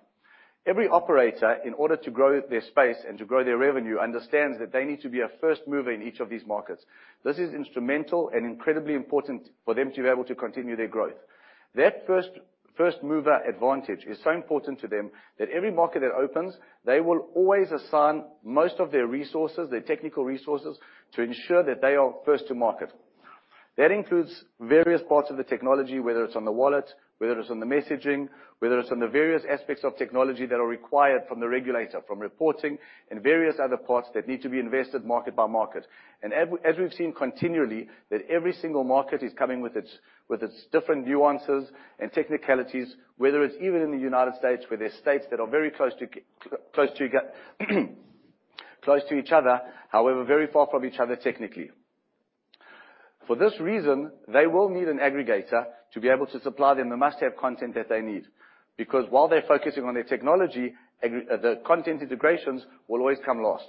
Every operator, in order to grow their space and to grow their revenue, understands that they need to be a first mover in each of these markets. This is instrumental and incredibly important for them to be able to continue their growth. That first mover advantage is so important to them that every market that opens, they will always assign most of their resources, their technical resources to ensure that they are first to market. That includes various parts of the technology, whether it's on the wallet, whether it's on the messaging, whether it's on the various aspects of technology that are required from the regulator, from reporting and various other parts that need to be invested market by market. As we've seen continually, every single market is coming with its different nuances and technicalities, whether it's even in the United States, where there are states that are very close to each other, however very far from each other technically. For this reason, they will need an aggregator to be able to supply them the must-have content that they need, because while they're focusing on their technology, the content integrations will always come last.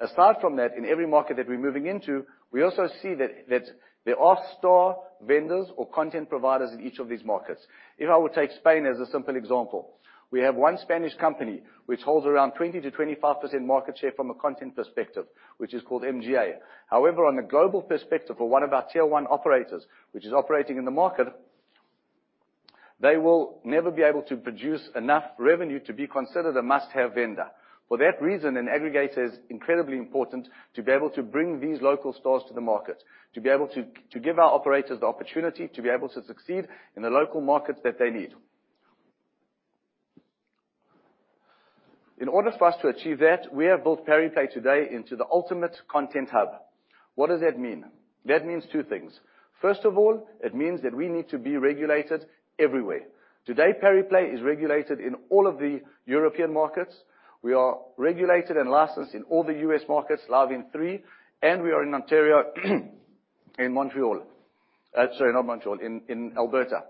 In every market that we're moving into, we also see that there are store vendors or content providers in each of these markets. If I were to take Spain as a simple example, we have one Spanish company which holds around 20%-25% market share from a content perspective, which is called MGA. On a global perspective for one of our tier one operators, which is operating in the market, they will never be able to produce enough revenue to be considered a must-have vendor. An aggregator is incredibly important to be able to bring these local stores to the market, to give our operators the opportunity to be able to succeed in the local markets that they need. We have built Pariplay today into the ultimate content hub. What does that mean? That means two things. First of all, it means that we need to be regulated everywhere. Today, Pariplay is regulated in all of the European markets. We are regulated and licensed in all the U.S. markets, live in three, and we are in Ontario and Montreal. Sorry, not Montreal, in Alberta.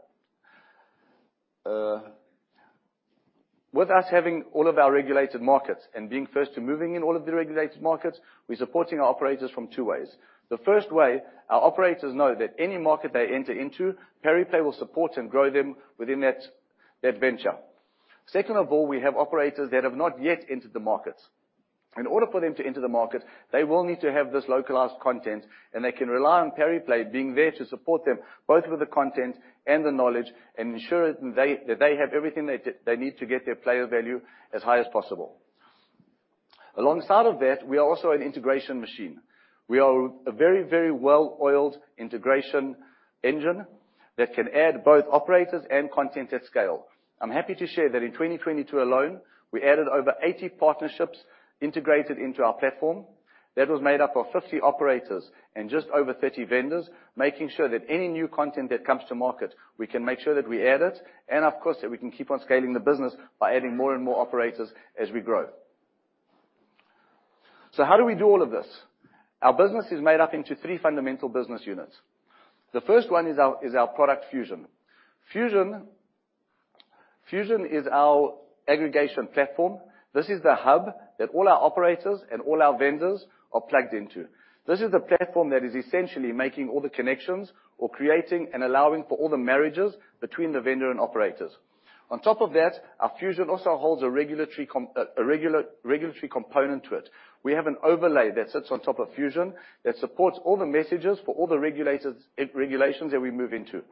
With us having all of our regulated markets and being first to moving in all of the regulated markets, we're supporting our operators from two ways. The first way, our operators know that any market they enter into, Pariplay will support and grow them within that venture. Second of all, we have operators that have not yet entered the markets. In order for them to enter the market, they will need to have this localized content, and they can rely on Pariplay being there to support them, both with the content and the knowledge, and ensure that they have everything they need to get their player value as high as possible. Alongside of that, we are also an integration machine. We are a very well-oiled integration engine that can add both operators and content at scale. I'm happy to share that in 2022 alone, we added over 80 partnerships integrated into our platform. That was made up of 50 operators and just over 30 vendors, making sure that any new content that comes to market, we can make sure that we add it, and of course, that we can keep on scaling the business by adding more and more operators as we grow. How do we do all of this? Our business is made up into three fundamental business units. The first one is our product, Fusion. Fusion is our aggregation platform. This is the hub that all our operators and all our vendors are plugged into. This is the platform that is essentially making all the connections or creating and allowing for all the marriages between the vendor and operators. On top of that, our Fusion also holds a regulatory component to it. We have an overlay that sits on top of Fusion that supports all the messages for all the regulations that we move into.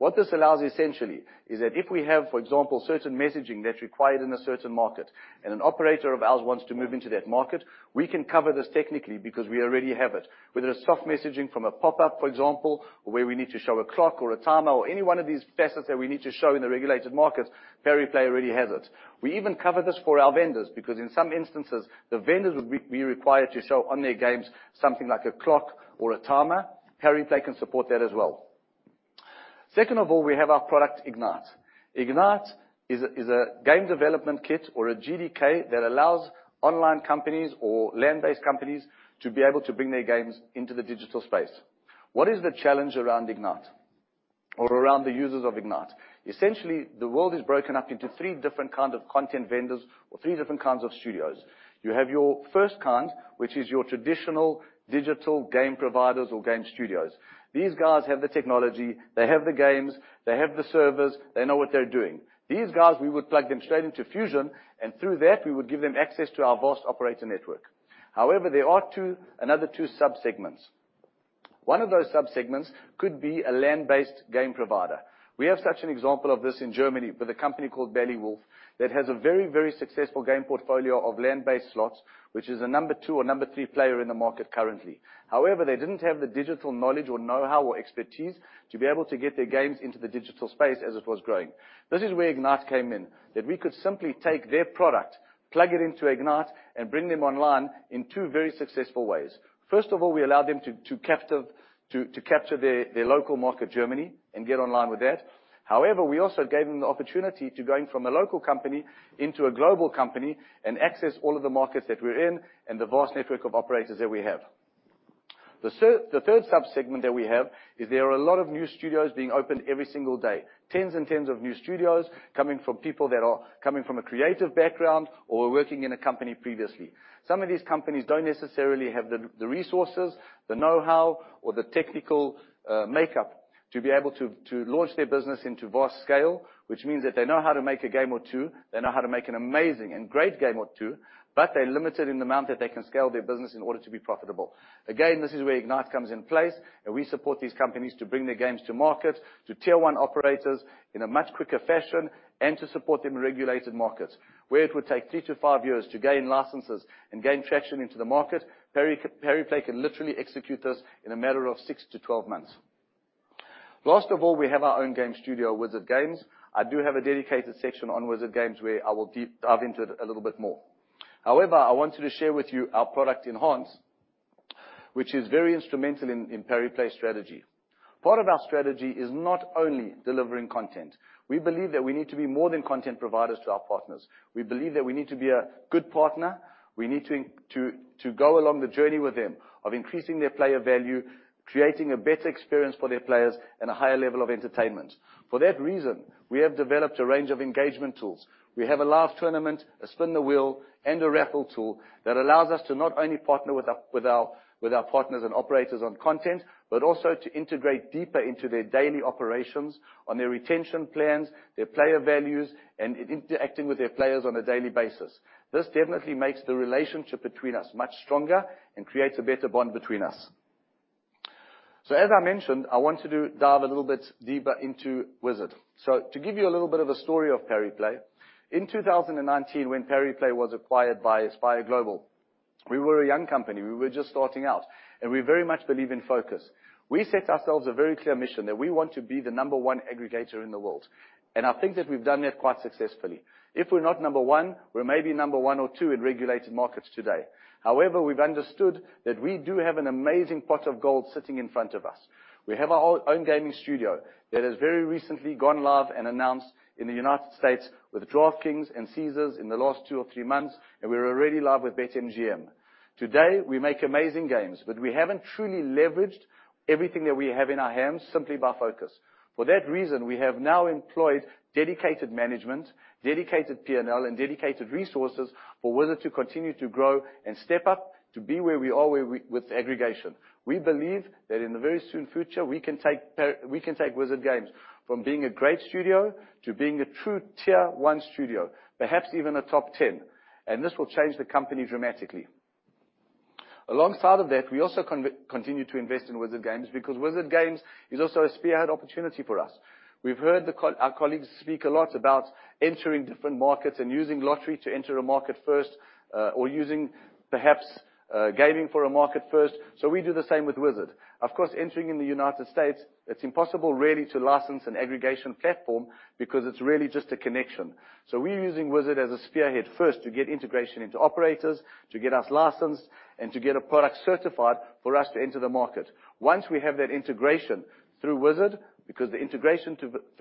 What this allows essentially is that if we have, for example, certain messaging that's required in a certain market, and an operator of ours wants to move into that market, we can cover this technically because we already have it. Whether it's soft messaging from a pop-up, for example, where we need to show a clock or a timer or any one of these facets that we need to show in the regulated markets, Pariplay already has it. We even cover this for our vendors, because in some instances, the vendors would be required to show on their games something like a clock or a timer. Pariplay can support that as well. Second of all, we have our product, Ignite. Ignite is a game development kit or a GDK that allows online companies or land-based companies to be able to bring their games into the digital space. What is the challenge around Ignite or around the users of Ignite? Essentially, the world is broken up into three different kind of content vendors or three different kinds of studios. You have your first kind, which is your traditional digital game providers or game studios. These guys have the technology, they have the games, they have the servers, they know what they're doing. These guys, we would plug them straight into Fusion, and through that, we would give them access to our vast operator network. However, there are another two subsegments. One of those subsegments could be a land-based game provider. We have such an example of this in Germany with a company called Bally Wulff that has a very, very successful game portfolio of land-based slots, which is a number two or number three player in the market currently. They didn't have the digital knowledge or know-how or expertise to be able to get their games into the digital space as it was growing. This is where Ignite came in, that we could simply take their product, plug it into Ignite, and bring them online in two very successful ways. First of all, we allowed them to capture their local market, Germany, and get online with that. We also gave them the opportunity to going from a local company into a global company and access all of the markets that we're in and the vast network of operators that we have. The third subsegment that we have is there are a lot of new studios being opened every single day. Tens and tens of new studios coming from people that are coming from a creative background or were working in a company previously. Some of these companies don't necessarily have the resources, the know-how, or the technical makeup to be able to launch their business into vast scale, which means that they know how to make a game or two, they know how to make an amazing and great game or two, but they're limited in the amount that they can scale their business in order to be profitable. Again, this is where Ignite comes in place, and we support these companies to bring their games to market, to Tier 1 operators in a much quicker fashion, and to support them in regulated markets. Where it would take three to five years to gain licenses and gain traction into the market, Pariplay can literally execute this in a matter of six-12 months. Last of all, we have our own game studio, Wizard Games. I do have a dedicated section on Wizard Games where I will deep dive into it a little bit more. However, I wanted to share with you our product Enhance, which is very instrumental in Pariplay strategy. Part of our strategy is not only delivering content. We believe that we need to be more than content providers to our partners. We believe that we need to be a good partner. We need to go along the journey with them of increasing their player value, creating a better experience for their players, and a higher level of entertainment. For that reason, we have developed a range of engagement tools. We have a live tournament, a spin the wheel, and a raffle tool that allows us to not only partner with our partners and operators on content, but also to integrate deeper into their daily operations on their retention plans, their player values, and in interacting with their players on a daily basis. This definitely makes the relationship between us much stronger and creates a better bond between us. As I mentioned, I want to dive a little bit deeper into Wizard. To give you a little bit of a story of Pariplay, in 2019 when Pariplay was acquired by Aspire Global, we were a young company. We were just starting out, and we very much believe in focus. We set ourselves a very clear mission that we want to be the number one aggregator in the world. I think that we've done that quite successfully. If we're not number one, we're maybe number one or two in regulated markets today. We've understood that we do have an amazing pot of gold sitting in front of us. We have our own gaming studio that has very recently gone live and announced in the United States with DraftKings and Caesars in the last two or three months. We're already live with BetMGM. Today, we make amazing games. We haven't truly leveraged everything that we have in our hands simply by focus. For that reason, we have now employed dedicated management, dedicated P&L, and dedicated resources for Wizard to continue to grow and step up to be where we are with aggregation. We believe that in the very soon future, we can take Wizard Games from being a great studio to being a true tier one studio, perhaps even a top 10. This will change the company dramatically. Alongside of that, we also continue to invest in Wizard Games because Wizard Games is also a spearhead opportunity for us. We've heard our colleagues speak a lot about entering different markets and using lottery to enter a market first, or using perhaps, gaming for a market first. We do the same with Wizard. Of course, entering in the United States, it's impossible really to license an aggregation platform because it's really just a connection. We're using Wizard as a spearhead first to get integration into operators, to get us licensed, and to get a product certified for us to enter the market. Once we have that integration through Wizard Games, because the integration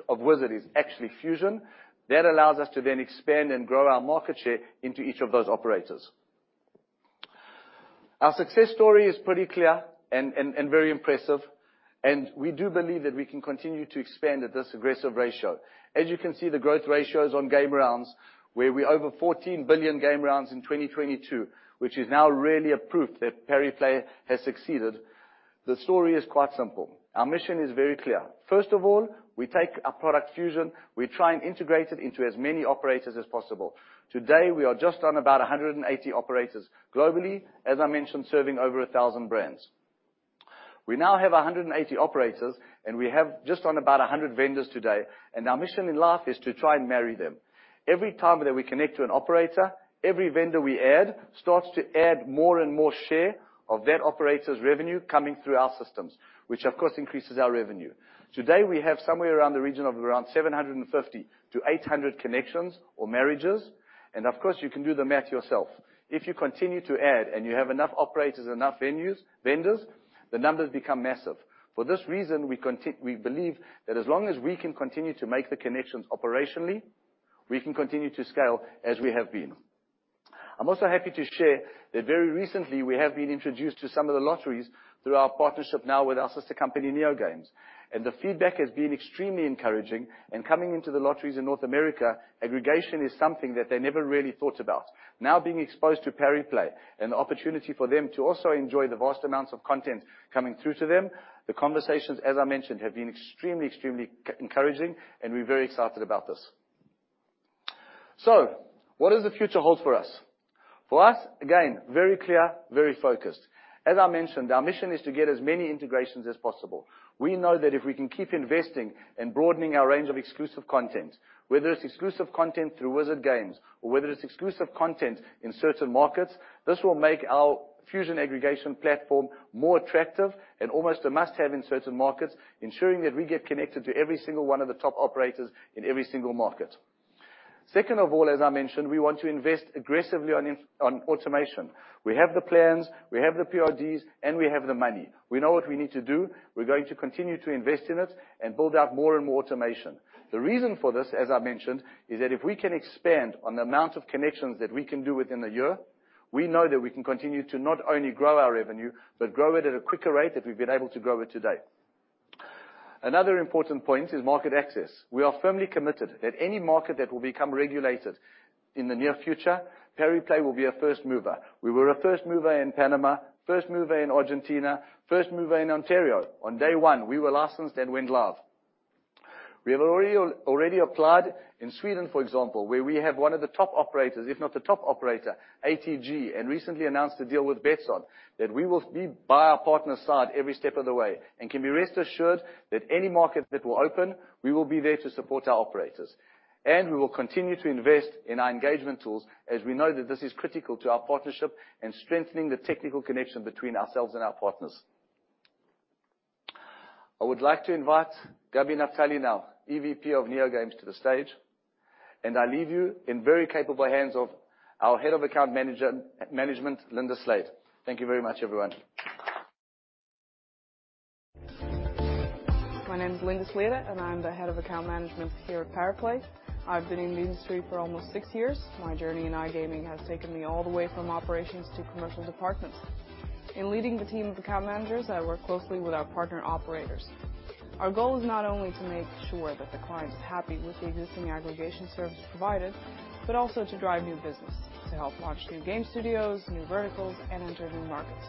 of Wizard Games is actually Fusion, that allows us to then expand and grow our market share into each of those operators. Our success story is pretty clear and very impressive, and we do believe that we can continue to expand at this aggressive ratio. As you can see, the growth ratios on game rounds, where we're over 14 billion game rounds in 2022, which is now really a proof that Pariplay has succeeded. The story is quite simple. Our mission is very clear. First of all, we take our product, Fusion, we try and integrate it into as many operators as possible. Today, we are just on about 180 operators globally, as I mentioned, serving over 1,000 brands. We now have 180 operators, and we have just on about 100 vendors today, and our mission in life is to try and marry them. Every time that we connect to an operator, every vendor we add starts to add more and more share of that operator's revenue coming through our systems, which of course increases our revenue. Today, we have somewhere around the region of around 750-800 connections or marriages, and of course, you can do the math yourself. If you continue to add and you have enough operators, enough venues, vendors, the numbers become massive. For this reason, we believe that as long as we can continue to make the connections operationally, we can continue to scale as we have been. I'm also happy to share that very recently we have been introduced to some of the lotteries through our partnership now with our sister company, NeoGames. The feedback has been extremely encouraging and coming into the lotteries in North America, aggregation is something that they never really thought about. Now being exposed to Pariplay and the opportunity for them to also enjoy the vast amounts of content coming through to them, the conversations, as I mentioned, have been extremely encouraging, and we're very excited about this. What does the future hold for us? For us, again, very clear, very focused. As I mentioned, our mission is to get as many integrations as possible. We know that if we can keep investing and broadening our range of exclusive content, whether it's exclusive content through Wizard Games or whether it's exclusive content in certain markets, this will make our Fusion aggregation platform more attractive and almost a must-have in certain markets, ensuring that we get connected to every single one of the top operators in every single market. Second of all, as I mentioned, we want to invest aggressively on automation. We have the plans, we have the PRDs, and we have the money. We know what we need to do. We're going to continue to invest in it and build out more and more automation. The reason for this, as I mentioned, is that if we can expand on the amount of connections that we can do within a year, we know that we can continue to not only grow our revenue, but grow it at a quicker rate that we've been able to grow it today. Another important point is market access. We are firmly committed that any market that will become regulated in the near future, Pariplay will be a first mover. We were a first mover in Panama, first mover in Argentina, first mover in Ontario. On day one, we were licensed and went live. We have already applied in Sweden, for example, where we have one of the top operators, if not the top operator, ATG. Recently announced a deal with Betsson, that we will be by our partner's side every step of the way, can be rest assured that any market that will open, we will be there to support our operators. We will continue to invest in our engagement tools as we know that this is critical to our partnership and strengthening the technical connection between ourselves and our partners. I would like to invite Gabby Naftali now, EVP of NeoGames, to the stage. I leave you in very capable hands of our Head of Account Management, Linda Sliede. Thank you very much, everyone. My name is Linda Sliede, and I'm the Head of Account Management here at Pariplay. I've been in the industry for almost six years. My journey in iGaming has taken me all the way from operations to commercial departments. In leading the team of account managers, I work closely with our partner operators. Our goal is not only to make sure that the client is happy with the existing aggregation services provided, but also to drive new business, to help launch new game studios, new verticals, and enter new markets.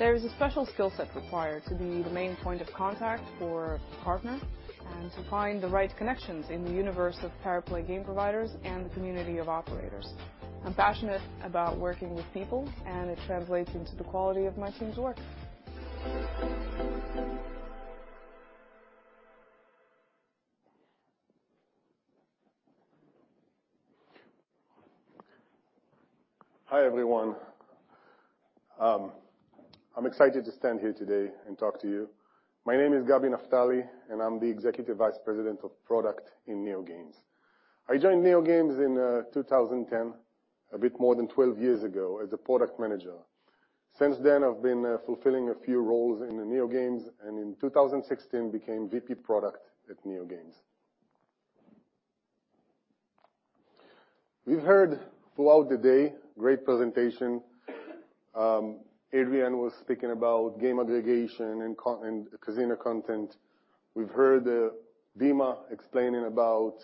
There is a special skill set required to be the main point of contact for a partner and to find the right connections in the universe of Pariplay game providers and the community of operators. I'm passionate about working with people, and it translates into the quality of my team's work. Hi, everyone. I'm excited to stand here today and talk to you. My name is Gabby Naftali, I'm the Executive Vice President of Product in NeoGames. I joined NeoGames in 2010, a bit more than 12 years ago, as a Product Manager. Since then, I've been fulfilling a few roles in NeoGames, in 2016, became VP Product at NeoGames. We've heard throughout the day great presentation. Adrian was speaking about game aggregation and casino content. We've heard Dima explaining about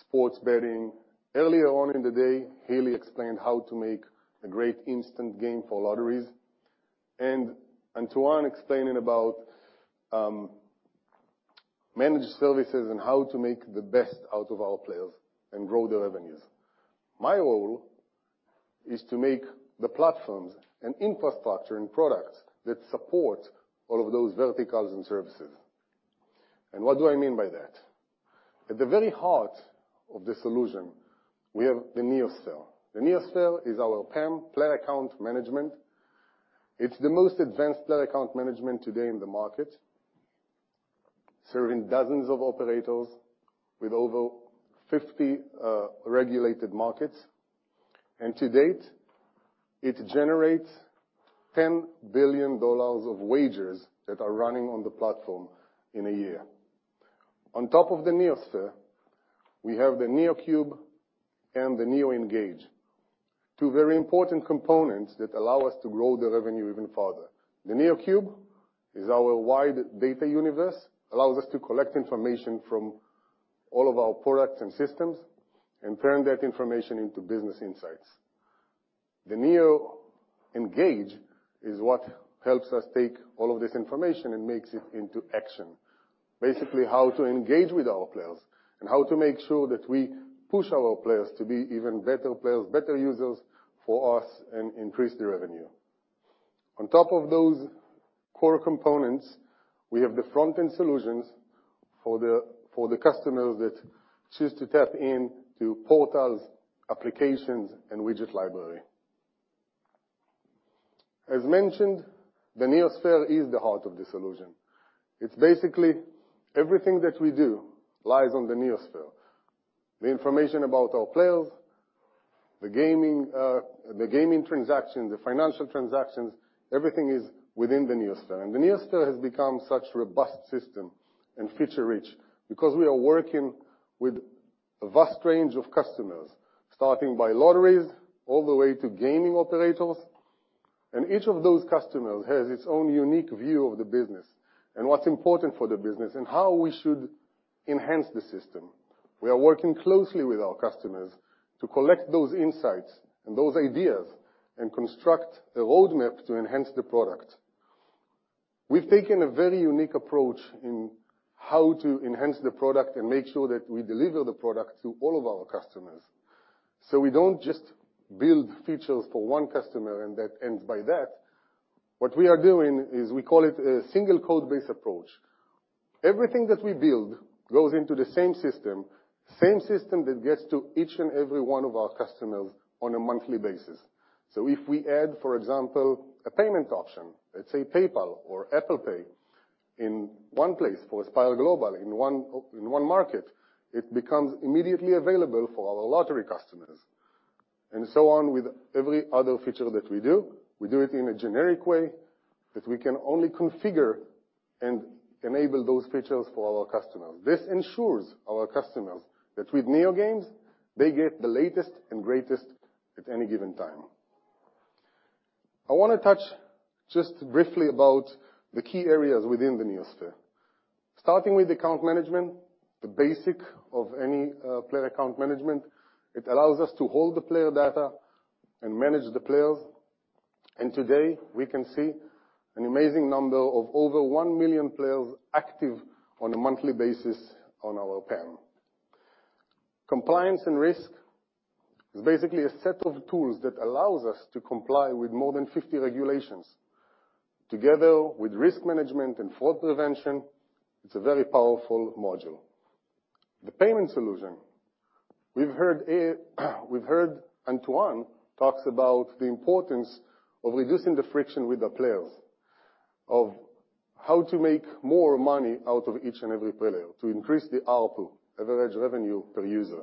sports betting. Earlier on in the day, Hili explained how to make a great instant game for lotteries. Antoine explaining about managed services and how to make the best out of our players and grow their revenues. My role is to make the platforms an infrastructure and products that support all of those verticals and services. What do I mean by that? At the very heart of the solution, we have the NeoSphere. The NeoSphere is our PAM, Player Account Management. It's the most advanced Player Account Management today in the market, serving dozens of operators with over 50 regulated markets. To date, it generates $10 billion of wagers that are running on the platform in a year. On top of the NeoSphere, we have the NeoCube and the NeoEngage, two very important components that allow us to grow the revenue even further. The NeoCube is our wide data universe, allows us to collect information from all of our products and systems and turn that information into business insights. The NeoEngage is what helps us take all of this information and makes it into action. Basically, how to engage with our players and how to make sure that we push our players to be even better players, better users for us and increase the revenue. On top of those core components, we have the front-end solutions for the customers that choose to tap into portals, applications, and widget library. As mentioned, the NeoSphere is the heart of the solution. It's basically everything that we do lies on the NeoSphere. The information about our players, the gaming, the gaming transaction, the financial transactions, everything is within the NeoSphere. The NeoSphere has become such robust system and feature-rich because we are working with a vast range of customers, starting by lotteries all the way to gaming operators. Each of those customers has its own unique view of the business and what's important for the business and how we should enhance the system. We are working closely with our customers to collect those insights and those ideas and construct a roadmap to enhance the product. We've taken a very unique approach in how to enhance the product and make sure that we deliver the product to all of our customers. We don't just build features for one customer and that ends by that. What we are doing is we call it a single code-based approach. Everything that we build goes into the same system, same system that gets to each and every one of our customers on a monthly basis. If we add, for example, a payment option, let's say PayPal or Apple Pay in one place for Aspire Global in one, in one market, it becomes immediately available for our lottery customers, and so on with every other feature that we do. We do it in a generic way that we can only configure and enable those features for our customers. This ensures our customers that with NeoGames, they get the latest and greatest at any given time. I wanna touch just briefly about the key areas within the NeoSphere. Starting with account management, the basic of any Player Account Management. It allows us to hold the player data and manage the players. Today, we can see an amazing number of over 1 million players active on a monthly basis on our PAM. Compliance and risk is basically a set of tools that allows us to comply with more than 50 regulations. Together with risk management and fraud prevention, it's a very powerful module. The payment solution. We've heard Antoine talks about the importance of reducing the friction with the players, of how to make more money out of each and every player to increase the ARPU, Average Revenue Per User.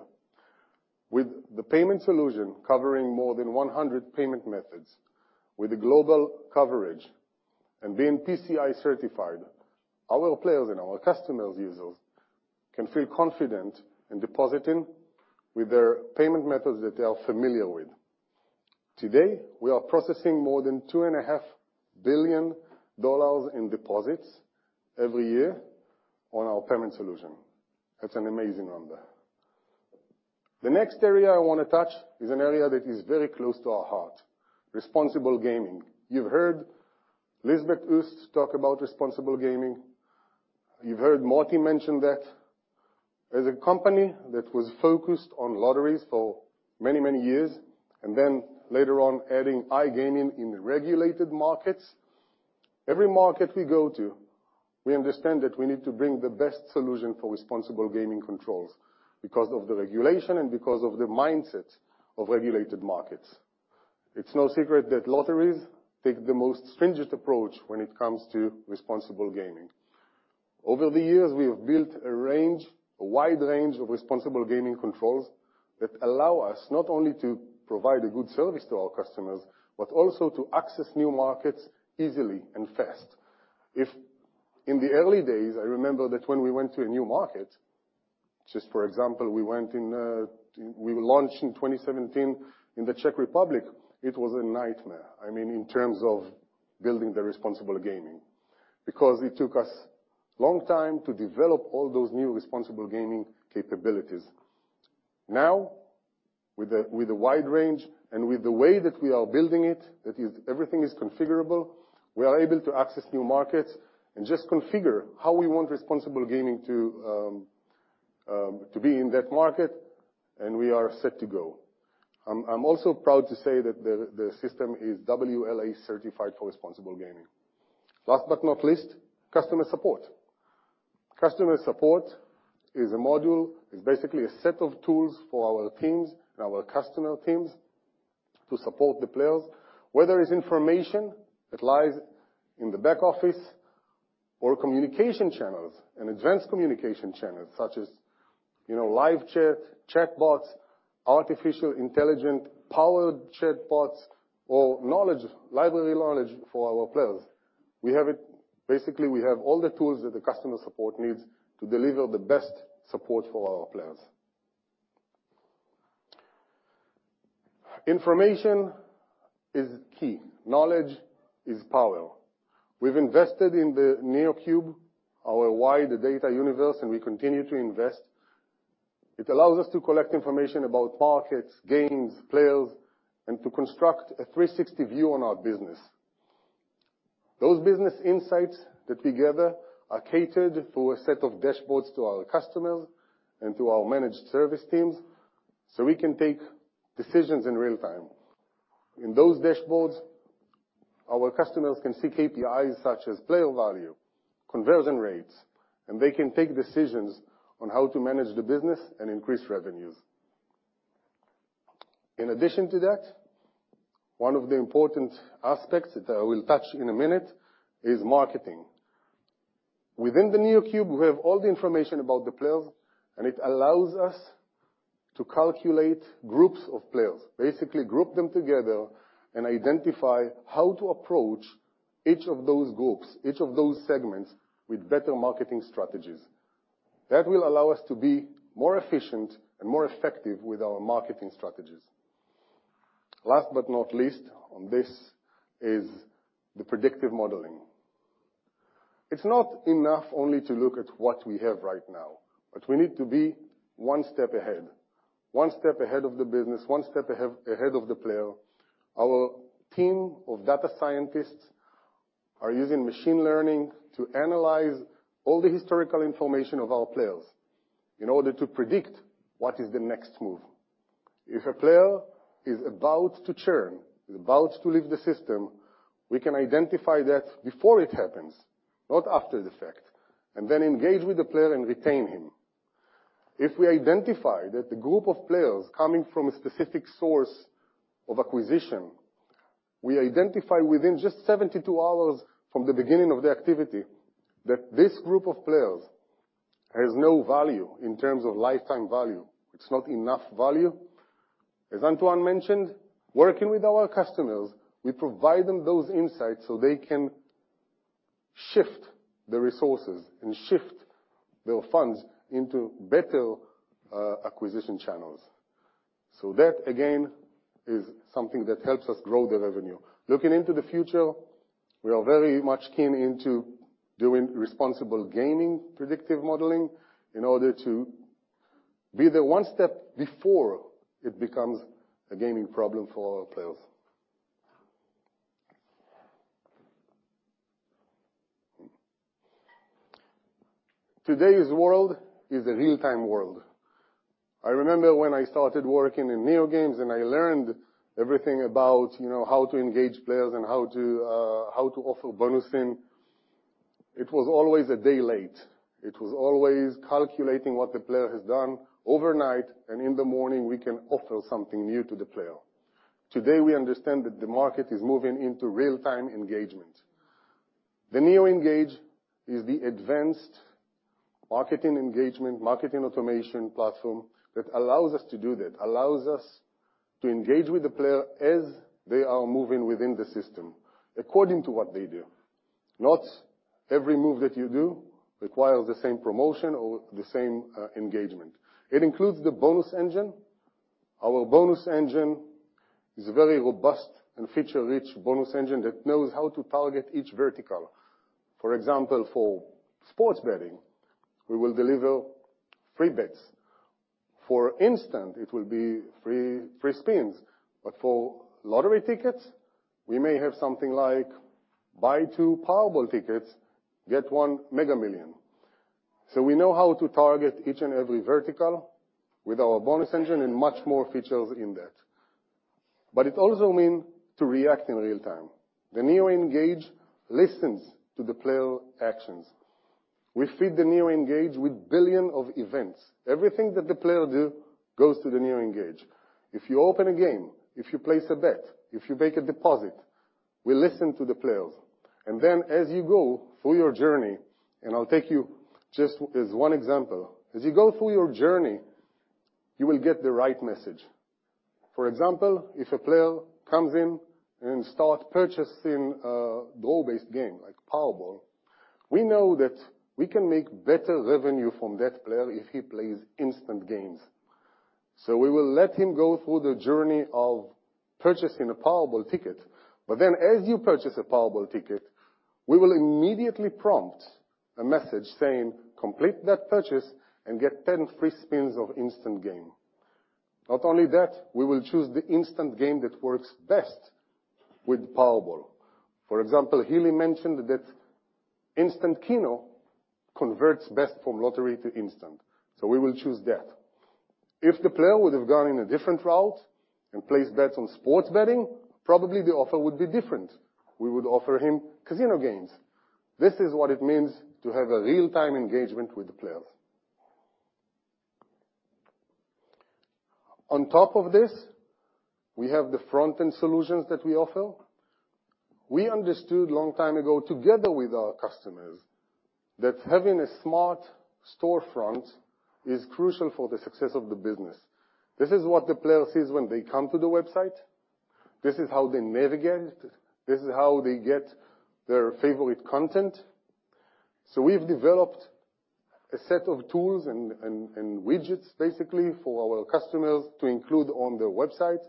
With the payment solution covering more than 100 payment methods, with a global coverage, and being PCI certified, our players and our customers' users can feel confident in depositing with their payment methods that they are familiar with. Today, we are processing more than $2.5 billion in deposits every year on our payment solution. That's an amazing number. The next area I wanna touch is an area that is very close to our heart, responsible gaming. You've heard Liesbeth Oost talk about responsible gaming. You've heard Moti mention that. As a company that was focused on lotteries for many, many years, and then later on adding iGaming in regulated markets, every market we go to, we understand that we need to bring the best solution for responsible gaming controls because of the regulation and because of the mindset of regulated markets. It's no secret that lotteries take the most stringent approach when it comes to responsible gaming. Over the years, we have built a range, a wide range of responsible gaming controls that allow us not only to provide a good service to our customers, but also to access new markets easily and fast. If in the early days, I remember that when we went to a new market, just for example, we went in, we launched in 2017 in the Czech Republic, it was a nightmare. I mean, in terms of building the responsible gaming. It took us long time to develop all those new responsible gaming capabilities. Now, with the wide range and with the way that we are building it, that is, everything is configurable, we are able to access new markets and just configure how we want responsible gaming to be in that market, and we are set to go. I'm also proud to say that the system is WLA certified for responsible gaming. Last but not least, customer support. Customer support is a module. It's basically a set of tools for our teams and our customer teams to support the players, whether it's information that lies in the back office or communication channels and advanced communication channels such as, you know, live chat, chatbots, artificial intelligent-powered chatbots, or knowledge, library knowledge for our players. Basically, we have all the tools that the customer support needs to deliver the best support for our players. Information is key. Knowledge is power. We've invested in the NeoCube, our wide data universe, and we continue to invest. It allows us to collect information about markets, games, players, and to construct a 360 view on our business. Those business insights that we gather are catered through a set of dashboards to our customers and to our managed service teams, so we can take decisions in real time. In those dashboards, our customers can see KPIs such as player value, conversion rates, They can take decisions on how to manage the business and increase revenues. In addition to that, one of the important aspects that I will touch in a minute is marketing. Within the NeoCube, we have all the information about the players, It allows us to calculate groups of players, basically group them together and identify how to approach each of those groups, each of those segments with better marketing strategies. That will allow us to be more efficient and more effective with our marketing strategies. Last but not least on this is the predictive modeling. It's not enough only to look at what we have right now, but we need to be one step ahead, one step ahead of the business, one step ahead of the player. Our team of data scientists are using machine learning to analyze all the historical information of our players in order to predict what is the next move. If a player is about to churn, is about to leave the system, we can identify that before it happens, not after the fact, and then engage with the player and retain him. If we identify that the group of players coming from a specific source of acquisition, we identify within just 72 hours from the beginning of the activity that this group of players has no value in terms of lifetime value. It's not enough value. As Antoine mentioned, working with our customers, we provide them those insights so they Shift the resources and shift their funds into better acquisition channels. Again, is something that helps us grow the revenue. Looking into the future, we are very much keen into doing responsible gaming predictive modeling in order to be the one step before it becomes a gaming problem for our players. Today's world is a real-time world. I remember when I started working in NeoGames, and I learned everything about, you know, how to engage players and how to offer bonus, and it was always a day late. It was always calculating what the player has done overnight, and in the morning, we can offer something new to the player. Today, we understand that the market is moving into real-time engagement. The NeoEngage is the advanced marketing engagement, marketing automation platform that allows us to do that, allows us to engage with the player as they are moving within the system, according to what they do. Not every move that you do requires the same promotion or the same engagement. It includes the bonus engine. Our bonus engine is a very robust and feature-rich bonus engine that knows how to target each vertical. For example, for sports betting, we will deliver free bets. For instant, it will be free spins. For lottery tickets, we may have something like buy two Powerball tickets, get one Mega Millions. We know how to target each and every vertical with our bonus engine and much more features in that. It also mean to react in real time. The NeoEngage listens to the player actions. We feed the NeoEngage with billion of events. Everything that the player do goes to the NeoEngage. If you open a game, if you place a bet, if you make a deposit, we listen to the players. As you go through your journey, and I'll take you just as one example, as you go through your journey, you will get the right message. For example, if a player comes in and start purchasing a draw-based game like Powerball, we know that we can make better revenue from that player if he plays instant games. We will let him go through the journey of purchasing a Powerball ticket. As you purchase a Powerball ticket, we will immediately prompt a message saying, "Complete that purchase and get 10 free spins of instant game." Not only that, we will choose the instant game that works best with Powerball. For example, Hili mentioned that Instant Keno converts best from lottery to instant, so we will choose that. If the player would have gone in a different route and placed bets on sports betting, probably the offer would be different. We would offer him casino games. This is what it means to have a real-time engagement with the players. On top of this, we have the front-end solutions that we offer. We understood long time ago, together with our customers, that having a smart storefront is crucial for the success of the business. This is what the player sees when they come to the website. This is how they navigate it. This is how they get their favorite content. We've developed a set of tools and widgets, basically, for our customers to include on their website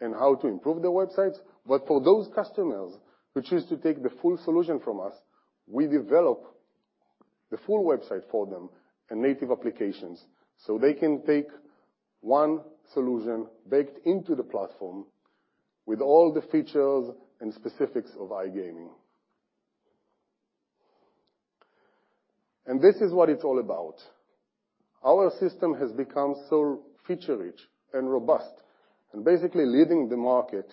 and how to improve their websites. For those customers who choose to take the full solution from us, we develop the full website for them and native applications, so they can take one solution baked into the platform with all the features and specifics of iGaming. This is what it's all about. Our system has become so feature-rich and robust and basically leading the market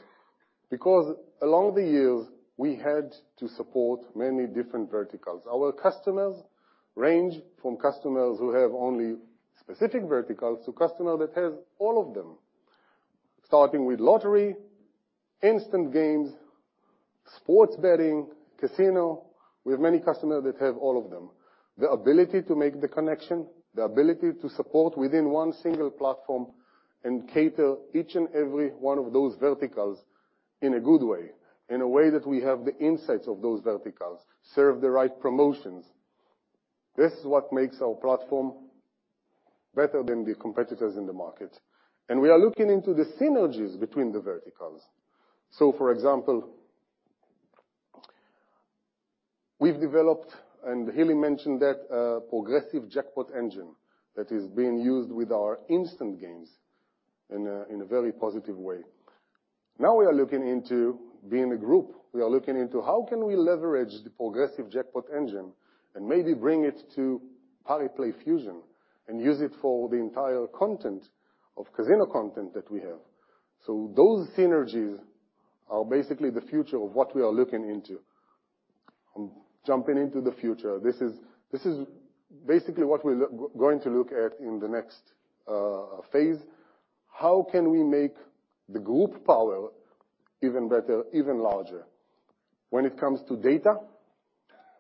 because along the years, we had to support many different verticals. Our customers range from customers who have only specific verticals to customer that has all of them. Starting with lottery, instant games, sports betting, casino. We have many customers that have all of them. The ability to make the connection, the ability to support within one single platform and cater each and every one of those verticals in a good way, in a way that we have the insights of those verticals, serve the right promotions. This is what makes our platform better than the competitors in the market. We are looking into the synergies between the verticals. For example, we've developed, and Hili mentioned that, progressive jackpot engine that is being used with our instant games in a very positive way. Now we are looking into being a group. We are looking into how can we leverage the progressive jackpot engine and maybe bring it to Pariplay Fusion and use it for the entire content of casino content that we have. Those synergies are basically the future of what we are looking into. Jumping into the future, this is basically what we going to look at in the next phase. How can we make the group power even better, even larger? When it comes to data,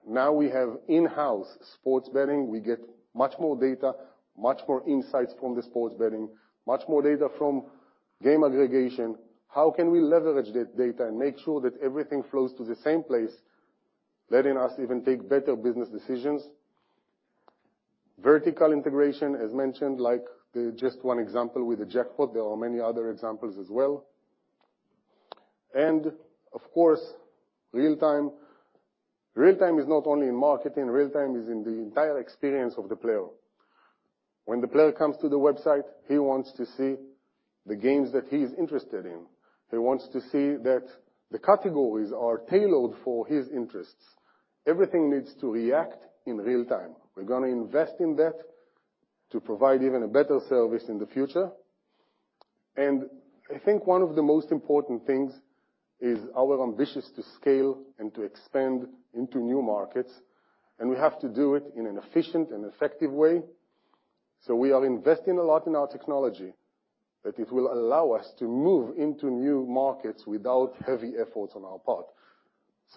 now we have in-house sports betting. We get much more data, much more insights from the sports betting, much more data from-. Game aggregation, how can we leverage that data and make sure that everything flows to the same place, letting us even take better business decisions? Vertical integration, as mentioned, like the just one example with the jackpot, there are many other examples as well. Of course, real-time. Real-time is not only in marketing, real-time is in the entire experience of the player. When the player comes to the website, he wants to see the games that he is interested in. He wants to see that the categories are tailored for his interests. Everything needs to react in real-time. We're gonna invest in that to provide even a better service in the future. I think one of the most important things is our ambitious to scale and to expand into new markets, and we have to do it in an efficient and effective way. We are investing a lot in our technology, that it will allow us to move into new markets without heavy efforts on our part.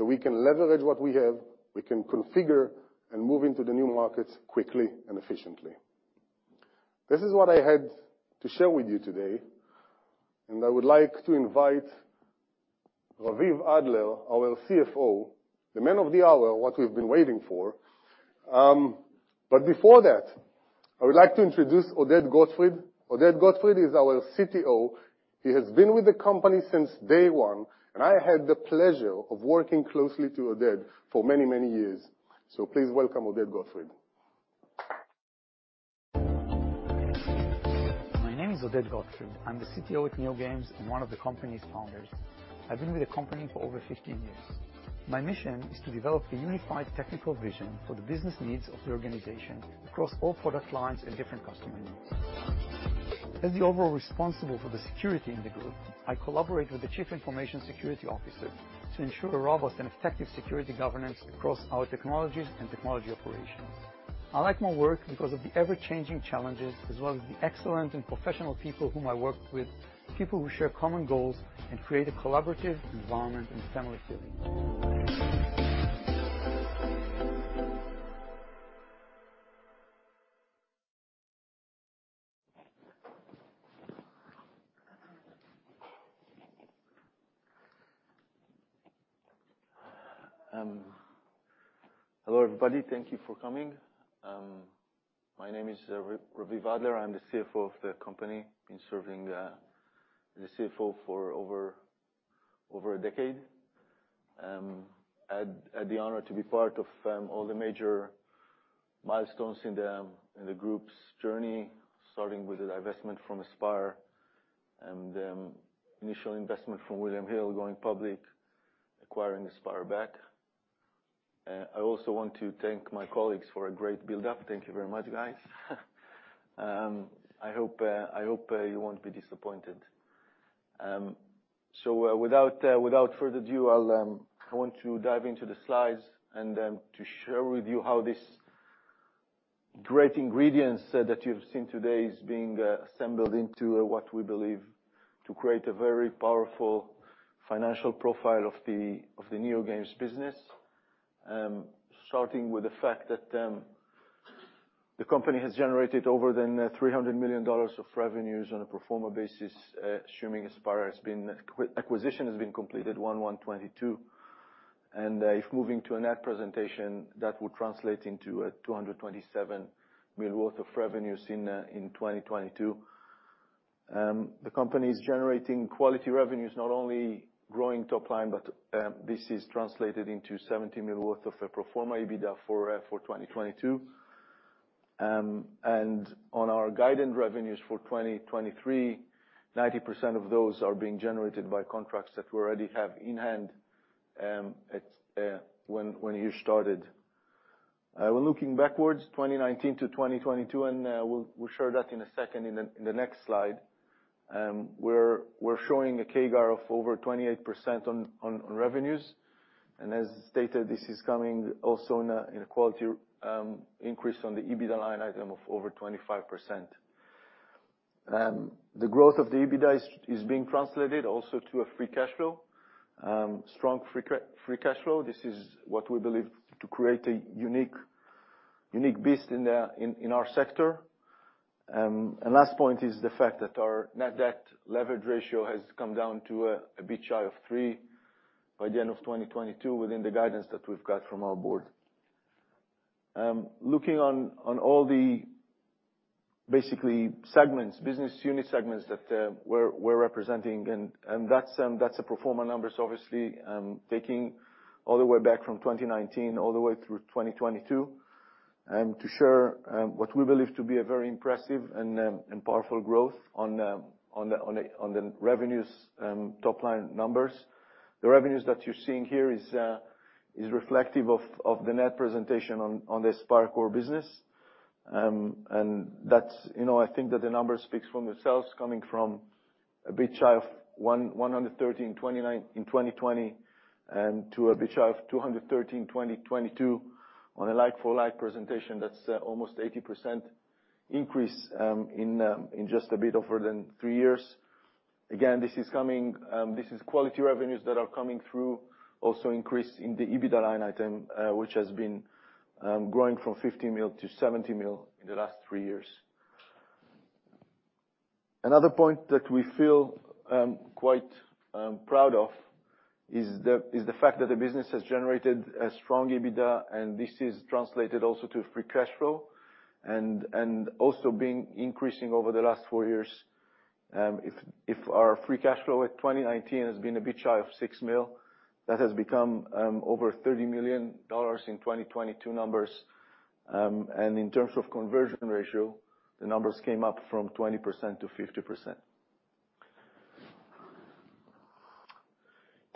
We can leverage what we have, we can configure and move into the new markets quickly and efficiently. This is what I had to share with you today, and I would like to invite Raviv Adler, our CFO, the man of the hour, what we've been waiting for. Before that, I would like to introduce Oded Gottfried. Oded Gottfried is our CTO. He has been with the company since day one, and I had the pleasure of working closely to Oded for many, many years. Please welcome Oded Gottfried. My name is Oded Gottfried. I'm the CTO at NeoGames and one of the company's founders. I've been with the company for over 15 years. My mission is to develop a unified technical vision for the business needs of the organization across all product lines and different customer needs. As the overall responsible for the security in the group, I collaborate with the chief information security officer to ensure a robust and effective security governance across our technologies and technology operations. I like my work because of the ever-changing challenges, as well as the excellent and professional people whom I work with, people who share common goals and create a collaborative environment and family feeling. Hello, everybody. Thank you for coming. My name is Raviv Adler. I'm the CFO of the company. Been serving as the CFO for over a decade. I had the honor to be part of all the major milestones in the group's journey, starting with the divestment from Aspire and initial investment from William Hill, going public, acquiring Aspire back. I also want to thank my colleagues for a great build-up. Thank you very much, guys. I hope you won't be disappointed. Without further ado, I'll want to dive into the slides and to share with you how this great ingredients that you've seen today is being assembled into what we believe to create a very powerful financial profile of the NeoGames business. Starting with the fact that the company has generated over $300 million of revenues on a pro forma basis, assuming Aspire acquisition has been completed 1/1/2022. If moving to a net presentation, that would translate into $227 million worth of revenues in 2022. The company is generating quality revenues, not only growing top line, but this is translated into $70 million worth of a pro forma EBITDA for 2022. On our guided revenues for 2023, 90% of those are being generated by contracts that we already have in hand, at when you started. Well looking backwards, 2019 to 2022, we'll share that in a second in the next slide. We're showing a CAGR of over 28% on revenues. As stated, this is coming also in a quality increase on the EBITDA line item of over 25%. The growth of the EBITDA is being translated also to a free cash flow. Strong free cash flow. This is what we believe to create a unique beast in the sector. Last point is the fact that our net debt leverage ratio has come down to EBITDA of 3 by the end of 2022 within the guidance that we've got from our board. Looking on all the basically segments, business unit segments that we're representing, that's a pro forma numbers, obviously, taking all the way back from 2019 all the way through 2022, to share what we believe to be a very impressive and powerful growth on the revenues, top-line numbers. The revenues that you're seeing here is reflective of the net presentation on the Aspire Core business. That's, you know, I think that the numbers speaks from itself coming from EBITDA of $113 in 2020, to EBITDA of $213 2022. On a like-for-like presentation, that's almost 80% increase in just a bit over than three years. Again, this is coming, this is quality revenues that are coming through, also increase in the EBITDA line item, which has been growing from $50 million-$70 million in the last three years. Another point that we feel quite proud of is the fact that the business has generated a strong EBITDA, and this is translated also to free cash flow and also being increasing over the last four years. If our free cash flow at 2019 has been EBITDA of $6 million, that has become over $30 million in 2022 numbers. And in terms of conversion ratio, the numbers came up from 20% to 50%.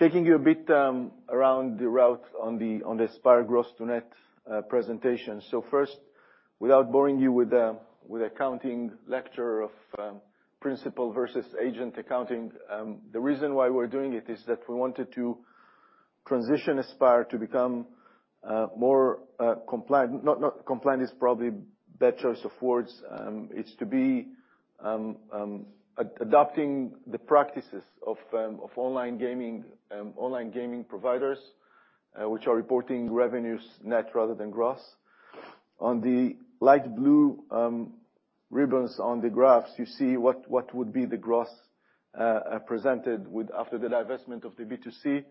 Taking you a bit around the route on the Aspire Global gross to net presentation. First, without boring you with accounting lecture of principle versus agent accounting, the reason why we're doing it is that we wanted to transition Aspire Global to become more compliant. Not compliant is probably better choice of words. It's to be adopting the practices of online gaming, online gaming providers, which are reporting revenues net rather than gross. On the light blue ribbons on the graphs, you see what would be the gross presented with after the divestment of the B2C,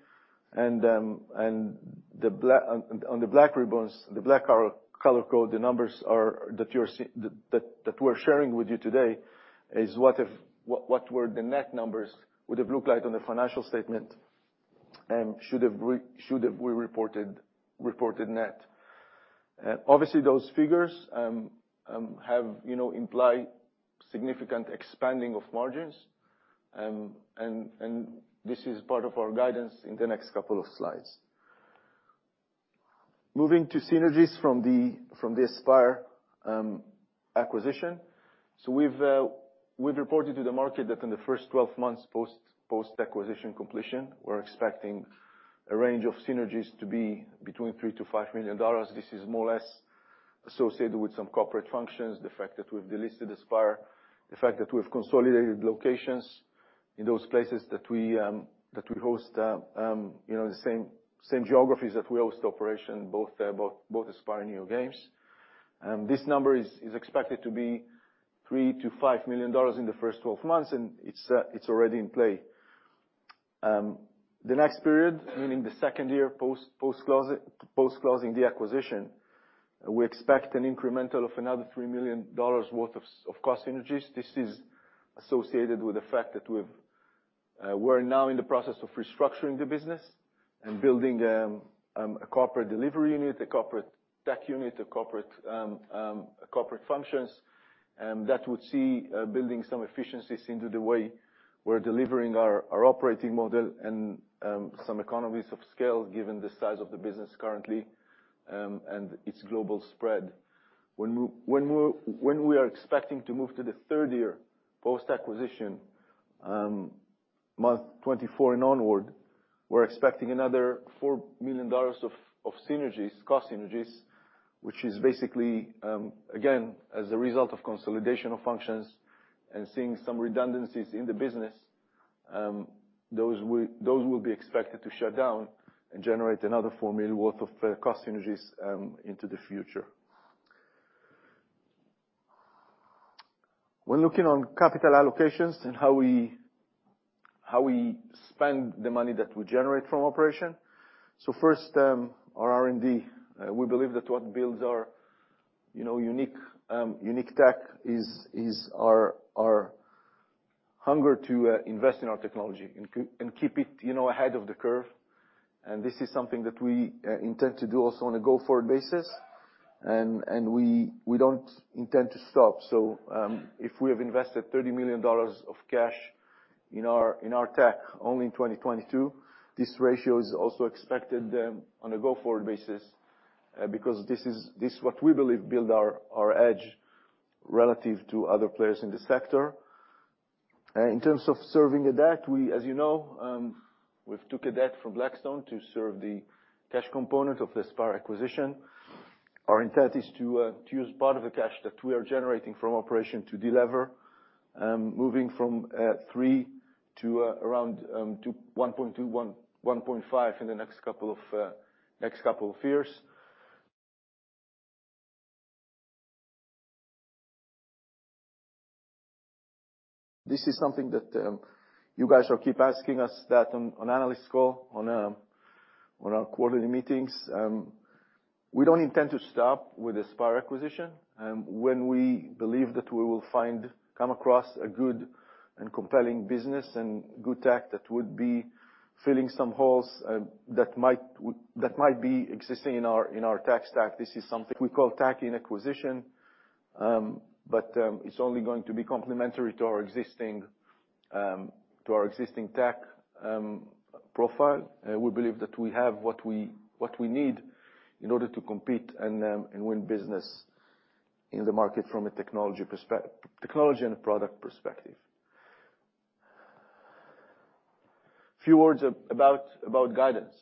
and on the black ribbons, the black color code, the numbers are... that we're sharing with you today is what if what were the net numbers with the blue light on the financial statement, should have we reported net. Obviously, those figures, you know, imply significant expanding of margins. This is part of our guidance in the next couple of slides. Moving to synergies from the Aspire acquisition. We've reported to the market that in the first 12 months post-acquisition completion, we're expecting a range of synergies to be between $3 million-$5 million. This is more or less associated with some corporate functions, the fact that we've delisted Aspire, the fact that we've consolidated locations in those places that we, that we host, you know, the same geographies that we host operation, both Aspire and NeoGames. This number is expected to be $3 million-$5 million in the first 12 months, and it's already in play. The next period, meaning the second year post-closing the acquisition, we expect an incremental of another $3 million worth of cost synergies. This is associated with the fact that we've, we're now in the process of restructuring the business and building a corporate delivery unit, a corporate tech unit, a corporate functions that would see building some efficiencies into the way we're delivering our operating model and some economies of scale given the size of the business currently and its global spread. When we are expecting to move to the third year post-acquisition, month 24 and onward, we're expecting another $4 million of synergies, cost synergies, which is basically again, as a result of consolidation of functions and seeing some redundancies in the business, those will be expected to shut down and generate another $4 million worth of cost synergies into the future. When looking on capital allocations and how we spend the money that we generate from operation. First, our R&D. We believe that what builds our, you know, unique tech is our hunger to invest in our technology and keep it, you know, ahead of the curve. This is something that we intend to do also on a go-forward basis. We don't intend to stop. If we have invested $30 million of cash in our tech only in 2022, this ratio is also expected on a go-forward basis, because this is what we believe build our edge relative to other players in the sector. In terms of serving a debt, we, as you know, we've took a debt from Blackstone to serve the cash component of the Aspire acquisition. Our intent is to use part of the cash that we are generating from operations to delever, moving from 3 to around 1.2, 1.5 in the next couple of years. This is something that you guys will keep asking us that on analyst call, on our quarterly meetings. We don't intend to stop with the Aspire acquisition. When we believe that we will come across a good and compelling business and good tech that would be filling some holes that might be existing in our tech stack. This is something we call tech in acquisition. It's only going to be complementary to our existing to our existing tech profile. We believe that we have what we need in order to compete and win business in the market from a technology and a product perspective. Few words about guidance.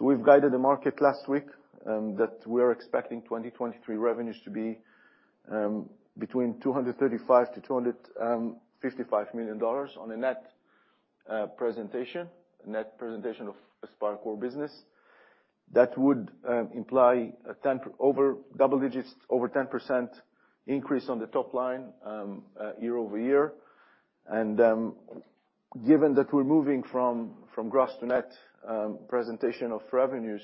We've guided the market last week that we're expecting 2023 revenues to be between $235 million-$255 million on a net presentation of Aspire Core business. That would imply over double digits, over 10% increase on the top line year-over-year. Given that we're moving from gross to net presentation of revenues,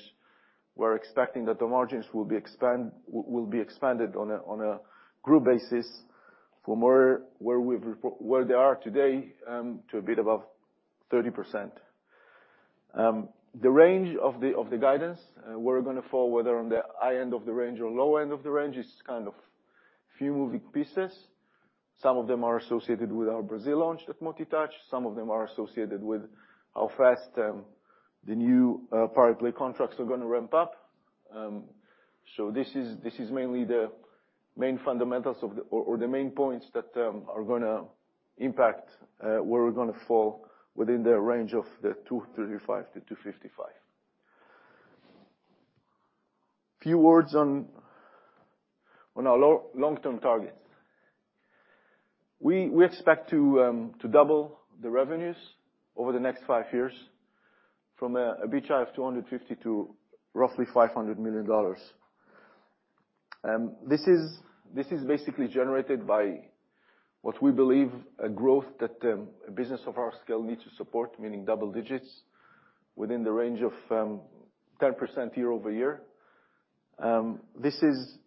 we're expecting that the margins will be expanded on a group basis from where they are today to a bit above 30%. The range of the guidance we're gonna fall whether on the high end of the range or low end of the range is kind of few moving pieces. Some of them are associated with our Brazil launch at Mato Grosso. Some of them are associated with how fast the new Power Play contracts are gonna ramp up. This is mainly the main fundamentals or the main points that are gonna impact where we're gonna fall within the range of the $235-$255. Few words on our long-term targets. We expect to double the revenues over the next five years from a beach high of $250 million to roughly $500 million. This is basically generated by what we believe a growth that a business of our scale needs to support, meaning double digits within the range of 10% year-over-year. This is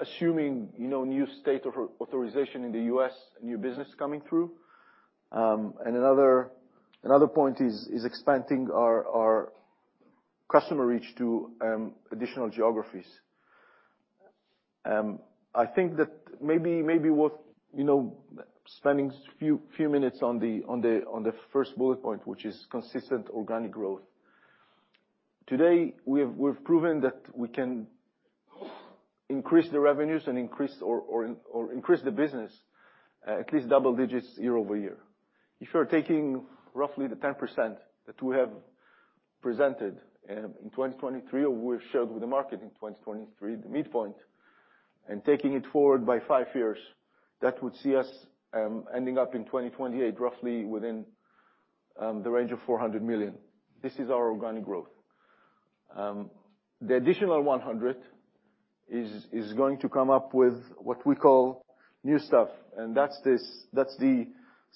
assuming, you know, new state authorization in the U.S., new business coming through. Another point is expanding our customer reach to additional geographies. I think that maybe worth, you know, spending few minutes on the first bullet point, which is consistent organic growth. Today, we've proven that we can increase the revenues and increase, or increase the business at least double digits year-over-year. If you're taking roughly the 10% that we have presented in 2023, or we've shared with the market in 2023, the midpoint, and taking it forward by five years, that would see us ending up in 2028, roughly within the range of $400 million. This is our organic growth. The additional $100 million is going to come up with what we call new stuff, and that's the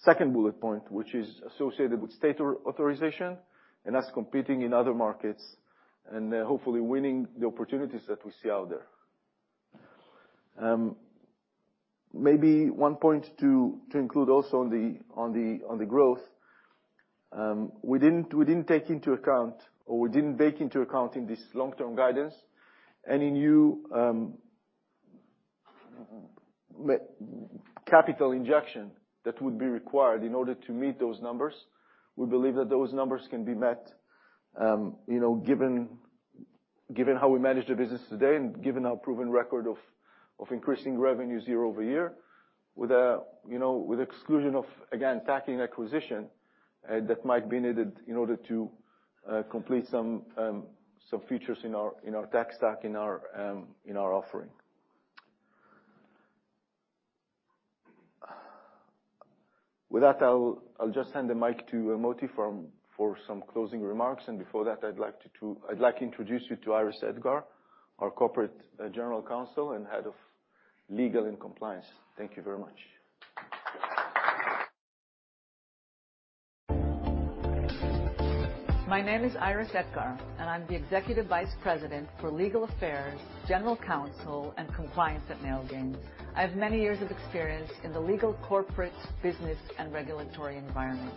second bullet point, which is associated with state authorization and us competing in other markets and, hopefully, winning the opportunities that we see out there. Maybe one point to include also on the growth, we didn't take into account, or we didn't bake into account in this long-term guidance any new capital injection that would be required in order to meet those numbers. We believe that those numbers can be met, you know, given how we manage the business today and given our proven record of increasing revenues year-over-year with a, you know, with exclusion of, again, tuck-in acquisition that might be needed in order to complete some features in our tech stack in our offering. With that, I'll just hand the mic to Moti for some closing remarks. Before that, I'd like to... I'd like to introduce you to Iris Etgar, our Corporate General Counsel and Head of Legal and Compliance. Thank you very much. My name is Iris Etgar, and I'm the Executive Vice President for Legal Affairs, General Counsel, and Compliance at NeoGames. I have many years of experience in the legal corporate business and regulatory environments.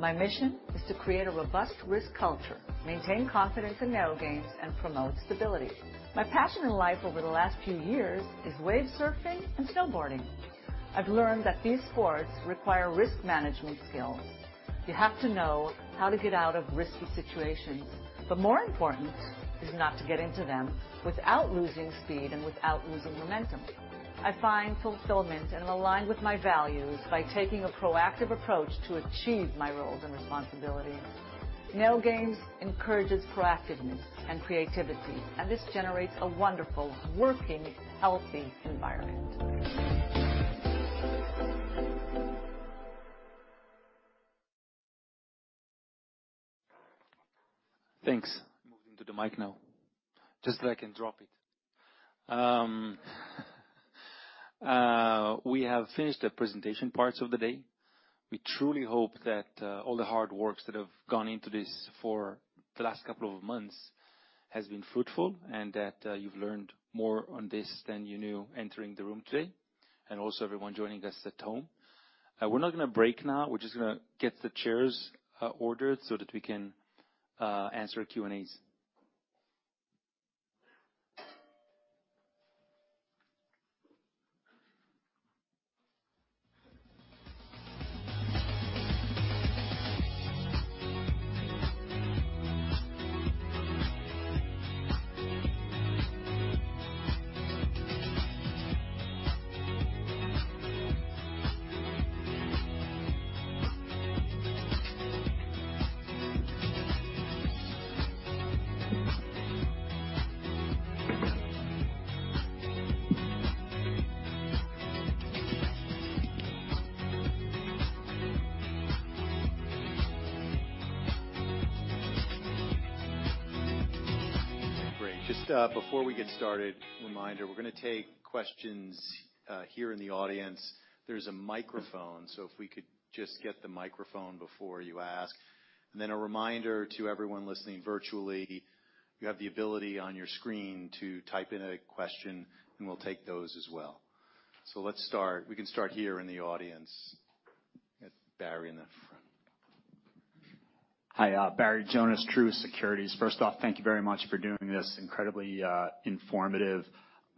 My mission is to create a robust risk culture, maintain confidence in NeoGames, and promote stability. My passion in life over the last few years is wave surfing and snowboarding. I've learned that these sports require risk management skills. You have to know how to get out of risky situations, but more important is not to get into them without losing speed and without losing momentum. I find fulfillment and align with my values by taking a proactive approach to achieve my roles and responsibilities. NeoGames encourages proactiveness and creativity, this generates a wonderful working, healthy environment. Thanks. Moving to the mic now, just so I can drop it. We have finished the presentation parts of the day. We truly hope that all the hard works that have gone into this for the last couple of months has been fruitful and that you've learned more on this than you knew entering the room today and also everyone joining us at home. We're not gonna break now. We're just gonna get the chairs ordered so that we can answer Q&As. Great. Just, before we get started, a reminder, we're gonna take questions here in the audience. There's a microphone, so if we could just get the microphone before you ask. A reminder to everyone listening virtually, you have the ability on your screen to type in a question, and we'll take those as well. Let's start. We can start here in the audience. That's Barry in the front. Hi. Barry Jonas, Truist Securities. First off, thank you very much for doing this. Incredibly informative.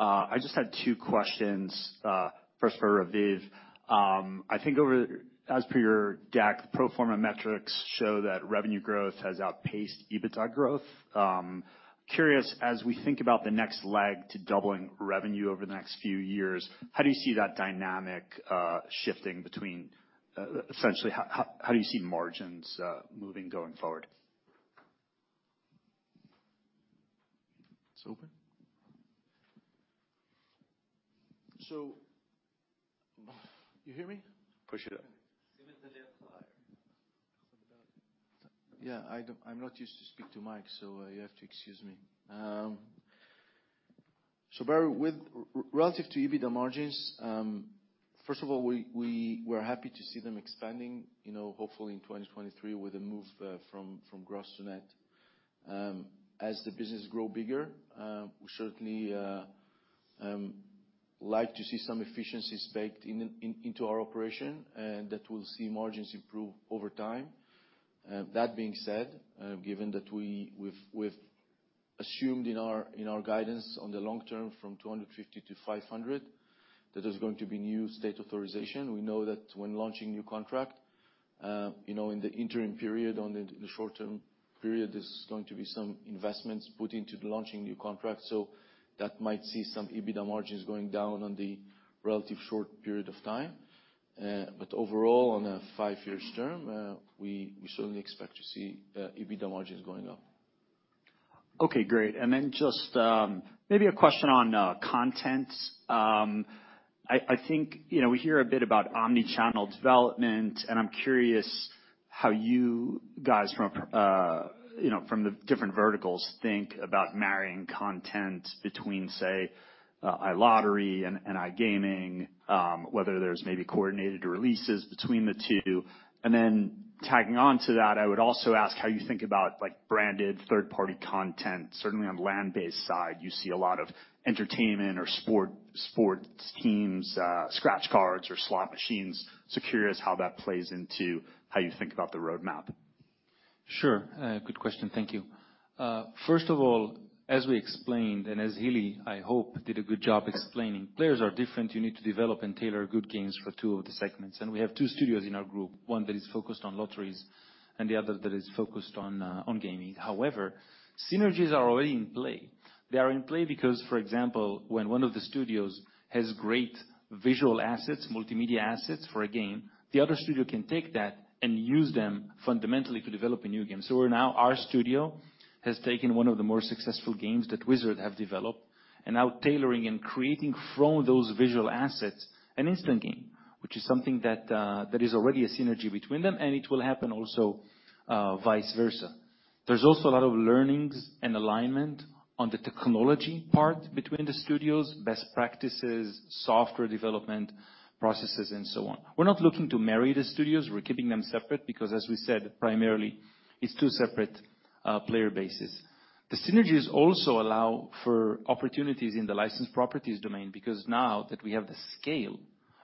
I just had two questions, first for Raviv. I think as per your deck, pro forma metrics show that revenue growth has outpaced EBITDA growth. Curious, as we think about the next leg to doubling revenue over the next few years, how do you see that dynamic shifting between, essentially how do you see margins moving going forward? It's open. You hear me? Push it up. Simultaneously higher. Yeah. I don't I'm not used to speak to mic, you have to excuse me. Barry, with relative to EBITDA margins, first of all, we were happy to see them expanding, you know, hopefully in 2023 with a move from gross to net. As the business grow bigger, we certainly like to see some efficiencies baked into our operation, that will see margins improve over time. That being said, given that we've assumed in our guidance on the long term from 250 to 500, that there's going to be new state authorization. We know that when launching new contract, you know, in the interim period, on the short-term period, there's going to be some investments put into the launching new contract. That might see some EBITDA margins going down on the relative short period of time. Overall, on a five years term, we certainly expect to see EBITDA margins going up. Okay, great. Just maybe a question on content. I think, you know, we hear a bit about omnichannel development, and I'm curious how you guys from, you know, from the different verticals think about marrying content between, say, iLottery and iGaming, whether there's maybe coordinated releases between the two. Tagging on to that, I would also ask how you think about, like, branded third-party content. Certainly on land-based side, you see a lot of entertainment or sports teams, scratch cards or slot machines. Curious how that plays into how you think about the roadmap. Sure. Good question. Thank you. First of all, as we explained, and as Hili, I hope, did a good job explaining, players are different. You need to develop and tailor good games for two of the segments. We have two studios in our group, one that is focused on lotteries and the other that is focused on gaming. Synergies are already in play. They are in play because, for example, when one of the studios has great visual assets, multimedia assets for a game, the other studio can take that and use them fundamentally to develop a new game. Now our studio has taken one of the more successful games that Wizard have developed, and now tailoring and creating from those visual assets an instant game, which is something that is already a synergy between them, and it will happen also vice versa. There's also a lot of learnings and alignment on the technology part between the studios, best practices, software development processes, and so on. We're not looking to marry the studios. We're keeping them separate because as we said, primarily it's two separate player bases. The synergies also allow for opportunities in the licensed properties domain, because now that we have the scale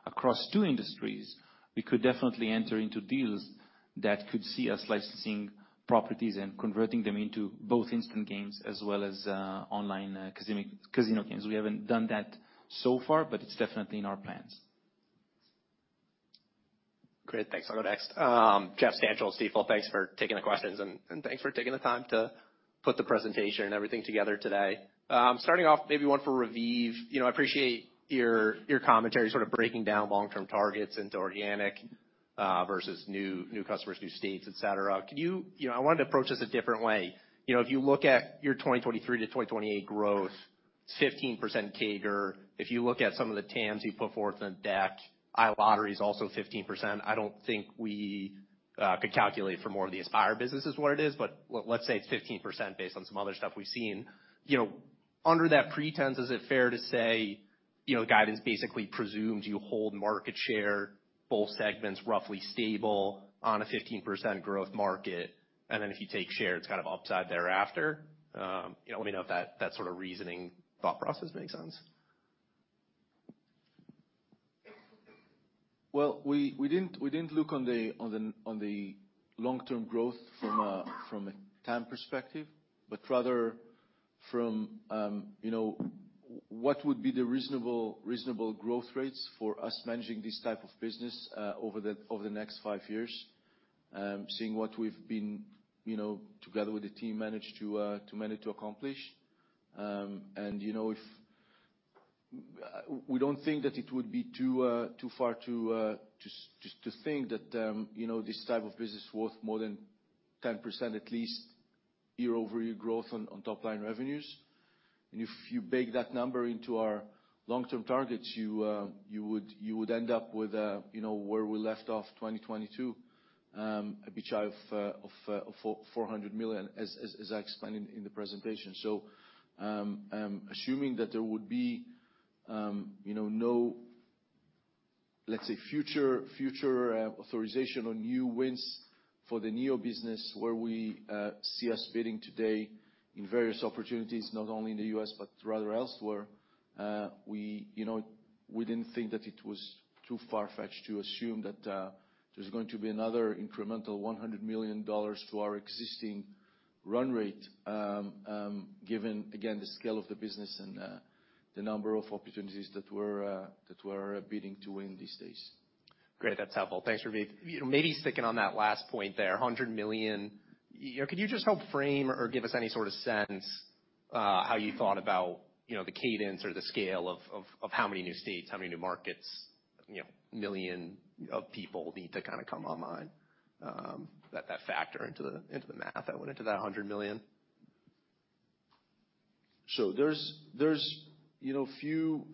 across two industries, we could definitely enter into deals that could see us licensing properties and converting them into both instant games as well as online casino games. We haven't done that so far, but it's definitely in our plans. Great. Thanks. I'll go next. Jeff Stantial, Stifel. Thanks for taking the questions and thanks for taking the time to put the presentation and everything together today. Starting off, maybe one for Raviv. You know, I appreciate your commentary, sort of breaking down long-term targets into organic, versus new customers, new states, etc. You know, I wanted to approach this a different way. You know, if you look at your 2023 to 2028 growth, it's 15% CAGR. If you look at some of the TAMs you put forth in the deck, iLottery is also 15%. I don't think we could calculate for more of the Aspire businesses where it is, but let's say it's 15% based on some other stuff we've seen. You know, under that pretense, is it fair to say, you know, guidance basically presumes you hold market share, both segments roughly stable on a 15% growth market, and then if you take share, it's kind of upside thereafter? You know, let me know if that sort of reasoning thought process makes sense. Well, we didn't look on the long-term growth from a TAM perspective, but rather from, you know, what would be the reasonable growth rates for us managing this type of business over the next five years. Seeing what we've been, you know, together with the team, managed to manage to accomplish. You know, we don't think that it would be too far to think that, you know, this type of business worth more than 10% at least year-over-year growth on top line revenues. If you bake that number into our long-term targets, you would end up with a, you know, where we left off 2022, EBITDA of $400 million, as I explained in the presentation. Assuming that there would be, you know, no, let's say, future authorization on new wins for the NeoGames business, where we see us bidding today in various opportunities, not only in the U.S., but rather elsewhere, we, you know, we didn't think that it was too far-fetched to assume that there's going to be another incremental $100 million to our existing run rate, given, again, the scale of the business and the number of opportunities that we're bidding to win these days. Great. That's helpful. Thanks, Raviv. You know, maybe sticking on that last point there, $100 million. You know, could you just help frame or give us any sort of sense, how you thought about, you know, the cadence or the scale of how many new states, how many new markets, you know, million of people need to kinda come online, that factor into the, into the math that went into that $100 million? There's, you know, few,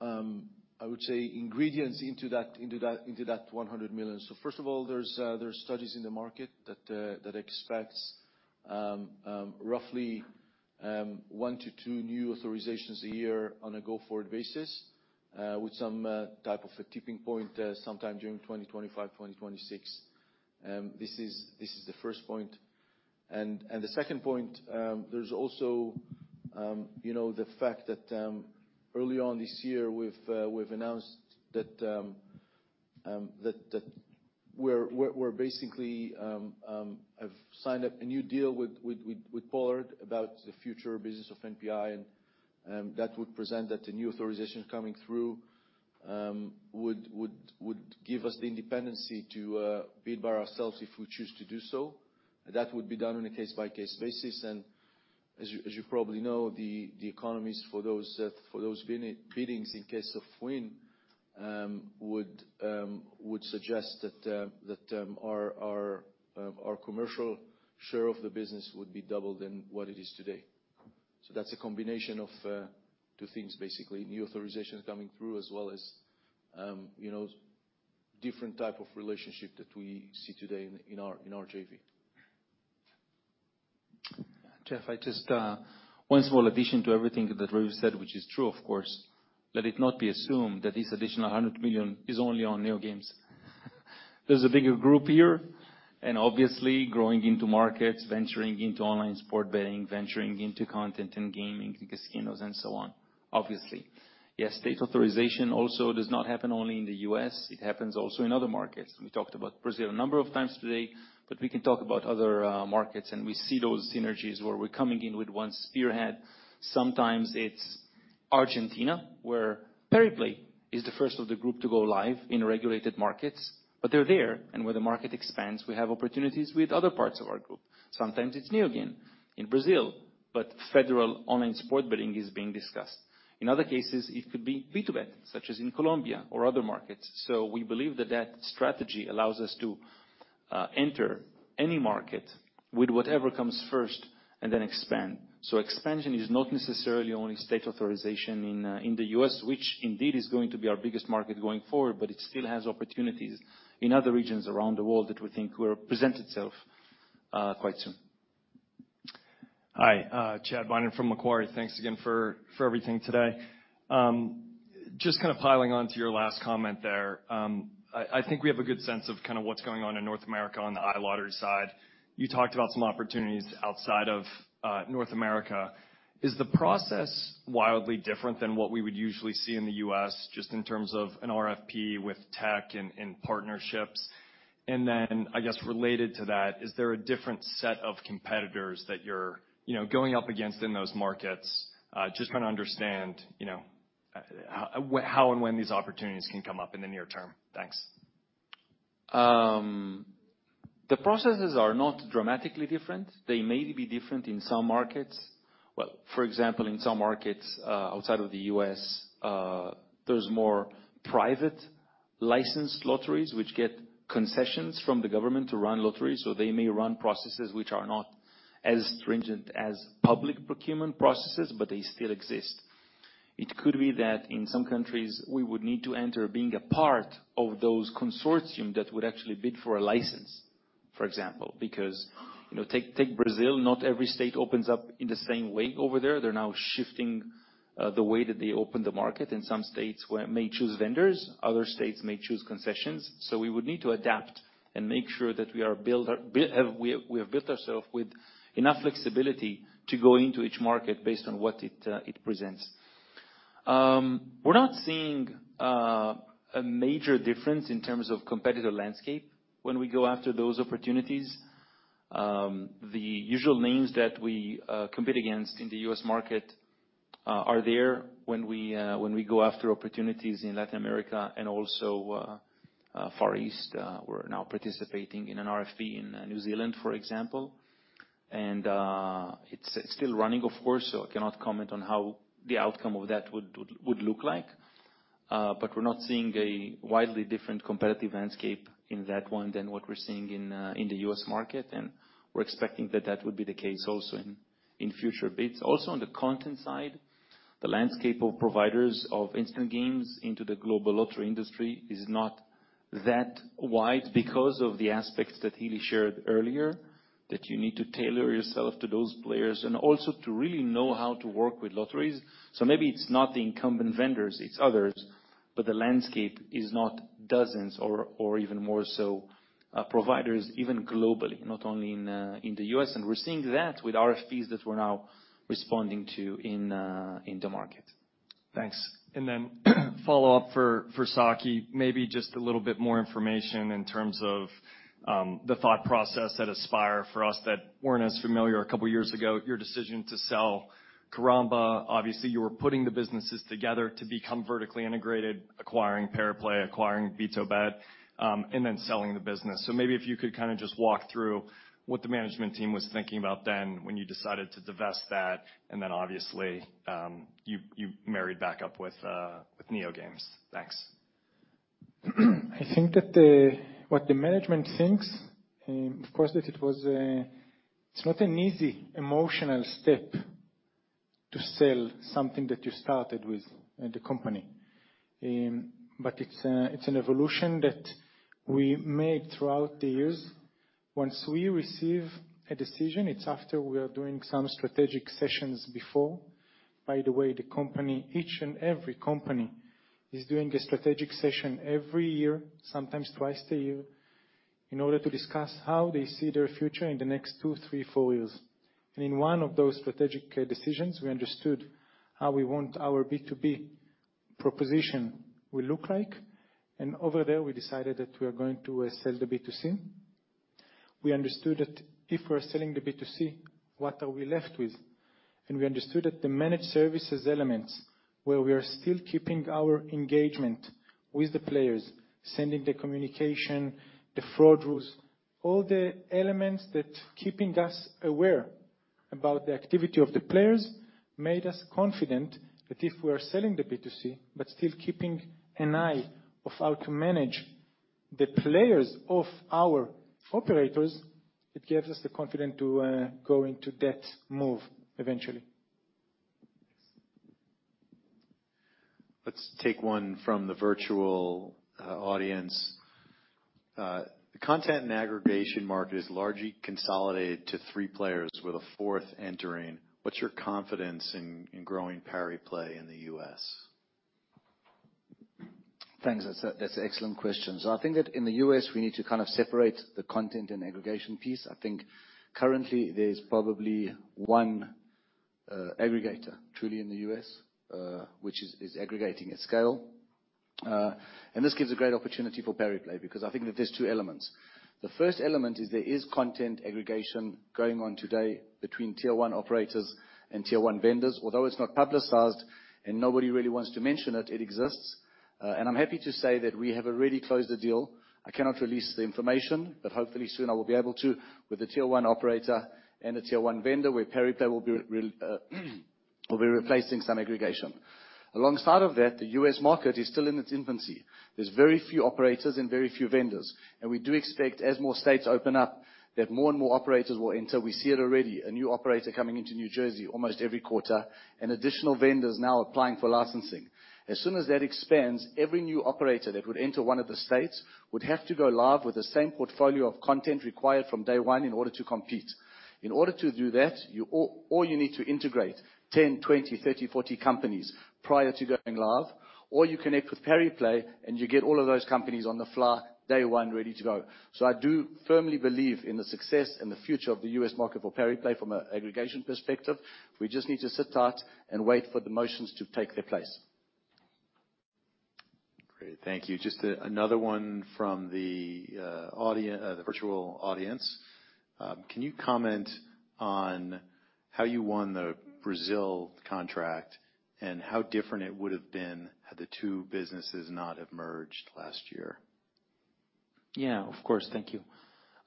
I would say, ingredients into that $100 million. First of all, there's studies in the market that expects roughly one to two new authorizations a year on a go-forward basis, with some type of a tipping point sometime during 2025, 2026. This is the first point. The second point, there's also, you know, the fact that early on this year, we've announced that that we're basically have signed up a new deal with Pollard about the future business of NPI, that would present that the new authorization coming through, would give us the independency to bid by ourselves if we choose to do so. That would be done on a case-by-case basis. As you probably know, the economies for those for those biddings in case of win, would suggest that our commercial share of the business would be double than what it is today. That's a combination of two things, basically. New authorizations coming through, as well as, you know, different type of relationship that we see today in our JV. Jeff, I just one small addition to everything that Raviv said, which is true, of course. Let it not be assumed that this additional $100 million is only on NeoGames. There's a bigger group here, and obviously growing into markets, venturing into online sport betting, venturing into content and gaming, casinos, and so on, obviously. State authorization also does not happen only in the U.S., it happens also in other markets. We talked about Brazil a number of times today, but we can talk about other markets, and we see those synergies where we're coming in with one spearhead. Sometimes it's Argentina, where Pariplay is the first of the group to go live in regulated markets, but they're there. Where the market expands, we have opportunities with other parts of our group. Sometimes it's NeoGames in Brazil, but federal online sport betting is being discussed. In other cases, it could be BtoBet, such as in Colombia or other markets. We believe that that strategy allows us to enter any market with whatever comes first, and then expand. Expansion is not necessarily only state authorization in the U.S., which indeed is going to be our biggest market going forward, but it still has opportunities in other regions around the world that we think will present itself quite soon. Hi, Chad Beynon from Macquarie. Thanks again for everything today. Just kind of piling on to your last comment there. I think we have a good sense of kinda what's going on in North America on the iLottery side. You talked about some opportunities outside of North America. Is the process wildly different than what we would usually see in the U.S., just in terms of an RFP with tech and partnerships? I guess related to that, is there a different set of competitors that you're, you know, going up against in those markets? Just trying to understand, you know, how and when these opportunities can come up in the near term. Thanks. The processes are not dramatically different. They may be different in some markets. Well, for example, in some markets, outside of the U.S., there's more private licensed lotteries which get concessions from the government to run lotteries. They may run processes which are not as stringent as public procurement processes, but they still exist. It could be that in some countries, we would need to enter being a part of those consortium that would actually bid for a license, for example. Because, you know, take Brazil, not every state opens up in the same way over there. They're now shifting the way that they open the market. In some states where it may choose vendors, other states may choose concessions. We would need to adapt and make sure that we have built ourselves with enough flexibility to go into each market based on what it presents. We're not seeing a major difference in terms of competitive landscape when we go after those opportunities. The usual names that we compete against in the U.S. market are there when we go after opportunities in Latin America and also Far East. We're now participating in an RFP in New Zealand, for example. It's still running, of course, so I cannot comment on how the outcome of that would look like. We're not seeing a widely different competitive landscape in that one than what we're seeing in the U.S. market. We're expecting that that would be the case also in future bids. On the content side, the landscape of providers of instant games into the global lottery industry is not that wide because of the aspects that Hili shared earlier, that you need to tailor yourself to those players and also to really know how to work with lotteries. Maybe it's not the incumbent vendors, it's others, but the landscape is not dozens or even more so, providers, even globally, not only in the U.S. We're seeing that with RFPs that we're now responding to in the market. Thanks. Follow-up for Tsachi. Maybe just a little bit more information in terms of the thought process at Aspire for us that weren't as familiar a couple years ago, your decision to sell Karamba. Obviously, you were putting the businesses together to become vertically integrated, acquiring Pariplay, acquiring BtoBet, and then selling the business. If you could kinda just walk through what the management team was thinking about then when you decided to divest that. Obviously, you married back up with NeoGames. Thanks. I think what the management thinks, of course, that it was, it's not an easy emotional step to sell something that you started with in the company. It's, it's an evolution that we made throughout the years. Once we receive a decision, it's after we are doing some strategic sessions before. By the way, the company, each and every company is doing a strategic session every year, sometimes twice a year, in order to discuss how they see their future in the next two, three, four years. In one of those strategic decisions, we understood how we want our B2B proposition will look like. Over there, we decided that we are going to sell the B2C. We understood that if we're selling the B2C, what are we left with? We understood that the managed services elements, where we are still keeping our engagement with the players, sending the communication, the fraud rules, all the elements that keeping us aware about the activity of the players, made us confident that if we are selling the B2C, but still keeping an eye of how to manage the players of our operators, it gives us the confidence to go into that move eventually. Let's take one from the virtual audience. The content and aggregation market is largely consolidated to three players with a fourth entering. What's your confidence in growing Pariplay in the U.S.? Thanks. That's an excellent question. I think that in the U.S., we need to kind of separate the content and aggregation piece. I think currently there's probably one aggregator truly in the U.S., which is aggregating at scale. This gives a great opportunity for Pariplay because I think that there's two elements. The first element is there is content aggregation going on today between tier one operators and tier one vendors. Although it's not publicized and nobody really wants to mention it exists. I'm happy to say that we have already closed the deal. I cannot release the information, hopefully soon I will be able to with a tier one operator and a tier one vendor, where Pariplay will be replacing some aggregation. Alongside of that, the U.S. market is still in its infancy. There's very few operators and very few vendors. We do expect, as more states open up, that more and more operators will enter. We see it already. A new operator coming into New Jersey almost every quarter, additional vendors now applying for licensing. As soon as that expands, every new operator that would enter one of the states would have to go live with the same portfolio of content required from day one in order to compete. In order to do that, all you need to integrate 10, 20, 30, 40 companies prior to going live, or you connect with Pariplay and you get all of those companies on the fly, day one, ready to go. I do firmly believe in the success and the future of the U.S. market for Pariplay from an aggregation perspective. We just need to sit tight and wait for the motions to take their place. Great. Thank you. Just, another one from the virtual audience. Can you comment on how you won the Brazil contract and how different it would've been had the two businesses not have merged last year? Yeah. Of course. Thank you.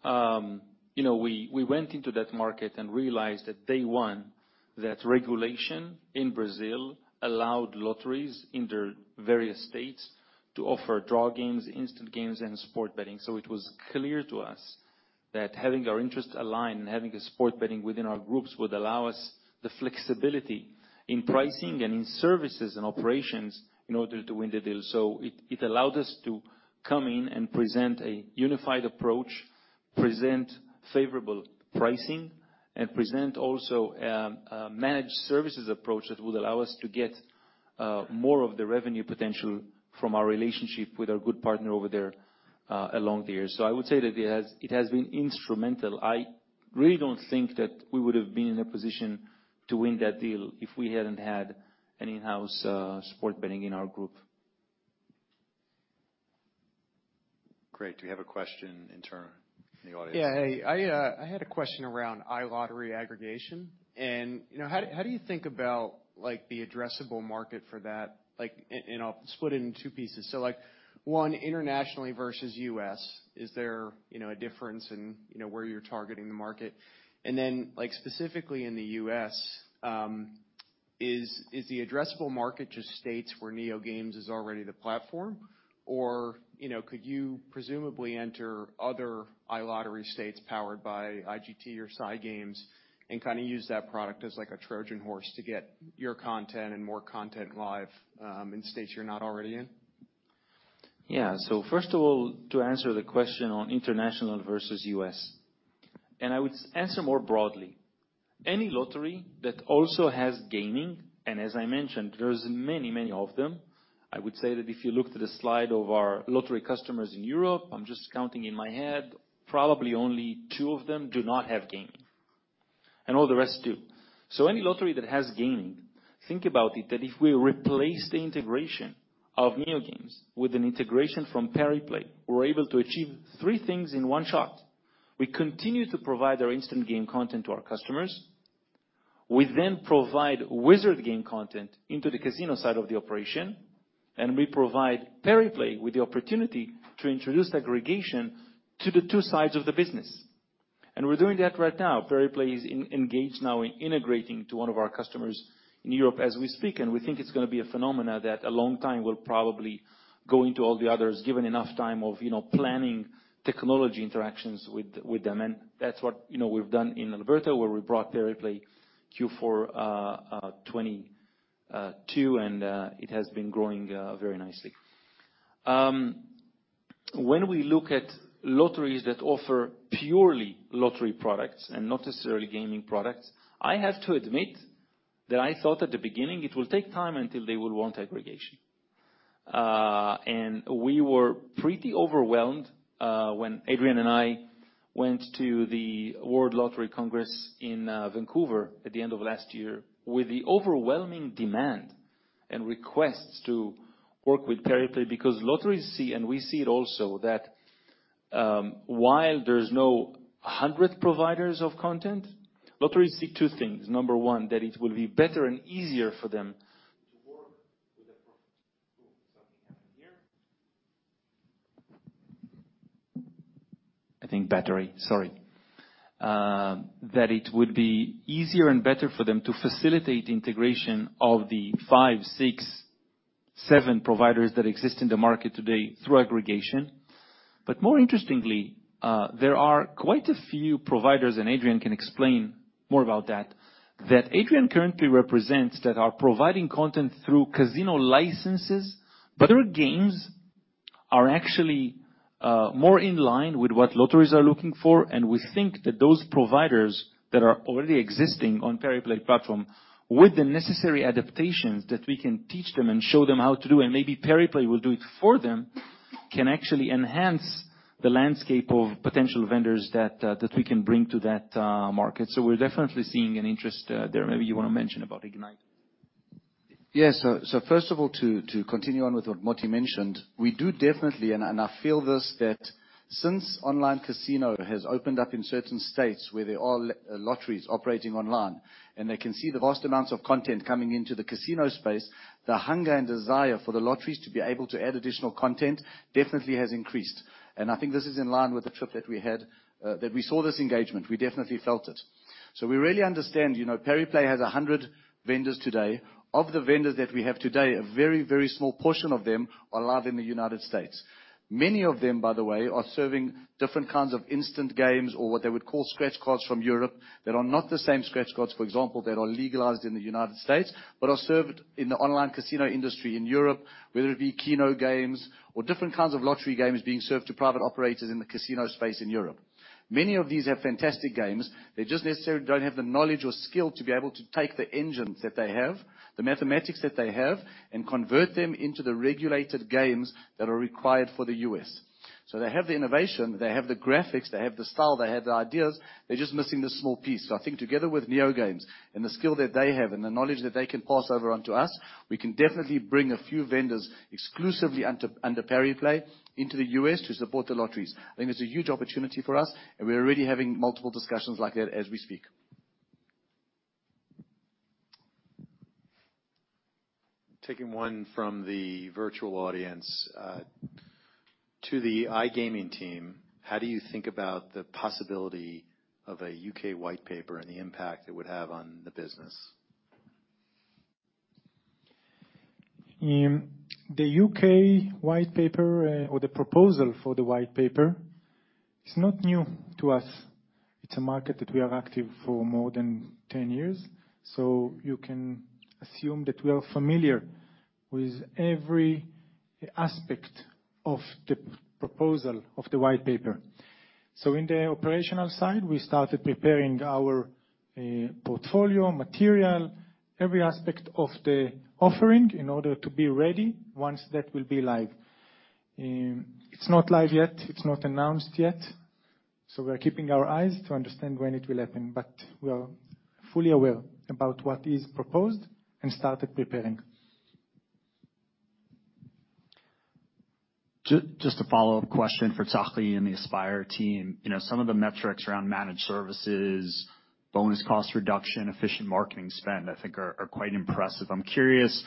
you know, we went into that market and realized at day one that regulation in Brazil allowed lotteries in their various states to offer draw games, instant games, and sports betting. It was clear to us that having our interests aligned and having a sports betting within our groups would allow us the flexibility in pricing and in services and operations in order to win the deal. It allowed us to come in and present a unified approach, present favorable pricing, and present also a managed services approach that would allow us to get more of the revenue potential from our relationship with our good partner over there along the years. I would say that it has been instrumental. I really don't think that we would've been in a position to win that deal if we hadn't had an in-house, sports betting in our group. Great. Do we have a question in turn from the audience? Yeah. Hey, I had a question around iLottery aggregation. You know, how do you think about, like, the addressable market for that? Like, and I'll split it in two pieces. So, like, one, internationally versus U.S., is there, you know, a difference in, you know, where you're targeting the market? Then, like, specifically in the U.S. Is the addressable market just states where NeoGames is already the platform? Or, you know, could you presumably enter other iLottery states powered by IGT or SciGames and kind of use that product as like a Trojan horse to get your content and more content live in states you're not already in? Yeah. First of all, to answer the question on international versus U.S., I would answer more broadly. Any lottery that also has gaming, and as I mentioned, there's many of them. I would say that if you look at the slide of our lottery customers in Europe, I'm just counting in my head, probably only two of them do not have gaming, and all the rest do. Any lottery that has gaming, think about it, that if we replace the integration of NeoGames with an integration from Pariplay, we're able to achieve three things in one shot. We continue to provide our instant game content to our customers. We then provide Wizard Game content into the casino side of the operation, and we provide Pariplay with the opportunity to introduce aggregation to the two sides of the business. We're doing that right now. Pariplay is engaged now in integrating to one of our customers in Europe as we speak. We think it's gonna be a phenomena that a long time will probably go into all the others, given enough time of, you know, planning technology interactions with them. That's what, you know, we've done in Alberta, where we brought Pariplay Q4 2022, and it has been growing very nicely. When we look at lotteries that offer purely lottery products and not necessarily gaming products, I have to admit that I thought at the beginning it will take time until they will want aggregation. We were pretty overwhelmed when Adrian and I went to the World Lottery Summit in Vancouver at the end of last year with the overwhelming demand and requests to work with Pariplay because lotteries see, and we see it also, that, while there's no 100 providers of content, lotteries see two things. Number one, that it will be better and easier for them to work with a perfect. Something happened here. I think battery. Sorry. That it would be easier and better for them to facilitate integration of the five, six, seven providers that exist in the market today through aggregation. More interestingly, there are quite a few providers, and Adrian can explain more about that Adrian currently represents that are providing content through casino licenses, but their games are actually more in line with what lotteries are looking for, and we think that those providers that are already existing on Pariplay platform, with the necessary adaptations that we can teach them and show them how to do, and maybe Pariplay will do it for them, can actually enhance the landscape of potential vendors that we can bring to that market. We're definitely seeing an interest there. Maybe you wanna mention about Ignite. Yeah. First of all, to continue on with what Moti mentioned, we do definitely, and I feel this, that since online casino has opened up in certain states where there are lotteries operating online, and they can see the vast amounts of content coming into the casino space, the hunger and desire for the lotteries to be able to add additional content definitely has increased. I think this is in line with the trip that we had that we saw this engagement. We definitely felt it. We really understand, you know, Pariplay has 100 vendors today. Of the vendors that we have today, a very small portion of them are live in the United States. Many of them, by the way, are serving different kinds of instant games or what they would call scratch cards from Europe that are not the same scratch cards, for example, that are legalized in the United States, but are served in the online casino industry in Europe, whether it be keno games or different kinds of lottery games being served to private operators in the casino space in Europe. Many of these have fantastic games. They just necessarily don't have the knowledge or skill to be able to take the engines that they have, the mathematics that they have, and convert them into the regulated games that are required for the U.S. They have the innovation, they have the graphics, they have the style, they have the ideas. They're just missing this small piece. I think together with NeoGames and the skill that they have and the knowledge that they can pass over onto us, we can definitely bring a few vendors exclusively under Pariplay into the U.S. to support the lotteries. I think there's a huge opportunity for us, and we're already having multiple discussions like that as we speak. Taking one from the virtual audience, to the iGaming team, how do you think about the possibility of a U.K. White Paper and the impact it would have on the business? The U.K. White Paper, or the proposal for the White Paper is not new to us. It's a market that we are active for more than 10 years. You can assume that we are familiar with every aspect of the proposal of the White Paper. In the operational side, we started preparing our portfolio material, every aspect of the offering in order to be ready once that will be live. It's not live yet. It's not announced yet. We are keeping our eyes to understand when it will happen, but we are fully aware about what is proposed and started preparing. Just a follow-up question for Tsachi and the Aspire team. You know, some of the metrics around managed services, bonus cost reduction, efficient marketing spend, I think are quite impressive. I'm curious,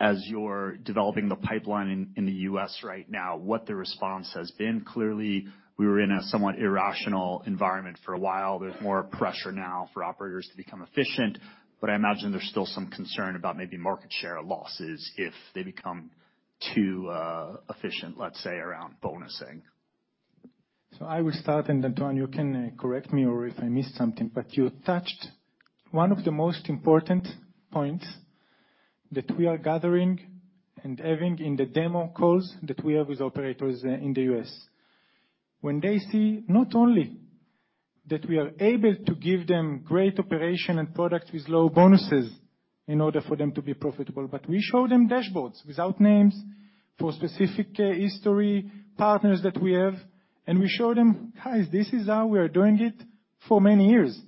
as you're developing the pipeline in the U.S. right now, what the response has been. Clearly, we were in a somewhat irrational environment for a while. There's more pressure now for operators to become efficient, but I imagine there's still some concern about maybe market share losses if they become too efficient, let's say, around bonusing. I will start, and Antoine, you can correct me or if I miss something, but you touched one of the most important points that we are gathering and having in the demo calls that we have with operators in the U.S. When they see not only that we are able to give them great operation and product with low bonuses in order for them to be profitable, but we show them dashboards without names for specific history partners that we have, and we show them, "Guys, this is how we are doing it for many years."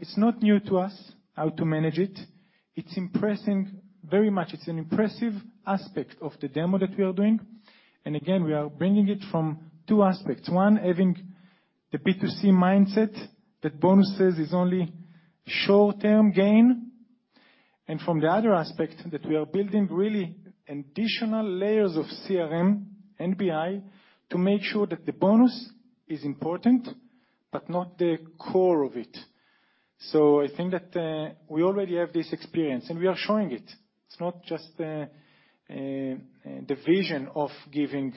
It's not new to us how to manage it. It's impressing very much. It's an impressive aspect of the demo that we are doing. Again, we are bringing it from two aspects. One, having the B2C mindset that bonuses is only short-term gain, and from the other aspect that we are building really additional layers of CRM, NBI, to make sure that the bonus is important, but not the core of it. I think that we already have this experience, and we are showing it. It's not just the vision of giving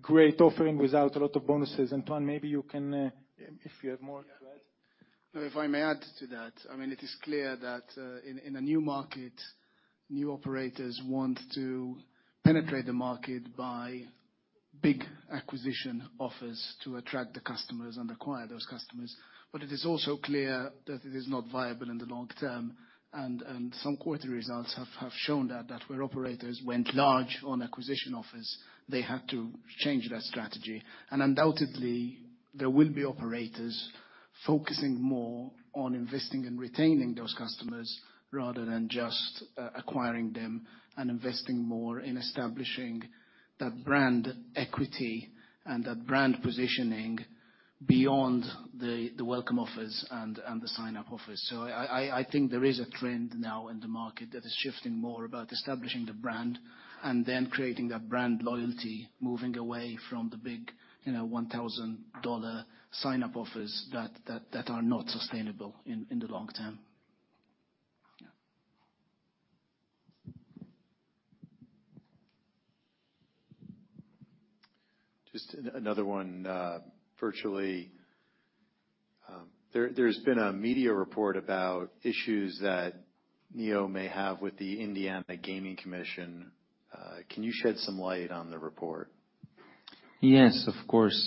great offering without a lot of bonuses. Antoine, maybe you can, if you have more to add. Yeah. If I may add to that, I mean, it is clear that in a new market, new operators want to penetrate the market by big acquisition offers to attract the customers and acquire those customers. It is also clear that it is not viable in the long term, and some quarter results have shown that where operators went large on acquisition offers, they had to change their strategy. Undoubtedly, there will be operators focusing more on investing in retaining those customers rather than just acquiring them and investing more in establishing that brand equity and that brand positioning beyond the welcome offers and the sign-up offers. I think there is a trend now in the market that is shifting more about establishing the brand and then creating that brand loyalty, moving away from the big, you know, $1,000 sign-up offers that are not sustainable in the long term. Yeah. Just another one, virtually. There's been a media report about issues that Neo may have with the Indiana Gaming Commission. Can you shed some light on the report? Yes, of course.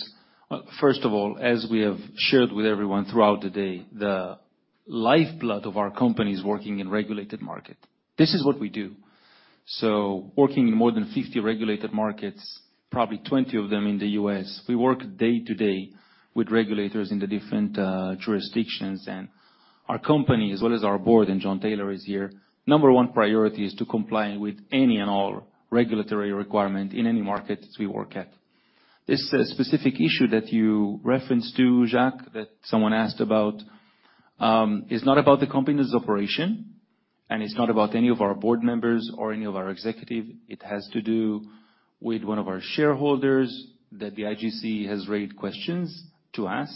Well, first of all, as we have shared with everyone throughout the day, the lifeblood of our company is working in regulated market. This is what we do. Working in more than 50 regulated markets, probably 20 of them in the U.S., we work day to day with regulators in the different jurisdictions. Our company, as well as our board, and John Taylor is here, number one priority is to comply with any and all regulatory requirement in any market we work at. This specific issue that you referenced to, Jack, that someone asked about, is not about the company's operation and it's not about any of our board members or any of our executive. It has to do with one of our shareholders that the IGC has raised questions to us.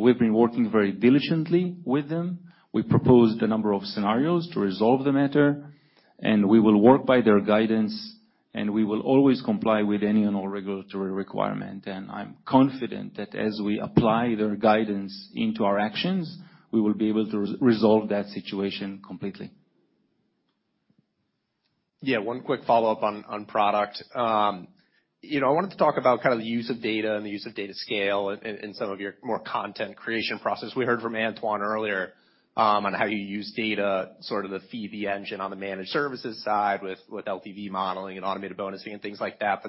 We've been working very diligently with them. We proposed a number of scenarios to resolve the matter. We will work by their guidance, and we will always comply with any and all regulatory requirement. I'm confident that as we apply their guidance into our actions, we will be able to resolve that situation completely. Yeah. One quick follow-up on product. you know, I wanted to talk about kind of the use of data and the use of data scale in, in some of your more content creation process. We heard from Antoine earlier, on how you use data, sort of the feed the engine on the managed services side with LTV modeling and automated bonusing and things like that.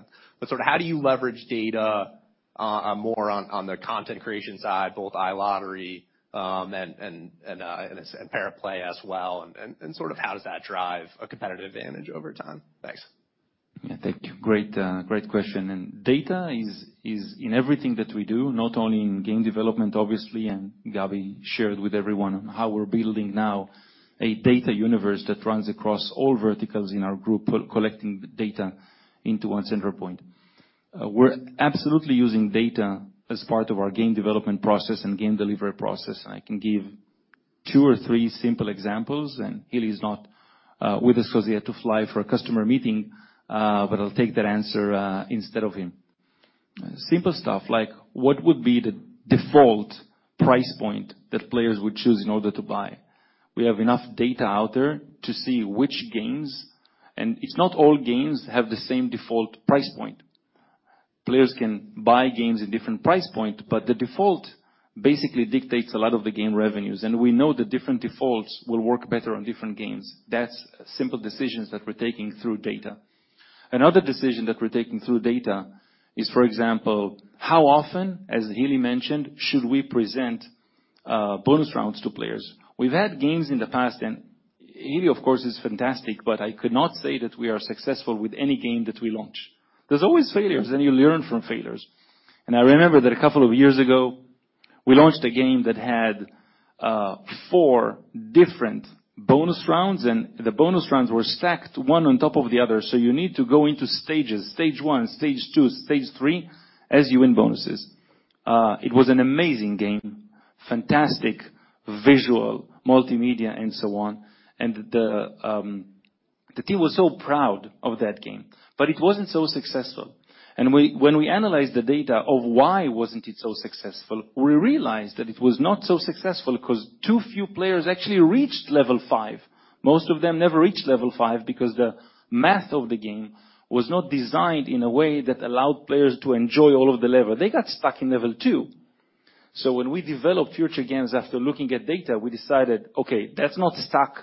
sort of how do you leverage data more on the content creation side, both iLottery, and Pariplay as well, sort of how does that drive a competitive advantage over time? Thanks. Yeah. Thank you. Great, great question. Data is in everything that we do, not only in game development, obviously, and Gabby shared with everyone on how we're building now a data universe that runs across all verticals in our group, collecting data into one center point. We're absolutely using data as part of our game development process and game delivery process. I can give two or three simple examples, and Hili is not with us 'cause he had to fly for a customer meeting, but I'll take that answer instead of him. Simple stuff like what would be the default price point that players would choose in order to buy? We have enough data out there to see which games, and it's not all games have the same default price point. Players can buy games at different price point, but the default basically dictates a lot of the game revenues. We know that different defaults will work better on different games. That's simple decisions that we're taking through data. Another decision that we're taking through data is, for example, how often, as Hili mentioned, should we present bonus rounds to players? We've had games in the past, and Hili, of course, is fantastic, but I could not say that we are successful with any game that we launch. There's always failures, and you learn from failures. I remember that a couple of years ago, we launched a game that had four different bonus rounds, and the bonus rounds were stacked 1 on top of the other, so you need to go into stages. Stage 1, Stage 2, Stage 3, as you win bonuses. It was an amazing game, fantastic visual, multimedia and so on. The team was so proud of that game, but it wasn't so successful. When we analyzed the data of why wasn't it so successful, we realized that it was not so successful 'cause too few players actually reached level 5. Most of them never reached level 5 because the math of the game was not designed in a way that allowed players to enjoy all of the level. They got stuck in level 2. When we developed future games after looking at data, we decided, okay, let's not stack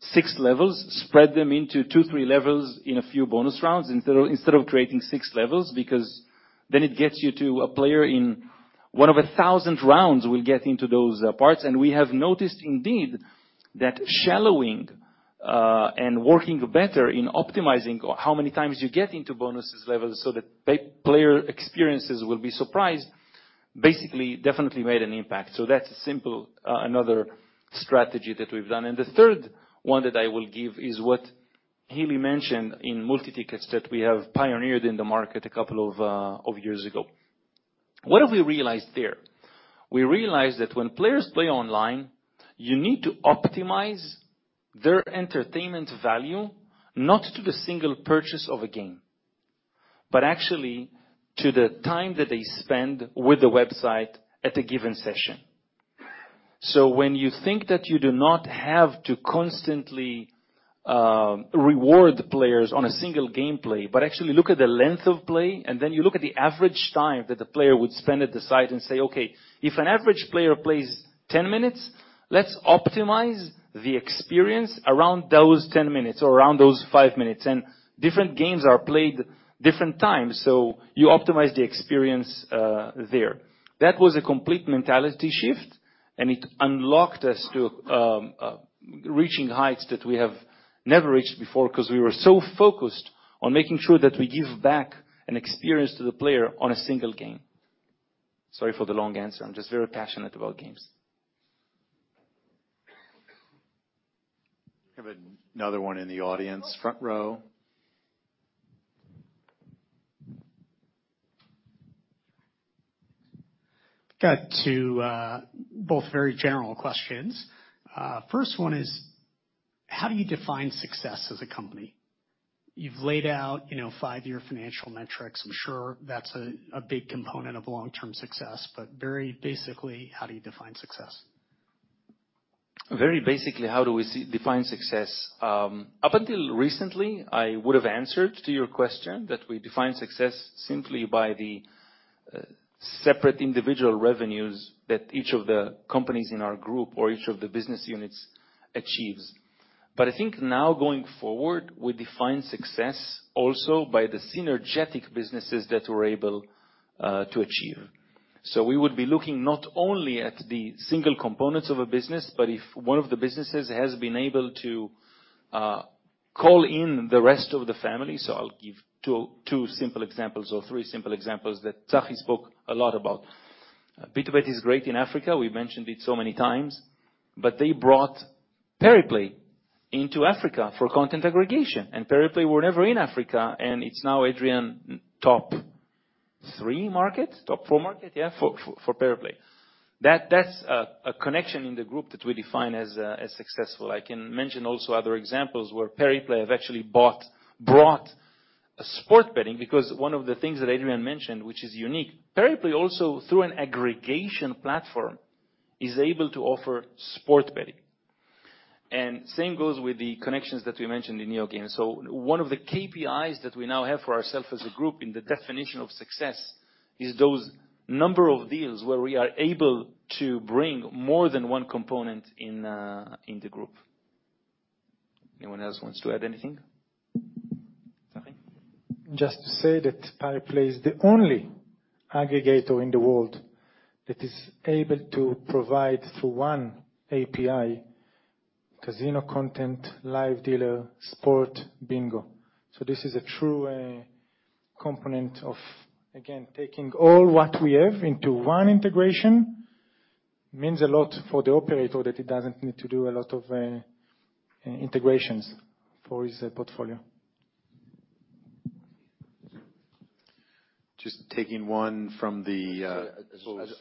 six levels, spread them into two, three levels in a few bonus rounds instead of creating six levels because then it gets you to a player in one of a thousand rounds will get into those parts. We have noticed indeed that shallowing and working better in optimizing or how many times you get into bonuses levels so that player experiences will be surprised, basically, definitely made an impact. That's a simple, another strategy that we've done. The third one that I will give is what Hili mentioned in multi-tickets that we have pioneered in the market a couple of years ago. What have we realized there? We realized that when players play online, you need to optimize their entertainment value, not to the single purchase of a game, but actually to the time that they spend with the website at a given session. When you think that you do not have to constantly reward the players on a single gameplay, but actually look at the length of play, and then you look at the average time that the player would spend at the site and say, "Okay, if an average player plays 10 minutes, let's optimize the experience around those 10 minutes or around those 5 minutes." Different games are played different times, so you optimize the experience there. That was a complete mentality shift, and it unlocked us to reaching heights that we have never reached before 'cause we were so focused on making sure that we give back an experience to the player on a single game. Sorry for the long answer. I'm just very passionate about games. We have another one in the audience, front row. Got two, both very general questions. First one is, how do you define success as a company? You've laid out, you know, five-year financial metrics. I'm sure that's a big component of long-term success. Very basically, how do you define success? Very basically, how do we define success? Up until recently, I would have answered to your question that we define success simply by the separate individual revenues that each of the companies in our group or each of the business units achieves. I think now going forward, we define success also by the synergetic businesses that we're able to achieve. We would be looking not only at the single components of a business, but if one of the businesses has been able to call in the rest of the family. I'll give two simple examples or three simple examples that Tsachi spoke a lot about. BtoBet is great in Africa. We mentioned it so many times, but they brought Pariplay into Africa for content aggregation, and Pariplay were never in Africa, and it's now, Adrian, top 3 markets, top 4 markets, yeah, for Pariplay. That's a connection in the group that we define as successful. I can mention also other examples where Pariplay have actually brought sports betting, because one of the things that Adrian mentioned, which is unique, Pariplay also, through an aggregation platform, is able to offer sports betting. Same goes with the connections that we mentioned in NeoGames. One of the KPIs that we now have for ourself as a group in the definition of success is those number of deals where we are able to bring more than 1 component in the group. Anyone else wants to add anything? Tsachi? Just to say that Pariplay is the only aggregator in the world that is able to provide through one API, casino content, live dealer, sport, bingo. This is a true component of, again, taking all what we have into one integration means a lot for the operator, that it doesn't need to do a lot of integrations for his portfolio. Just taking one from the I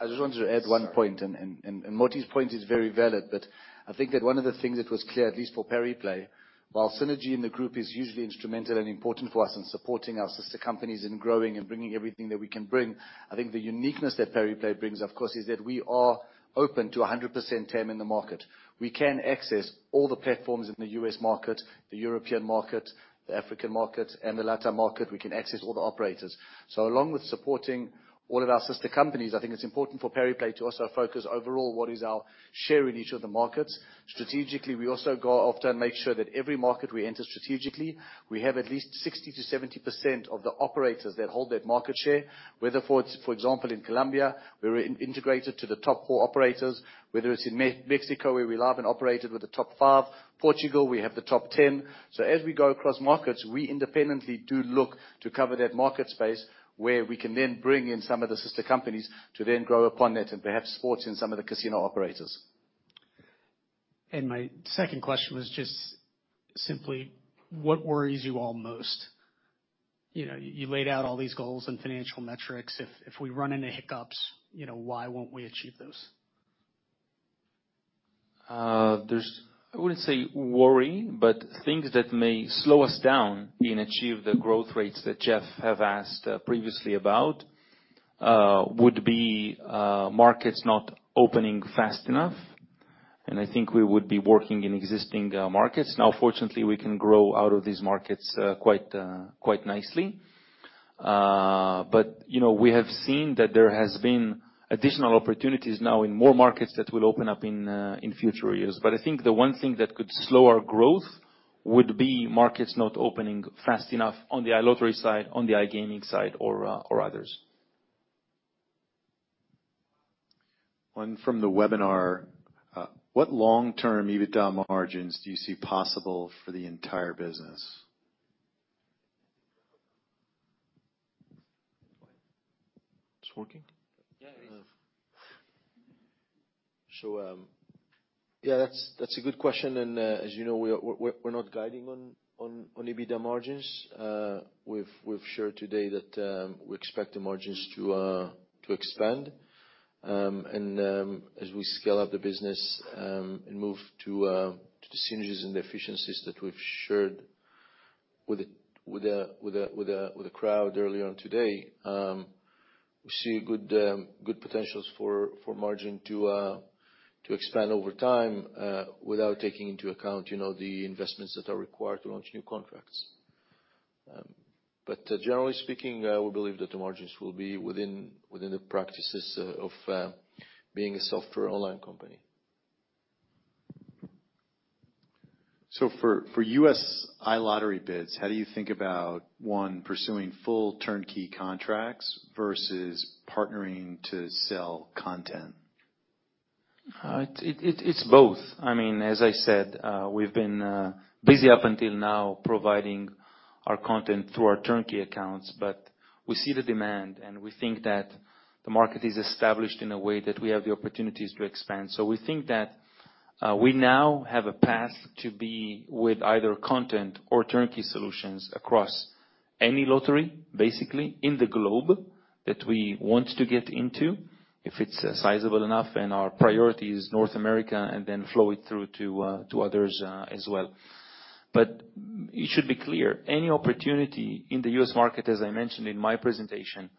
just wanted to add one point. Sorry. Moti's point is very valid, but I think that one of the things that was clear, at least for Pariplay, while synergy in the group is usually instrumental and important for us in supporting our sister companies in growing and bringing everything that we can bring, I think the uniqueness that Pariplay brings, of course, is that we are open to a 100% term in the market. We can access all the platforms in the U.S. market, the European market, the African market, and the LatAm market. We can access all the operators. Along with supporting all of our sister companies, I think it's important for Pariplay to also focus overall what is our share in each of the markets. Strategically, we also go after and make sure that every market we enter strategically, we have at least 60%-70% of the operators that hold that market share. Whether for example, in Colombia, we're integrated to the top 4 operators, whether it's in Mexico, where we're live and operated with the top 5, Portugal, we have the top 10. As we go across markets, we independently do look to cover that market space, where we can then bring in some of the sister companies to then grow upon that and perhaps sports in some of the casino operators. My second question was just simply, what worries you all most? You know, you laid out all these goals and financial metrics. If we run into hiccups, you know, why won't we achieve those? There's... I wouldn't say worry, but things that may slow us down in achieve the growth rates that Jeff have asked previously about, would be markets not opening fast enough. I think we would be working in existing markets. Now, fortunately, we can grow out of these markets quite nicely. You know, we have seen that there has been additional opportunities now in more markets that will open up in future years. I think the one thing that could slow our growth would be markets not opening fast enough on the iLottery side, on the iGaming side or others. One from the webinar. What long-term EBITDA margins do you see possible for the entire business? It's working? Yeah, it is. Yeah, that's a good question, and as you know, we're not guiding on EBITDA margins. We've shared today that we expect the margins to expand. As we scale up the business and move to the synergies and the efficiencies that we've shared with the crowd earlier on today, we see good potentials for margin to expand over time, without taking into account, you know, the investments that are required to launch new contracts. Generally speaking, we believe that the margins will be within the practices of being a software online company. For U.S. iLottery bids, how do you think about, one, pursuing full turnkey contracts versus partnering to sell content? It's both. I mean, as I said, we've been busy up until now providing our content through our turnkey accounts. We see the demand, and we think that the market is established in a way that we have the opportunities to expand. We think that we now have a path to be with either content or turnkey solutions across any lottery, basically, in the globe that we want to get into, if it's sizable enough, and our priority is North America and then flow it through to others as well. It should be clear, any opportunity in the U.S. market, as I mentioned in my presentation,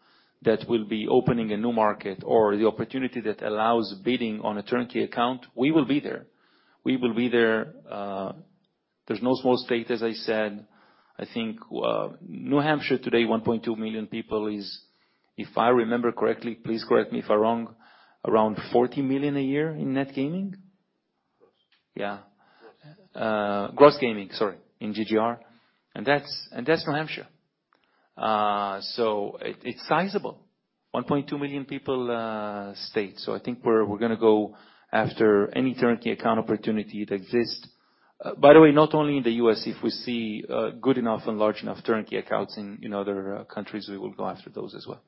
that will be opening a new market or the opportunity that allows bidding on a turnkey account, we will be there. We will be there. There's no small state, as I said. I think, New Hampshire today, 1.2 million people is, if I remember correctly, please correct me if I'm wrong, around $40 million a year in net gaming. Yeah. Gross gaming, sorry, in GGR. That's New Hampshire. It's sizable. 1.2 million people, state. I think we're gonna go after any turnkey account opportunity that exists. By the way, not only in the U.S., if we see good enough and large enough turnkey accounts in other countries, we will go after those as well.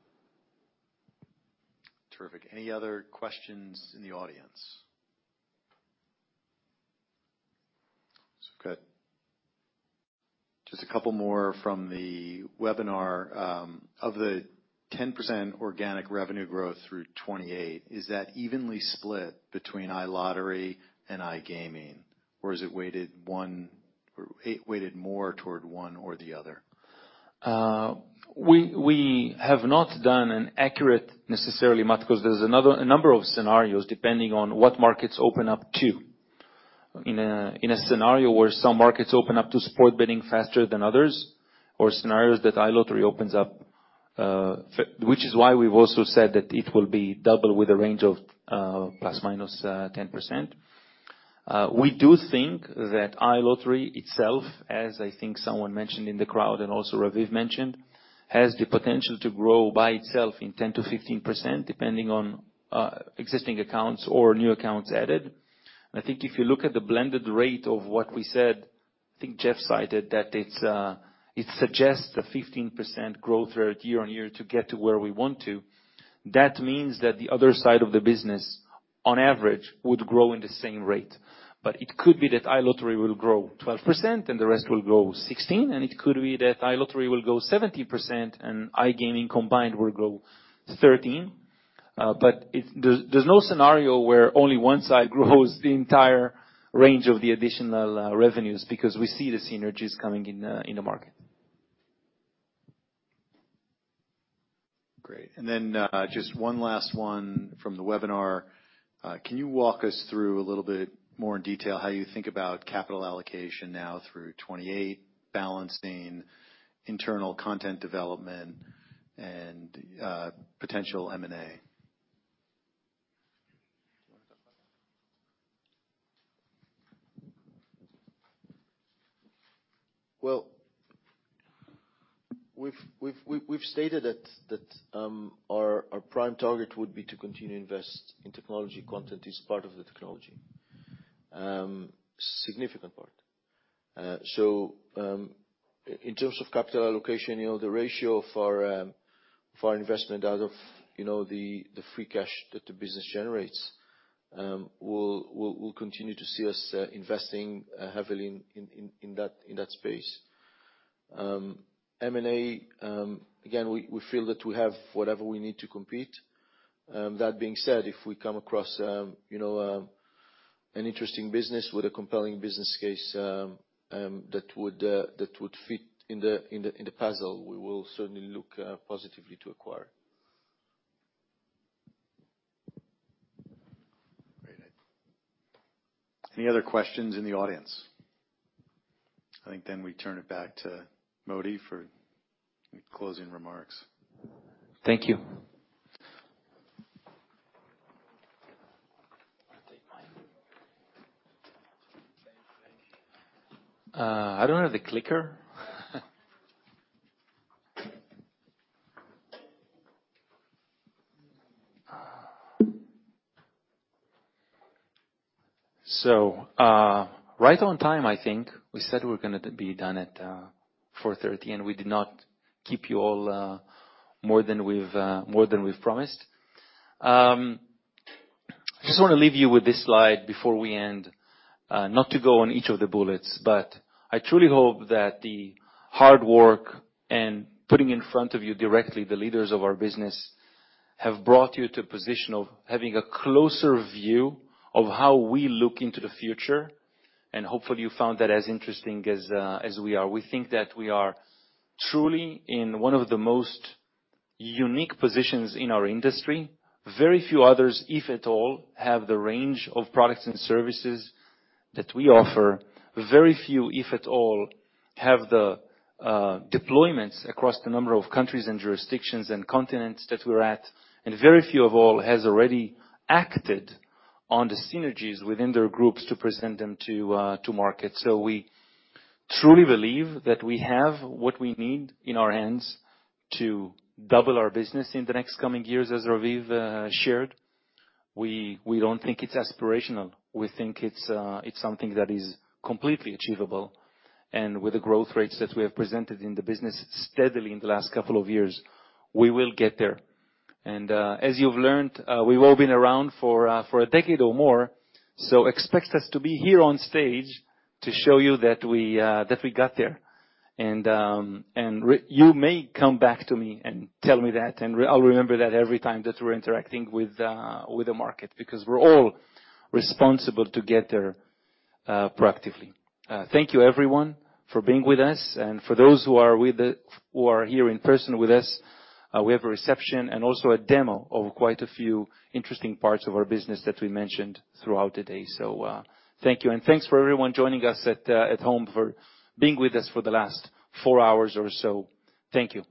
Terrific. Any other questions in the audience? It's okay. Just a couple more from the webinar. Of the 10% organic revenue growth through 2028, is that evenly split between iLottery and iGaming, or is it weighted one or weighted more toward one or the other? We have not done an accurate, necessarily math, because there's a number of scenarios depending on what markets open up to. In a scenario where some markets open up to sports betting faster than others, or scenarios that iLottery opens up, which is why we've also said that it will be double with a range of ±10%. We do think that iLottery itself, as I think someone mentioned in the crowd and also Raviv mentioned, has the potential to grow by itself in 10%-15%, depending on existing accounts or new accounts added. If you look at the blended rate of what we said, I think Jeff cited that it suggests a 15% growth rate year-on-year to get to where we want to. That means that the other side of the business, on average, would grow in the same rate. It could be that iLottery will grow 12% and the rest will grow 16%, and it could be that iLottery will grow 70% and iGaming combined will grow 13%. There's no scenario where only one side grows the entire range of the additional revenues, because we see the synergies coming in in the market. Great. Just one last one from the webinar. Can you walk us through a little bit more in detail how you think about capital allocation now through 28, balancing internal content development and potential M&A? Do you wanna talk about that? Well, we've stated that our prime target would be to continue to invest in technology. Content is part of the technology, significant part. In terms of capital allocation, you know, the ratio for investment out of, you know, the free cash that the business generates, will continue to see us investing heavily in that space. M&A, again, we feel that we have whatever we need to compete. That being said, if we come across, you know, an interesting business with a compelling business case, that would fit in the puzzle, we will certainly look positively to acquire. Great. Any other questions in the audience? I think then we turn it back to Moti for any closing remarks. Thank you. I don't have the clicker. Right on time, I think. We said we're gonna be done at 4:30, and we did not keep you all more than we've promised. Just wanna leave you with this slide before we end. I truly hope that the hard work and putting in front of you directly the leaders of our business have brought you to a position of having a closer view of how we look into the future, hopefully you found that as interesting as we are. We think that we are truly in one of the most unique positions in our industry. Very few others, if at all, have the range of products and services that we offer. Very few, if at all, have the deployments across the number of countries and jurisdictions and continents that we're at. Very few of all has already acted on the synergies within their groups to present them to market. We truly believe that we have what we need in our hands to double our business in the next coming years, as Raviv shared. We don't think it's aspirational. We think it's something that is completely achievable. With the growth rates that we have presented in the business steadily in the last couple of years, we will get there. As you've learned, we've all been around for a decade or more, so expect us to be here on stage to show you that we that we got there. You may come back to me and tell me that, I'll remember that every time that we're interacting with the market, because we're all responsible to get there proactively. Thank you, everyone, for being with us, and for those who are here in person with us, we have a reception and also a demo of quite a few interesting parts of our business that we mentioned throughout the day. Thank you, and thanks for everyone joining us at home for being with us for the last four hours or so. Thank you.